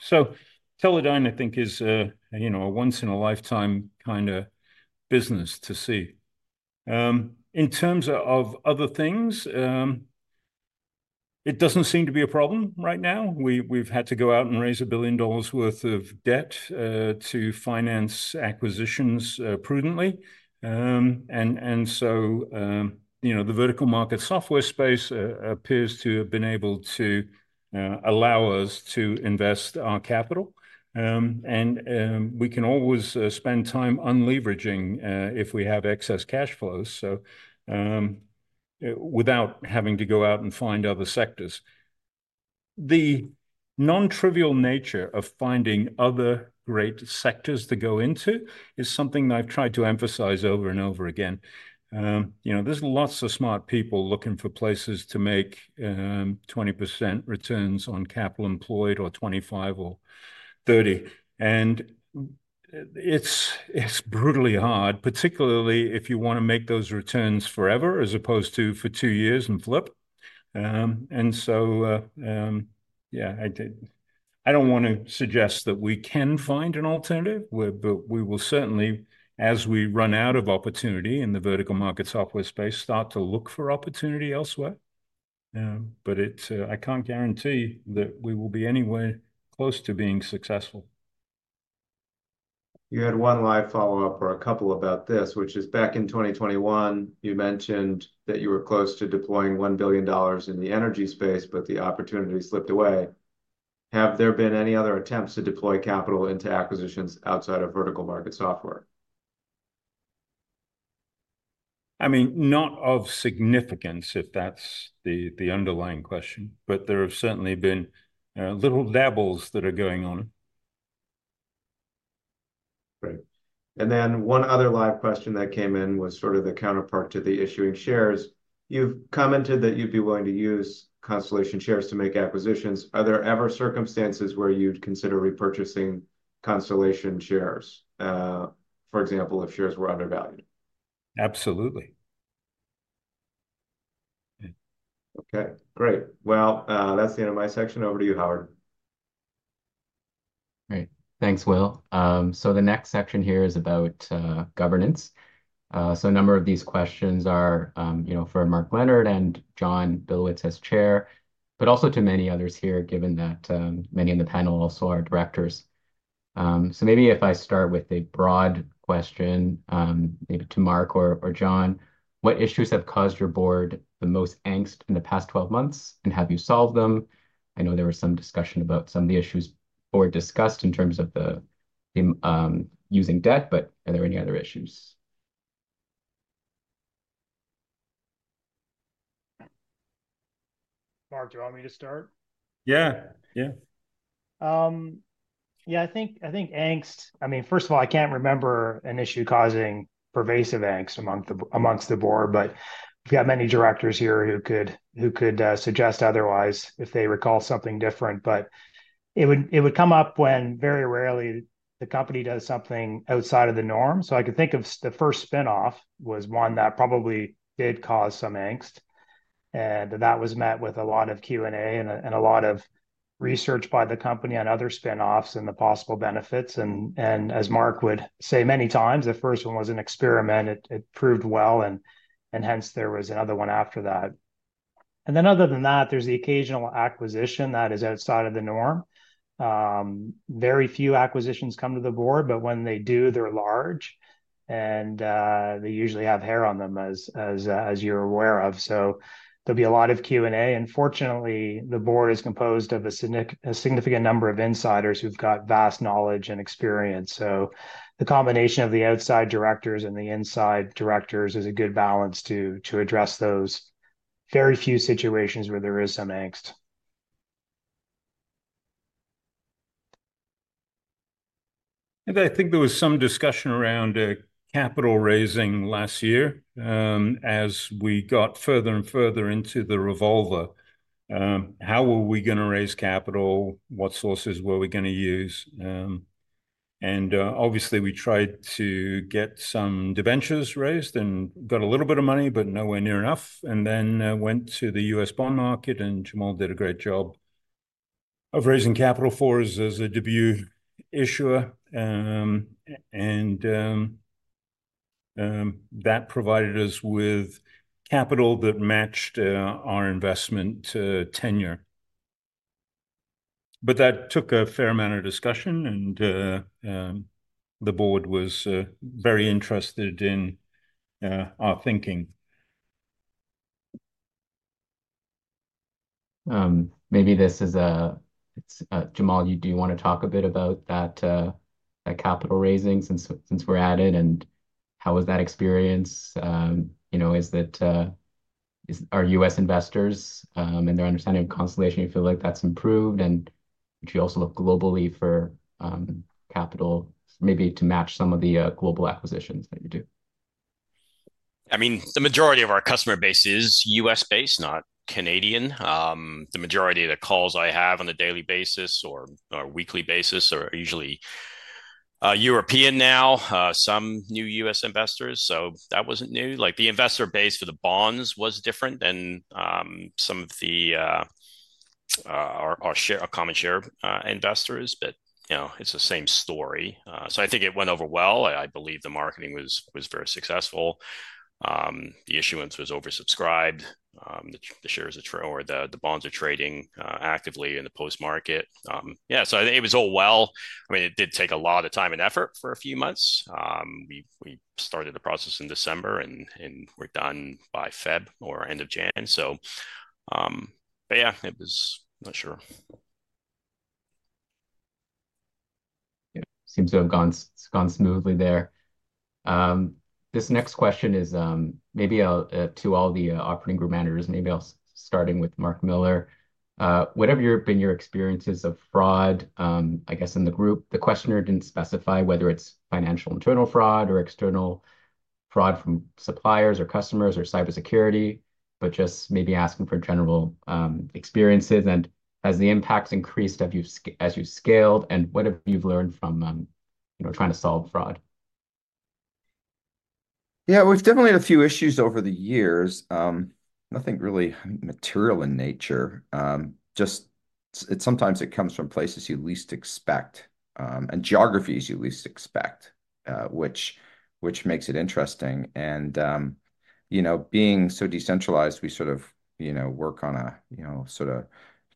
Teledyne, I think, is a once-in-a-lifetime kind of business to see. In terms of other things, it doesn't seem to be a problem right now. We've had to go out and raise $1 billion worth of debt to finance acquisitions prudently. The vertical market software space appears to have been able to allow us to invest our capital. We can always spend time unleveraging if we have excess cash flows without having to go out and find other sectors. The non-trivial nature of finding other great sectors to go into is something I've tried to emphasize over and over again. There's lots of smart people looking for places to make 20% returns on capital employed or 25 or 30. It's brutally hard, particularly if you want to make those returns forever as opposed to for two years and flip. Yeah, I don't want to suggest that we can find an alternative. We will certainly, as we run out of opportunity in the vertical market software space, start to look for opportunity elsewhere. I can't guarantee that we will be anywhere close to being successful. You had one live follow-up or a couple about this, which is back in 2021, you mentioned that you were close to deploying $1 billion in the energy space, but the opportunity slipped away. Have there been any other attempts to deploy capital into acquisitions outside of vertical market software? I mean, not of significance, if that's the underlying question. But there have certainly been little dabbles that are going on. Great. And then one other live question that came in was sort of the counterpart to the issuing shares. You've commented that you'd be willing to use Constellation shares to make acquisitions. Are there ever circumstances where you'd consider repurchasing Constellation shares, for example, if shares were undervalued? Absolutely. Okay. Great. Well, that's the end of my section. Over to you, Howard. Great. Thanks, Will. So the next section here is about governance. So a number of these questions are for Mark Leonard and John Billowits as chair, but also to many others here, given that many in the panel also are directors. So maybe if I start with a broad question maybe to Mark or John, what issues have caused your board the most angst in the past 12 months, and have you solved them? I know there was some discussion about some of the issues board discussed in terms of using debt, but are there any other issues? Mark, do you want me to start? Yeah. Yeah. Yeah. I think, I mean, first of all, I can't remember an issue causing pervasive angst among the board. But we've got many directors here who could suggest otherwise if they recall something different. But it would come up when very rarely the company does something outside of the norm. So I could think of the first spin-off was one that probably did cause some angst. And that was met with a lot of Q&A and a lot of research by the company on other spin-offs and the possible benefits. And as Mark would say many times, the first one was an experiment. It proved well. And hence, there was another one after that. And then other than that, there's the occasional acquisition that is outside of the norm. Very few acquisitions come to the board. But when they do, they're large. They usually have hair on them, as you're aware of. So there'll be a lot of Q&A. Fortunately, the board is composed of a significant number of insiders who've got vast knowledge and experience. The combination of the outside directors and the inside directors is a good balance to address those very few situations where there is some angst. I think there was some discussion around capital raising last year. As we got further and further into the revolver, how were we going to raise capital? What sources were we going to use? Obviously, we tried to get some debentures raised and got a little bit of money, but nowhere near enough, and then went to the U.S. bond market. Jamal did a great job of raising capital for us as a debut issuer. That provided us with capital that matched our investment tenure. That took a fair amount of discussion. The board was very interested in our thinking. Maybe this is for Jamal. Do you want to talk a bit about that capital raising since we're at it? And how was that experience? With our U.S. investors and their understanding of Constellation, do you feel like that's improved? And would you also look globally for capital maybe to match some of the global acquisitions that you do? I mean, the majority of our customer base is U.S.-based, not Canadian. The majority of the calls I have on a daily basis or weekly basis are usually European now, some new U.S. investors. So that wasn't new. The investor base for the bonds was different than some of our common share investors. But it's the same story. So I think it went over well. I believe the marketing was very successful. The issuance was oversubscribed. The shares are or the bonds are trading actively in the post-market. Yeah. So I think it was all well. I mean, it did take a lot of time and effort for a few months. We started the process in December, and we're done by February or end of January. But yeah, I'm not sure. Yeah. Seems to have gone smoothly there. This next question is maybe to all the operating group managers. Maybe I'll start with Mark Miller. What have been your experiences of fraud, I guess, in the group? The questioner didn't specify whether it's financial internal fraud or external fraud from suppliers or customers or cybersecurity, but just maybe asking for general experiences. Has the impact increased as you've scaled? What have you learned from trying to solve fraud? Yeah. We've definitely had a few issues over the years. Nothing really material in nature. Sometimes it comes from places you least expect and geographies you least expect, which makes it interesting. And being so decentralized, we sort of work on a sort of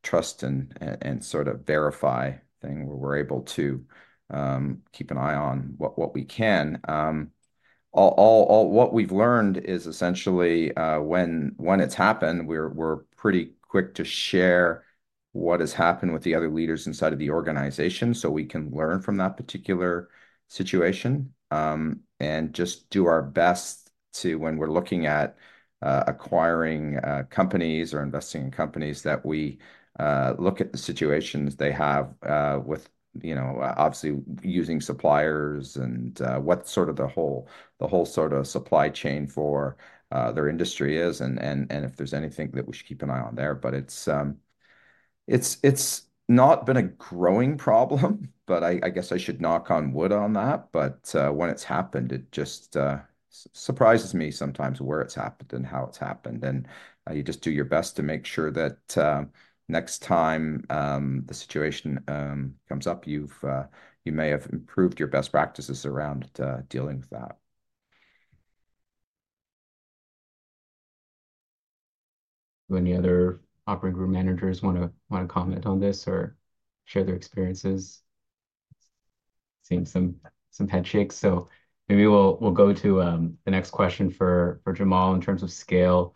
trust and sort of verify thing where we're able to keep an eye on what we can. What we've learned is essentially, when it's happened, we're pretty quick to share what has happened with the other leaders inside of the organization so we can learn from that particular situation and just do our best to, when we're looking at acquiring companies or investing in companies, that we look at the situations they have with, obviously, using suppliers and what sort of the whole sort of supply chain for their industry is and if there's anything that we should keep an eye on there. But it's not been a growing problem. But I guess I should knock on wood on that. But when it's happened, it just surprises me sometimes where it's happened and how it's happened. And you just do your best to make sure that next time the situation comes up, you may have improved your best practices around dealing with that. Do any other operating group managers want to comment on this or share their experiences? Seen some head shakes. So maybe we'll go to the next question for Jamal in terms of scale.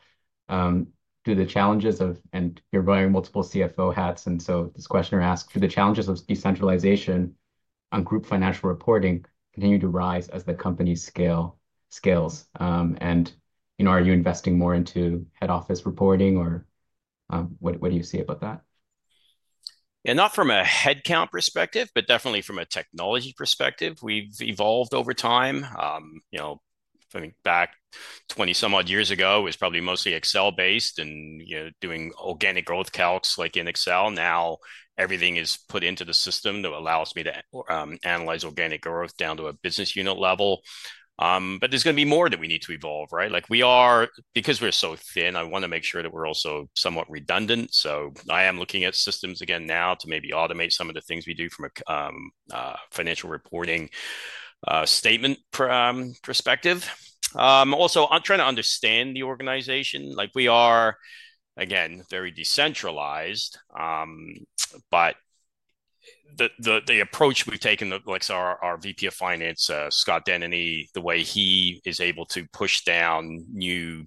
Do the challenges of and you're wearing multiple CFO hats. And so this questioner asked, do the challenges of decentralization on group financial reporting continue to rise as the companies scales? And are you investing more into head office reporting, or what do you see about that? Yeah. Not from a headcount perspective, but definitely from a technology perspective. We've evolved over time. I mean, back 20-some-odd years ago, it was probably mostly Excel-based and doing organic growth calcs like in Excel. Now, everything is put into the system that allows me to analyze organic growth down to a business unit level. But there's going to be more that we need to evolve, right? Because we're so thin, I want to make sure that we're also somewhat redundant. So I am looking at systems again now to maybe automate some of the things we do from a financial reporting statement perspective. Also, I'm trying to understand the organization. We are, again, very decentralized. But the approach we've taken, like our VP of Finance, Scott Denny, the way he is able to push down new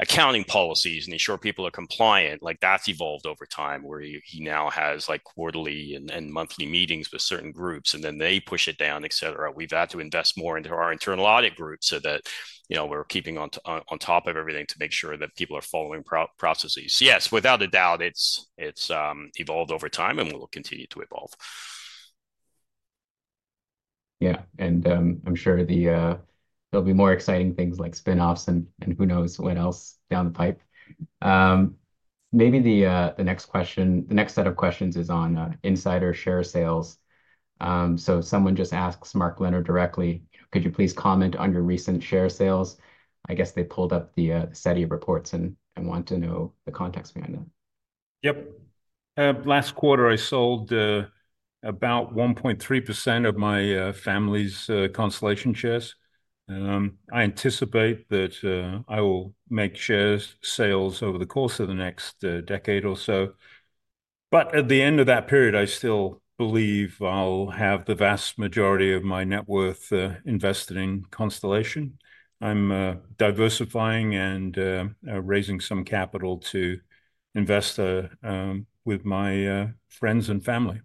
accounting policies and ensure people are compliant, that's evolved over time where he now has quarterly and monthly meetings with certain groups, and then they push it down, etc. We've had to invest more into our internal audit group so that we're keeping on top of everything to make sure that people are following processes. Yes, without a doubt, it's evolved over time, and we'll continue to evolve. Yeah. I'm sure there'll be more exciting things like spinoffs and who knows what else down the pipe. Maybe the next set of questions is on insider share sales. Someone just asks Mark Leonard directly, "Could you please comment on your recent share sales?" I guess they pulled up the SEDAR reports and want to know the context behind that. Yep. Last quarter, I sold about 1.3% of my family's Constellation shares. I anticipate that I will make share sales over the course of the next decade or so. But at the end of that period, I still believe I'll have the vast majority of my net worth invested in Constellation. I'm diversifying and raising some capital to invest with my friends and family.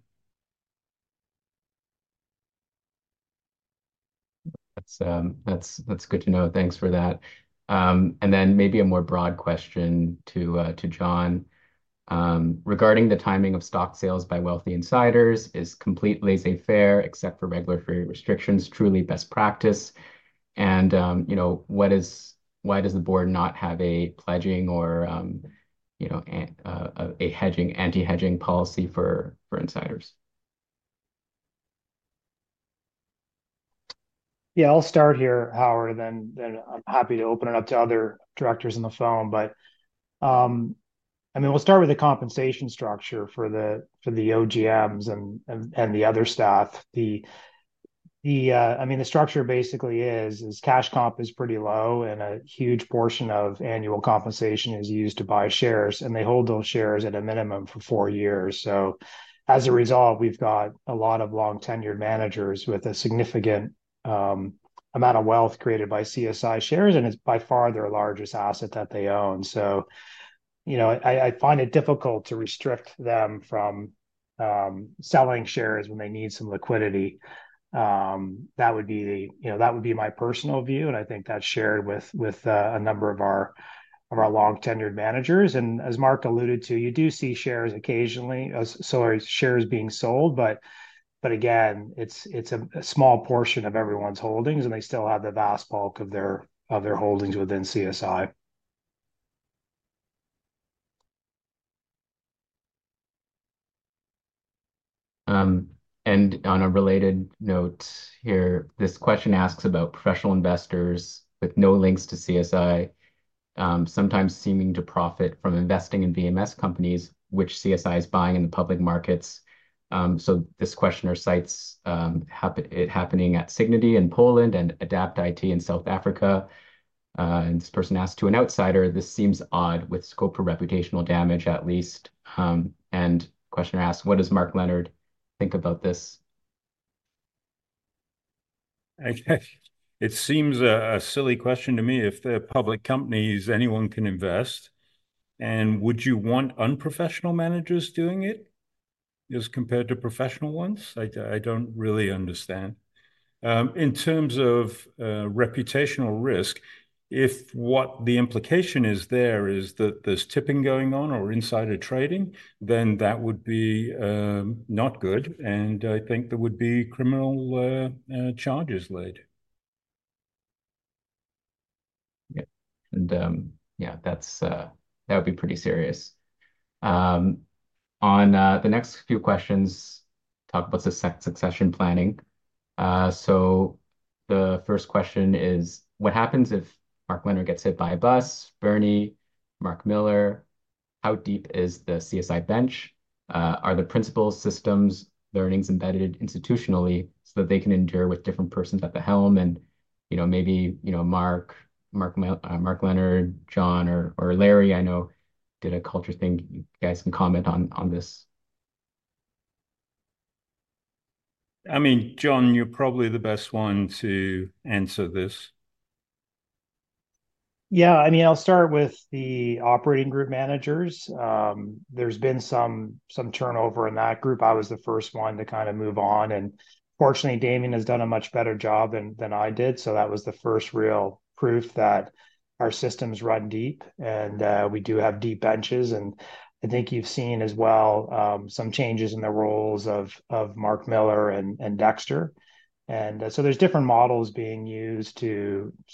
That's good to know. Thanks for that. And then maybe a more broad question to John. Regarding the timing of stock sales by wealthy insiders, is complete laissez-faire, except for regulatory restrictions, truly best practice? And why does the board not have a pledging or an anti-hedging policy for insiders? Yeah. I'll start here, Howard, and then I'm happy to open it up to other directors on the phone. But I mean, we'll start with the compensation structure for the OGMs and the other staff. I mean, the structure basically is cash comp is pretty low, and a huge portion of annual compensation is used to buy shares. And they hold those shares at a minimum for four years. So as a result, we've got a lot of long-tenured managers with a significant amount of wealth created by CSI shares. And it's by far their largest asset that they own. So I find it difficult to restrict them from selling shares when they need some liquidity. That would be my personal view. And I think that's shared with a number of our long-tenured managers. As Mark alluded to, you do see shares occasionally sorry, shares being sold. But again, it's a small portion of everyone's holdings, and they still have the vast bulk of their holdings within CSI. And on a related note here, this question asks about professional investors with no links to CSI sometimes seeming to profit from investing in VMS companies, which CSI is buying in the public markets. So this questioner cites it happening at Sygnity in Poland and Adapt IT in South Africa. And this person asks to an outsider, "This seems odd with scope for reputational damage, at least." And questioner asks, "What does Mark Leonard think about this? It seems a silly question to me. If they're public companies, anyone can invest. And would you want unprofessional managers doing it as compared to professional ones? I don't really understand. In terms of reputational risk, if what the implication is there is that there's tipping going on or insider trading, then that would be not good. And I think there would be criminal charges laid. Yeah. And yeah, that would be pretty serious. On the next few questions, talk about succession planning. So the first question is, what happens if Mark Leonard gets hit by a bus, Bernie, Mark Miller? How deep is the CSI bench? Are the principal systems learnings embedded institutionally so that they can endure with different persons at the helm? And maybe Mark, Mark Leonard, John, or Larry, I know, did a culture thing. You guys can comment on this. I mean, John, you're probably the best one to answer this. Yeah. I mean, I'll start with the operating group managers. There's been some turnover in that group. I was the first one to kind of move on. And fortunately, Damian has done a much better job than I did. So that was the first real proof that our systems run deep, and we do have deep benches. And I think you've seen as well some changes in the roles of Mark Miller and Dexter. And so there's different models being used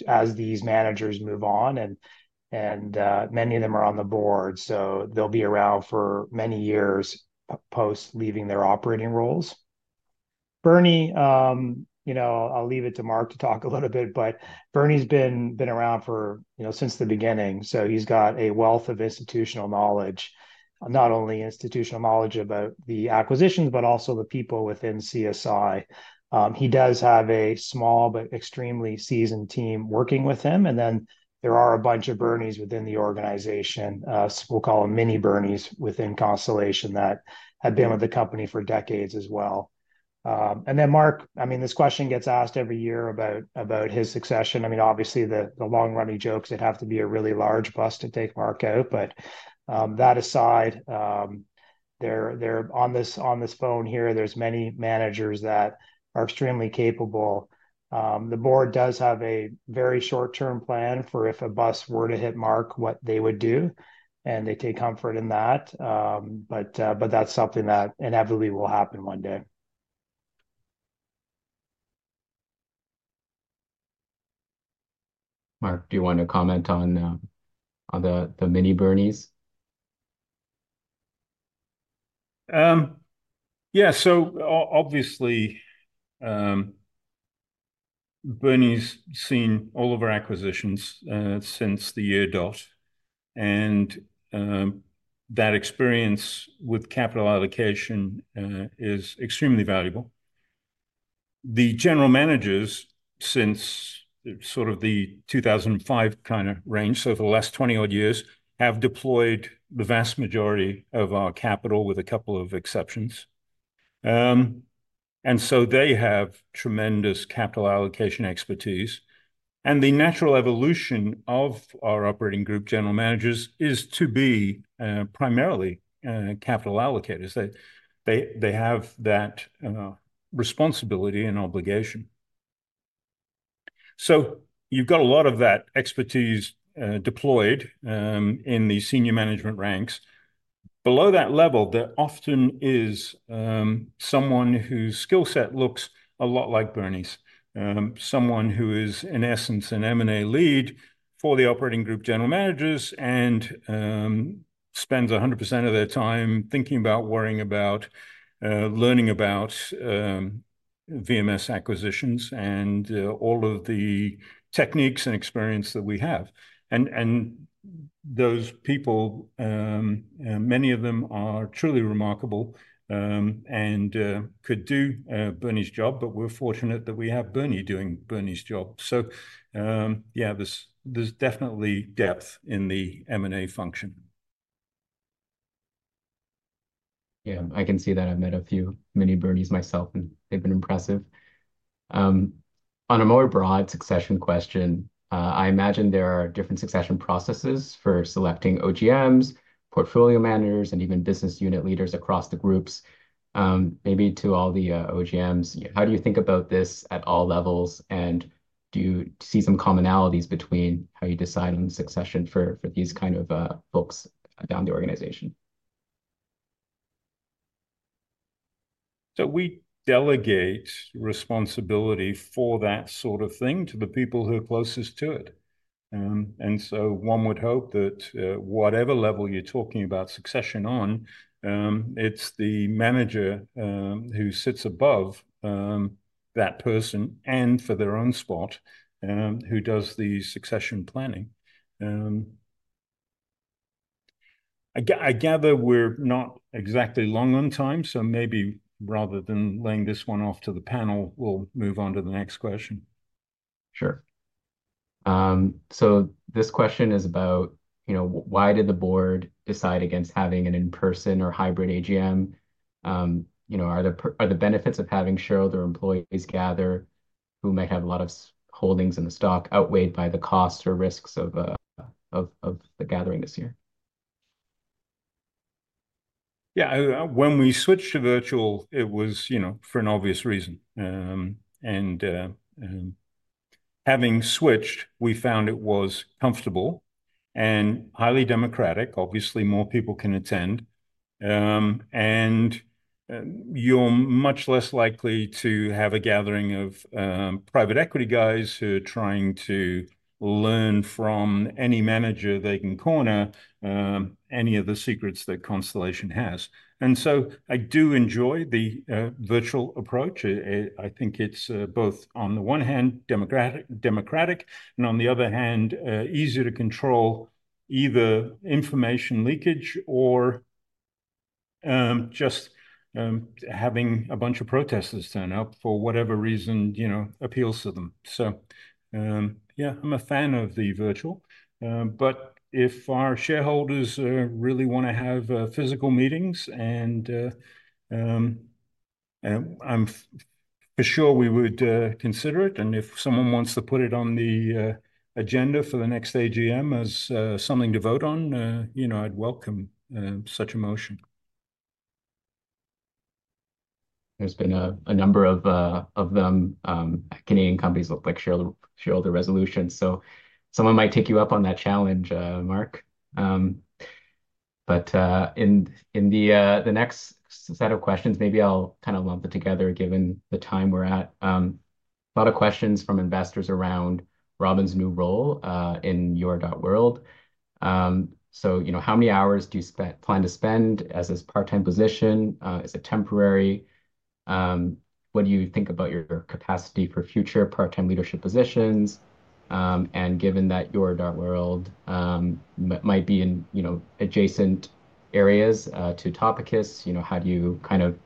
as these managers move on. And many of them are on the board. So they'll be around for many years post-leaving their operating roles. Bernie, I'll leave it to Mark to talk a little bit. But Bernie's been around since the beginning. So he's got a wealth of institutional knowledge, not only institutional knowledge about the acquisitions, but also the people within CSI. He does have a small but extremely seasoned team working with him. And then there are a bunch of Bernies within the organization. We'll call them mini Bernies within Constellation that have been with the company for decades as well. And then Mark, I mean, this question gets asked every year about his succession. I mean, obviously, the long-running jokes, it'd have to be a really large bus to take Mark out. But that aside, on this phone here, there's many managers that are extremely capable. The board does have a very short-term plan for if a bus were to hit Mark, what they would do. And they take comfort in that. But that's something that inevitably will happen one day. Mark, do you want to comment on the mini Bernies? Yeah. So obviously, Bernie's seen all of our acquisitions since the year dot. And that experience with capital allocation is extremely valuable. The general managers since sort of the 2005 kind of range, so for the last 20-odd years, have deployed the vast majority of our capital with a couple of exceptions. And so they have tremendous capital allocation expertise. And the natural evolution of our operating group general managers is to be primarily capital allocators. They have that responsibility and obligation. So you've got a lot of that expertise deployed in the senior management ranks. Below that level, there often is someone whose skill set looks a lot like Bernie's, someone who is, in essence, an M&A lead for the operating group general managers and spends 100% of their time thinking about, worrying about, learning about VMS acquisitions and all of the techniques and experience that we have. Those people, many of them are truly remarkable and could do Bernie's job. But we're fortunate that we have Bernie doing Bernie's job. So yeah, there's definitely depth in the M&A function. Yeah. I can see that. I've met a few mini Bernies myself, and they've been impressive. On a more broad succession question, I imagine there are different succession processes for selecting OGMs, portfolio managers, and even business unit leaders across the groups. Maybe to all the OGMs, how do you think about this at all levels? And do you see some commonalities between how you decide on succession for these kind of folks down the organization? So we delegate responsibility for that sort of thing to the people who are closest to it. And so one would hope that whatever level you're talking about succession on, it's the manager who sits above that person and for their own spot who does the succession planning. I gather we're not exactly long on time. So maybe rather than laying this one off to the panel, we'll move on to the next question. Sure. So this question is about, why did the board decide against having an in-person or hybrid AGM? Are the benefits of having shareholder employees gather who might have a lot of holdings in the stock outweighed by the costs or risks of the gathering this year? Yeah. When we switched to virtual, it was for an obvious reason. And having switched, we found it was comfortable and highly democratic. Obviously, more people can attend. And you're much less likely to have a gathering of private equity guys who are trying to learn from any manager they can corner any of the secrets that Constellation has. And so I do enjoy the virtual approach. I think it's both on the one hand, democratic, and on the other hand, easier to control either information leakage or just having a bunch of protesters turn up for whatever reason appeals to them. So yeah, I'm a fan of the virtual. But if our shareholders really want to have physical meetings, and I'm for sure we would consider it. If someone wants to put it on the agenda for the next AGM as something to vote on, I'd welcome such a motion. There's been a number of them. Canadian companies look like shareholder resolutions. So someone might take you up on that challenge, Mark. But in the next set of questions, maybe I'll kind of lump it together given the time we're at. A lot of questions from investors around Robin's new role in your Volaris world. So how many hours do you plan to spend as this part-time position? Is it temporary? What do you think about your capacity for future part-time leadership positions? And given that your Volaris world might be in adjacent areas to Topicus, how do you kind of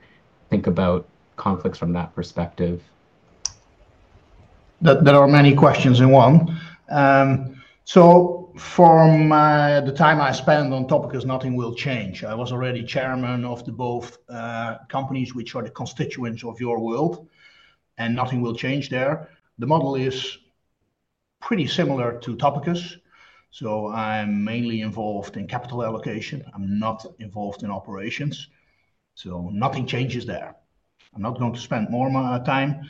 think about conflicts from that perspective? There are many questions in one. So from the time I spent on Topicus, nothing will change. I was already chairman of both companies which are the constituents of your world, and nothing will change there. The model is pretty similar to Topicus. So I'm mainly involved in capital allocation. I'm not involved in operations. So nothing changes there. I'm not going to spend more time.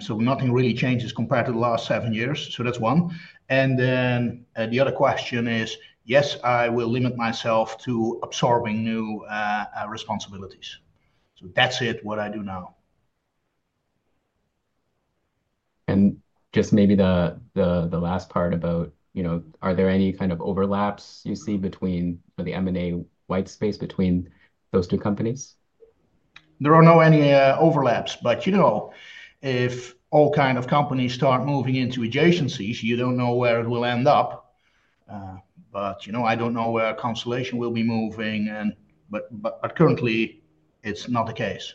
So nothing really changes compared to the last seven years. So that's one. And then the other question is, yes, I will limit myself to absorbing new responsibilities. So that's it, what I do now. Just maybe the last part about, are there any kind of overlaps you see between the M&A whitespace between those two companies? There are no any overlaps. But if all kind of companies start moving into adjacencies, you don't know where it will end up. But I don't know where Constellation will be moving. But currently, it's not the case.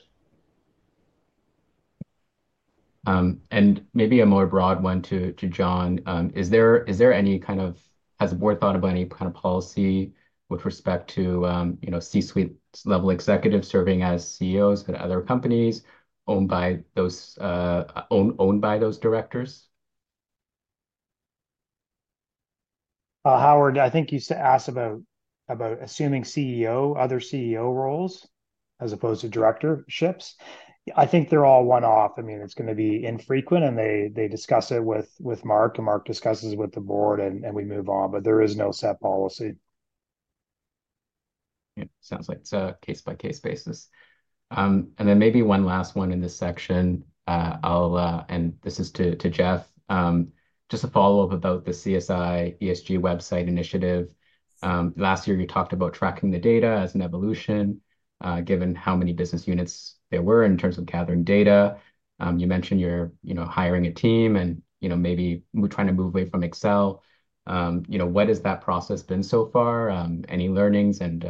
Maybe a more broad one to John, is there any kind of has the board thought about any kind of policy with respect to C-suite level executives serving as CEOs at other companies owned by those directors? Howard, I think you asked about assuming other CEO roles as opposed to directorships. I think they're all one-off. I mean, it's going to be infrequent, and they discuss it with Mark. And Mark discusses it with the board, and we move on. But there is no set policy. Yeah. Sounds like it's a case-by-case basis. And then maybe one last one in this section, and this is to Jeff, just a follow-up about the CSI ESG website initiative. Last year, you talked about tracking the data as an evolution given how many business units there were in terms of gathering data. You mentioned you're hiring a team and maybe trying to move away from Excel. What has that process been so far? Any learnings? And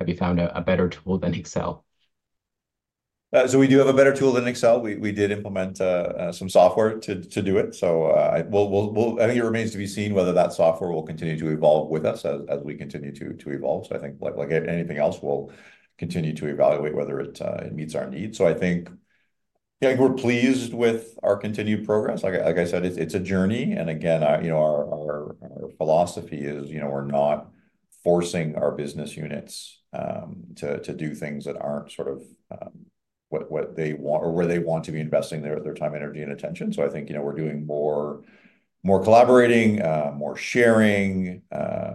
have you found a better tool than Excel? So we do have a better tool than Excel. We did implement some software to do it. So I think it remains to be seen whether that software will continue to evolve with us as we continue to evolve. So I think, like anything else, we'll continue to evaluate whether it meets our needs. So I think we're pleased with our continued progress. Like I said, it's a journey. And again, our philosophy is we're not forcing our business units to do things that aren't sort of what they want or where they want to be investing their time, energy, and attention. So I think we're doing more collaborating, more sharing.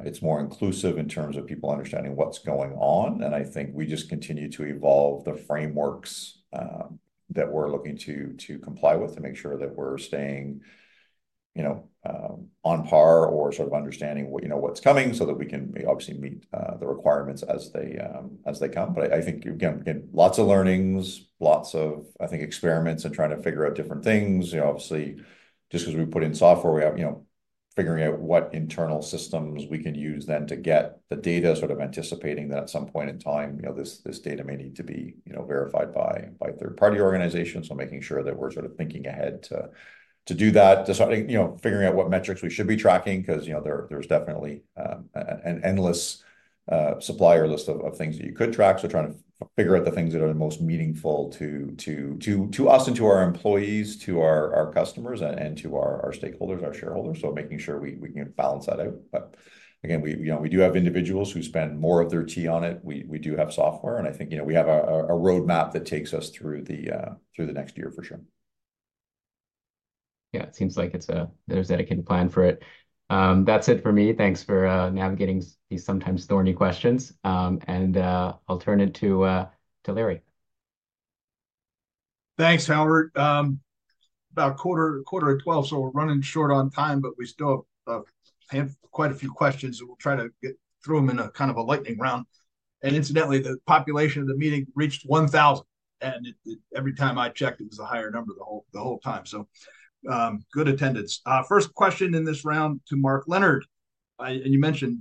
It's more inclusive in terms of people understanding what's going on. I think we just continue to evolve the frameworks that we're looking to comply with to make sure that we're staying on par or sort of understanding what's coming so that we can obviously meet the requirements as they come. But I think, again, lots of learnings, lots of, I think, experiments and trying to figure out different things. Obviously, just because we put in software, we have figuring out what internal systems we can use then to get the data, sort of anticipating that at some point in time, this data may need to be verified by third-party organizations. So making sure that we're sort of thinking ahead to do that, figuring out what metrics we should be tracking because there's definitely an endless supplier list of things that you could track. So trying to figure out the things that are the most meaningful to us and to our employees, to our customers, and to our stakeholders, our shareholders. So making sure we can balance that out. But again, we do have individuals who spend more of their time on it. We do have software. And I think we have a roadmap that takes us through the next year for sure. Yeah. It seems like there's a dedicated plan for it. That's it for me. Thanks for navigating these sometimes thorny questions. I'll turn it to Larry. Thanks, Howard. About quarter to 12, so we're running short on time, but we still have quite a few questions. We'll try to get through them in a kind of a lightning round. Incidentally, the population of the meeting reached 1,000. Every time I checked, it was a higher number the whole time. So good attendance. First question in this round to Mark Leonard. You mentioned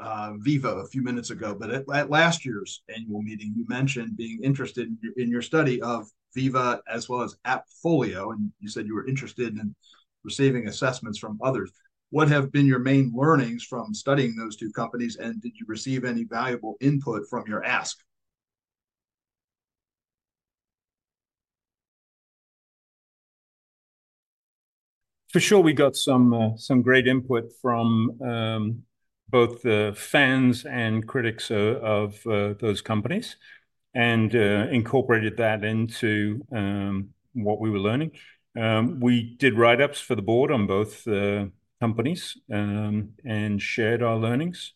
Veeva a few minutes ago. But at last year's annual meeting, you mentioned being interested in your study of Veeva as well as AppFolio. You said you were interested in receiving assessments from others. What have been your main learnings from studying those two companies? Did you receive any valuable input from your ask? For sure, we got some great input from both the fans and critics of those companies and incorporated that into what we were learning. We did write-ups for the board on both companies and shared our learnings.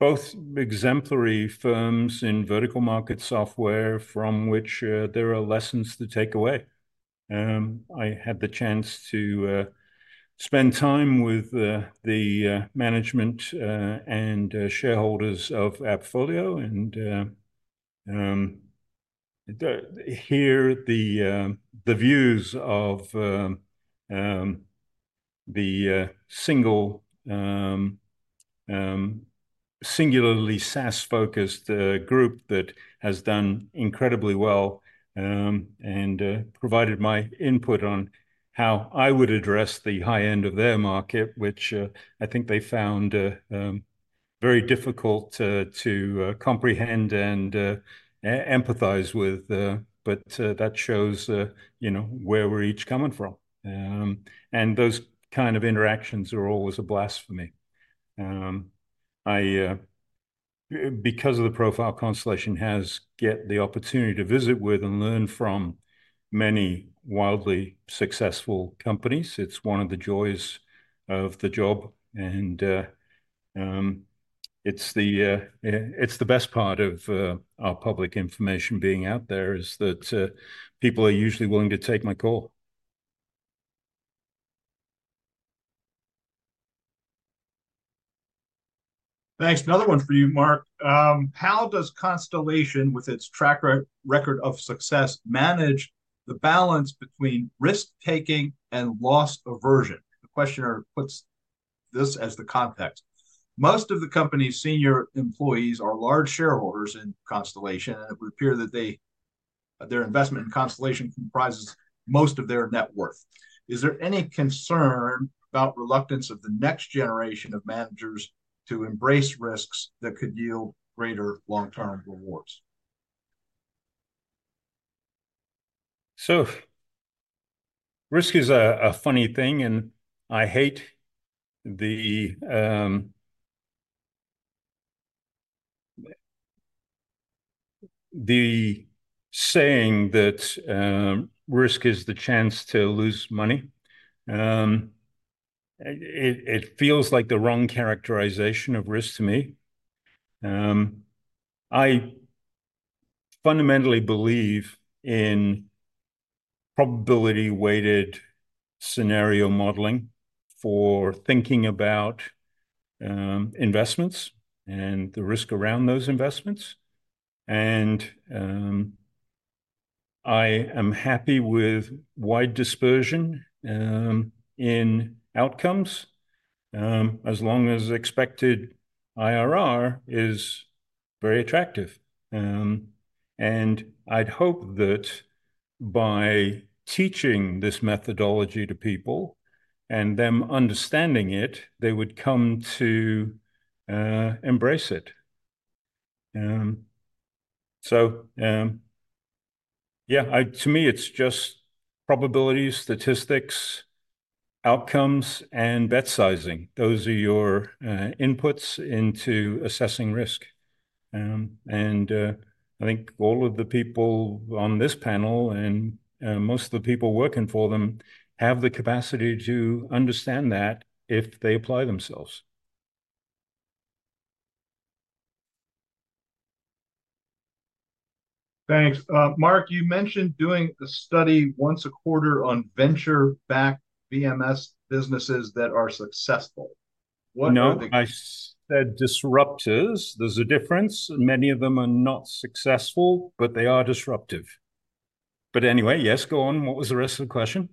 Both exemplary firms in vertical market software from which there are lessons to take away. I had the chance to spend time with the management and shareholders of AppFolio and hear the views of the singularly SaaS-focused group that has done incredibly well and provided my input on how I would address the high end of their market, which I think they found very difficult to comprehend and empathize with. But that shows where we're each coming from. Those kind of interactions are always a blast for me. Because of the profile Constellation has, I get the opportunity to visit with and learn from many wildly successful companies. It's one of the joys of the job. It's the best part of our public information being out there is that people are usually willing to take my call. Thanks. Another one for you, Mark. How does Constellation, with its track record of success, manage the balance between risk-taking and loss aversion? The questioner puts this as the context. Most of the company's senior employees are large shareholders in Constellation, and it would appear that their investment in Constellation comprises most of their net worth. Is there any concern about reluctance of the next generation of managers to embrace risks that could yield greater long-term rewards? So risk is a funny thing. And I hate the saying that risk is the chance to lose money. It feels like the wrong characterization of risk to me. I fundamentally believe in probability-weighted scenario modeling for thinking about investments and the risk around those investments. And I am happy with wide dispersion in outcomes as long as expected IRR is very attractive. And I'd hope that by teaching this methodology to people and them understanding it, they would come to embrace it. So yeah, to me, it's just probabilities, statistics, outcomes, and bet sizing. Those are your inputs into assessing risk. And I think all of the people on this panel and most of the people working for them have the capacity to understand that if they apply themselves. Thanks. Mark, you mentioned doing a study once a quarter on venture-backed VMS businesses that are successful. What are the? No, I said disruptors. There's a difference. Many of them are not successful, but they are disruptive. But anyway, yes, go on. What was the rest of the question?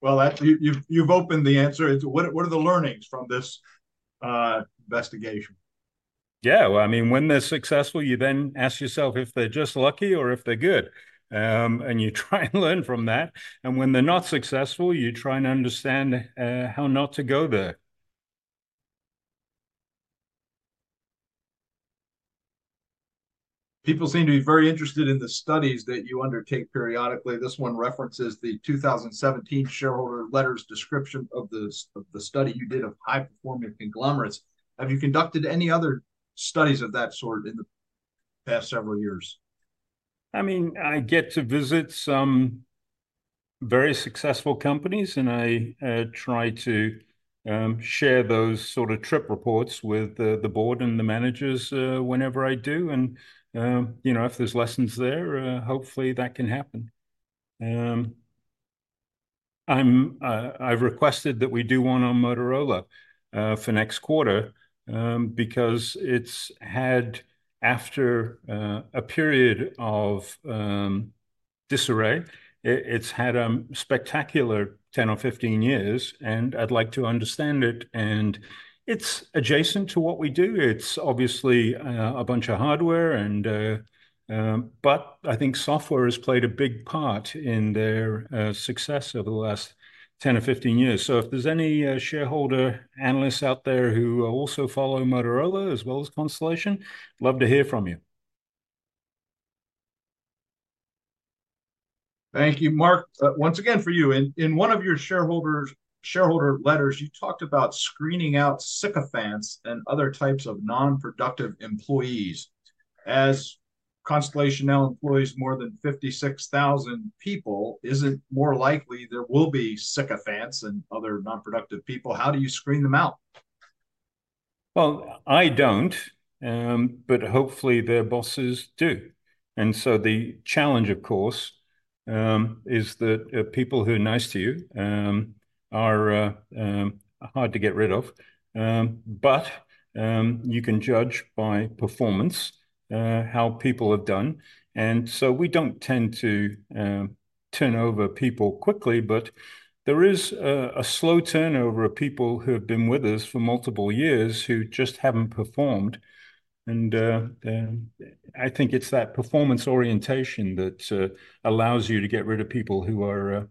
Well, you've opened the answer. What are the learnings from this investigation? Yeah. Well, I mean, when they're successful, you then ask yourself if they're just lucky or if they're good. And you try and learn from that. And when they're not successful, you try and understand how not to go there. People seem to be very interested in the studies that you undertake periodically. This one references the 2017 shareholder letters description of the study you did of high-performing conglomerates. Have you conducted any other studies of that sort in the past several years? I mean, I get to visit some very successful companies, and I try to share those sort of trip reports with the board and the managers whenever I do. If there's lessons there, hopefully, that can happen. I've requested that we do one on Motorola for next quarter because after a period of disarray, it's had a spectacular 10 or 15 years. I'd like to understand it. It's adjacent to what we do. It's obviously a bunch of hardware. I think software has played a big part in their success over the last 10 or 15 years. If there's any shareholder analysts out there who also follow Motorola as well as Constellation, love to hear from you. Thank you. Mark, once again, for you. In one of your shareholder letters, you talked about screening out sycophants and other types of nonproductive employees. As Constellation now employs more than 56,000 people, is it more likely there will be sycophants and other nonproductive people? How do you screen them out? Well, I don't. But hopefully, their bosses do. And so the challenge, of course, is that people who are nice to you are hard to get rid of. But you can judge by performance how people have done. And so we don't tend to turn over people quickly. But there is a slow turnover of people who have been with us for multiple years who just haven't performed. And I think it's that performance orientation that allows you to get rid of people who are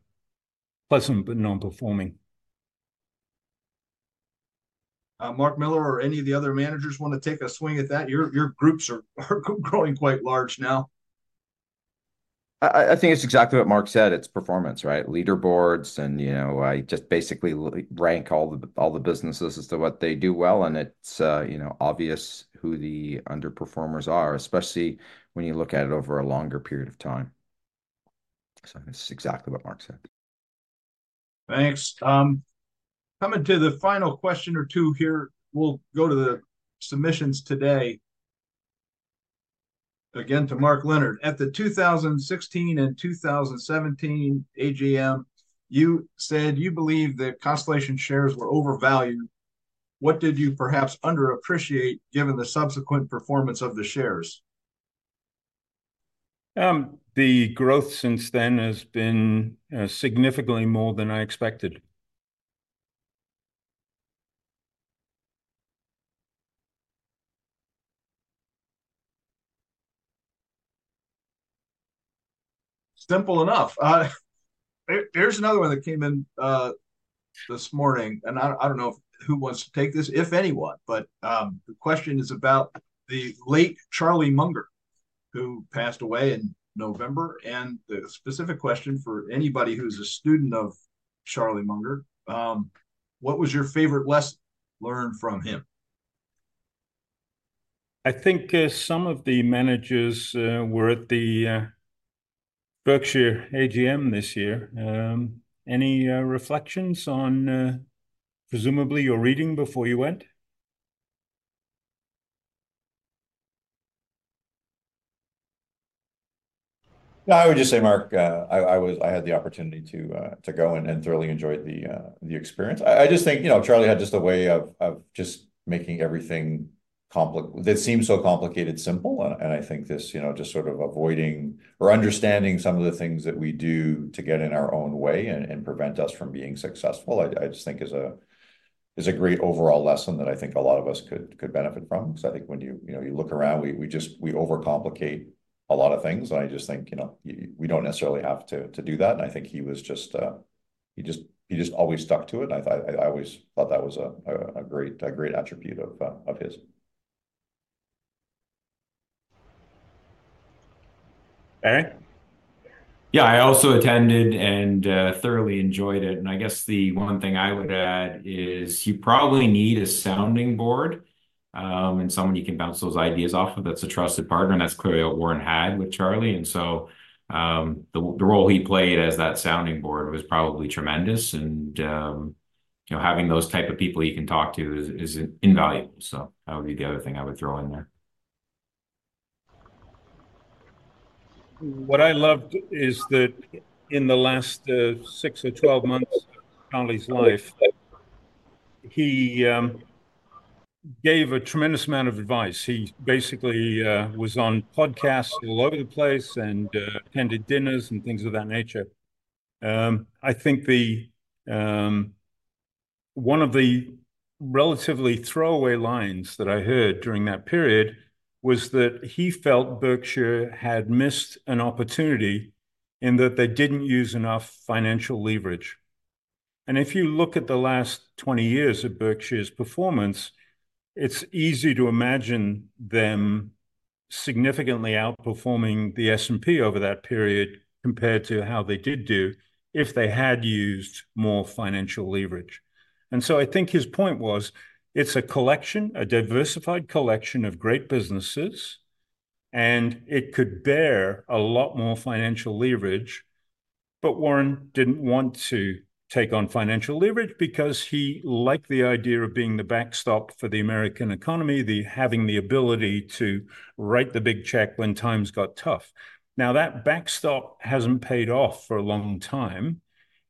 pleasant but nonperforming. Mark Miller or any of the other managers want to take a swing at that? Your groups are growing quite large now. I think it's exactly what Mark said. It's performance, right? Leaderboards. I just basically rank all the businesses as to what they do well. It's obvious who the underperformers are, especially when you look at it over a longer period of time. I think it's exactly what Mark said. Thanks. Coming to the final question or two here, we'll go to the submissions today. Again, to Mark Leonard. At the 2016 and 2017 AGM, you said you believe that Constellation shares were overvalued. What did you perhaps underappreciate given the subsequent performance of the shares? The growth since then has been significantly more than I expected. Simple enough. Here's another one that came in this morning. I don't know who wants to take this, if anyone. The question is about the late Charlie Munger, who passed away in November. The specific question for anybody who's a student of Charlie Munger: what was your favorite lesson learned from him? I think some of the managers were at the Berkshire AGM this year. Any reflections on, presumably, your reading before you went? Yeah, I would just say, Mark, I had the opportunity to go and thoroughly enjoyed the experience. I just think Charlie had just a way of just making everything that seemed so complicated simple. And I think this just sort of avoiding or understanding some of the things that we do to get in our own way and prevent us from being successful, I just think, is a great overall lesson that I think a lot of us could benefit from. Because I think when you look around, we overcomplicate a lot of things. And I just think we don't necessarily have to do that. And I think he was just he just always stuck to it. And I always thought that was a great attribute of his. Eric? Yeah, I also attended and thoroughly enjoyed it. I guess the one thing I would add is you probably need a sounding board and someone you can bounce those ideas off of that's a trusted partner. That's clearly what Warren had with Charlie. So the role he played as that sounding board was probably tremendous. Having those type of people you can talk to is invaluable. That would be the other thing I would throw in there. What I loved is that in the last 6 or 12 months of Munger's life, he gave a tremendous amount of advice. He basically was on podcasts all over the place and attended dinners and things of that nature. I think one of the relatively throwaway lines that I heard during that period was that he felt Berkshire had missed an opportunity in that they didn't use enough financial leverage. And if you look at the last 20 years of Berkshire's performance, it's easy to imagine them significantly outperforming the S&P over that period compared to how they did do if they had used more financial leverage. And so I think his point was it's a collection, a diversified collection of great businesses. And it could bear a lot more financial leverage. But Warren didn't want to take on financial leverage because he liked the idea of being the backstop for the American economy, having the ability to write the big check when times got tough. Now, that backstop hasn't paid off for a long time.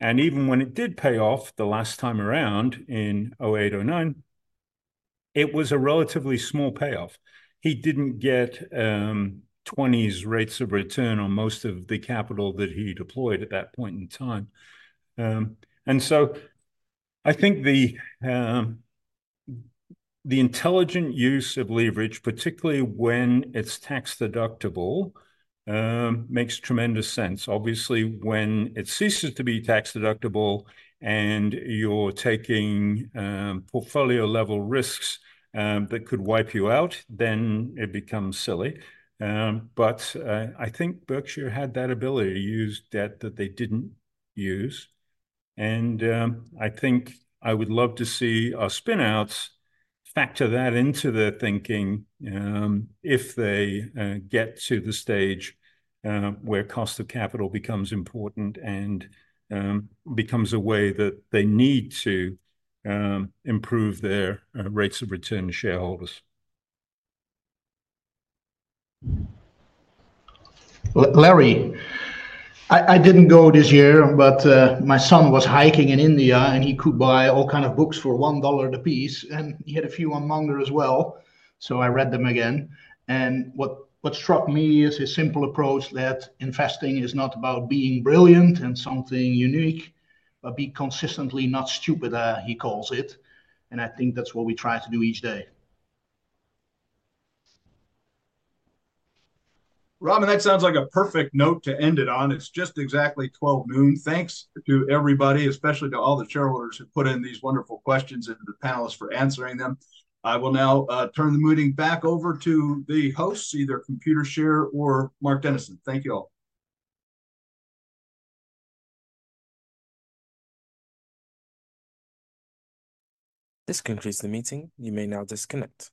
And even when it did pay off the last time around in 2008, 2009, it was a relatively small payoff. He didn't get 20s rates of return on most of the capital that he deployed at that point in time. And so I think the intelligent use of leverage, particularly when it's tax deductible, makes tremendous sense. Obviously, when it ceases to be tax deductible and you're taking portfolio-level risks that could wipe you out, then it becomes silly. But I think Berkshire had that ability to use debt that they didn't use. I think I would love to see our spin-outs factor that into their thinking if they get to the stage where cost of capital becomes important and becomes a way that they need to improve their rates of return to shareholders. Larry, I didn't go this year, but my son was hiking in India, and he could buy all kinds of books for $1 apiece. And he had a few on Munger as well. So I read them again. And what struck me is his simple approach that investing is not about being brilliant and something unique, but being consistently not stupid, he calls it. And I think that's what we try to do each day. Robin, that sounds like a perfect note to end it on. It's just exactly 12:00 P.M. Thanks to everybody, especially to all the shareholders who put in these wonderful questions and to the panelists for answering them. I will now turn the meeting back over to the hosts, either Computershare or Mark Dennison. Thank you all. This concludes the meeting. You may now disconnect.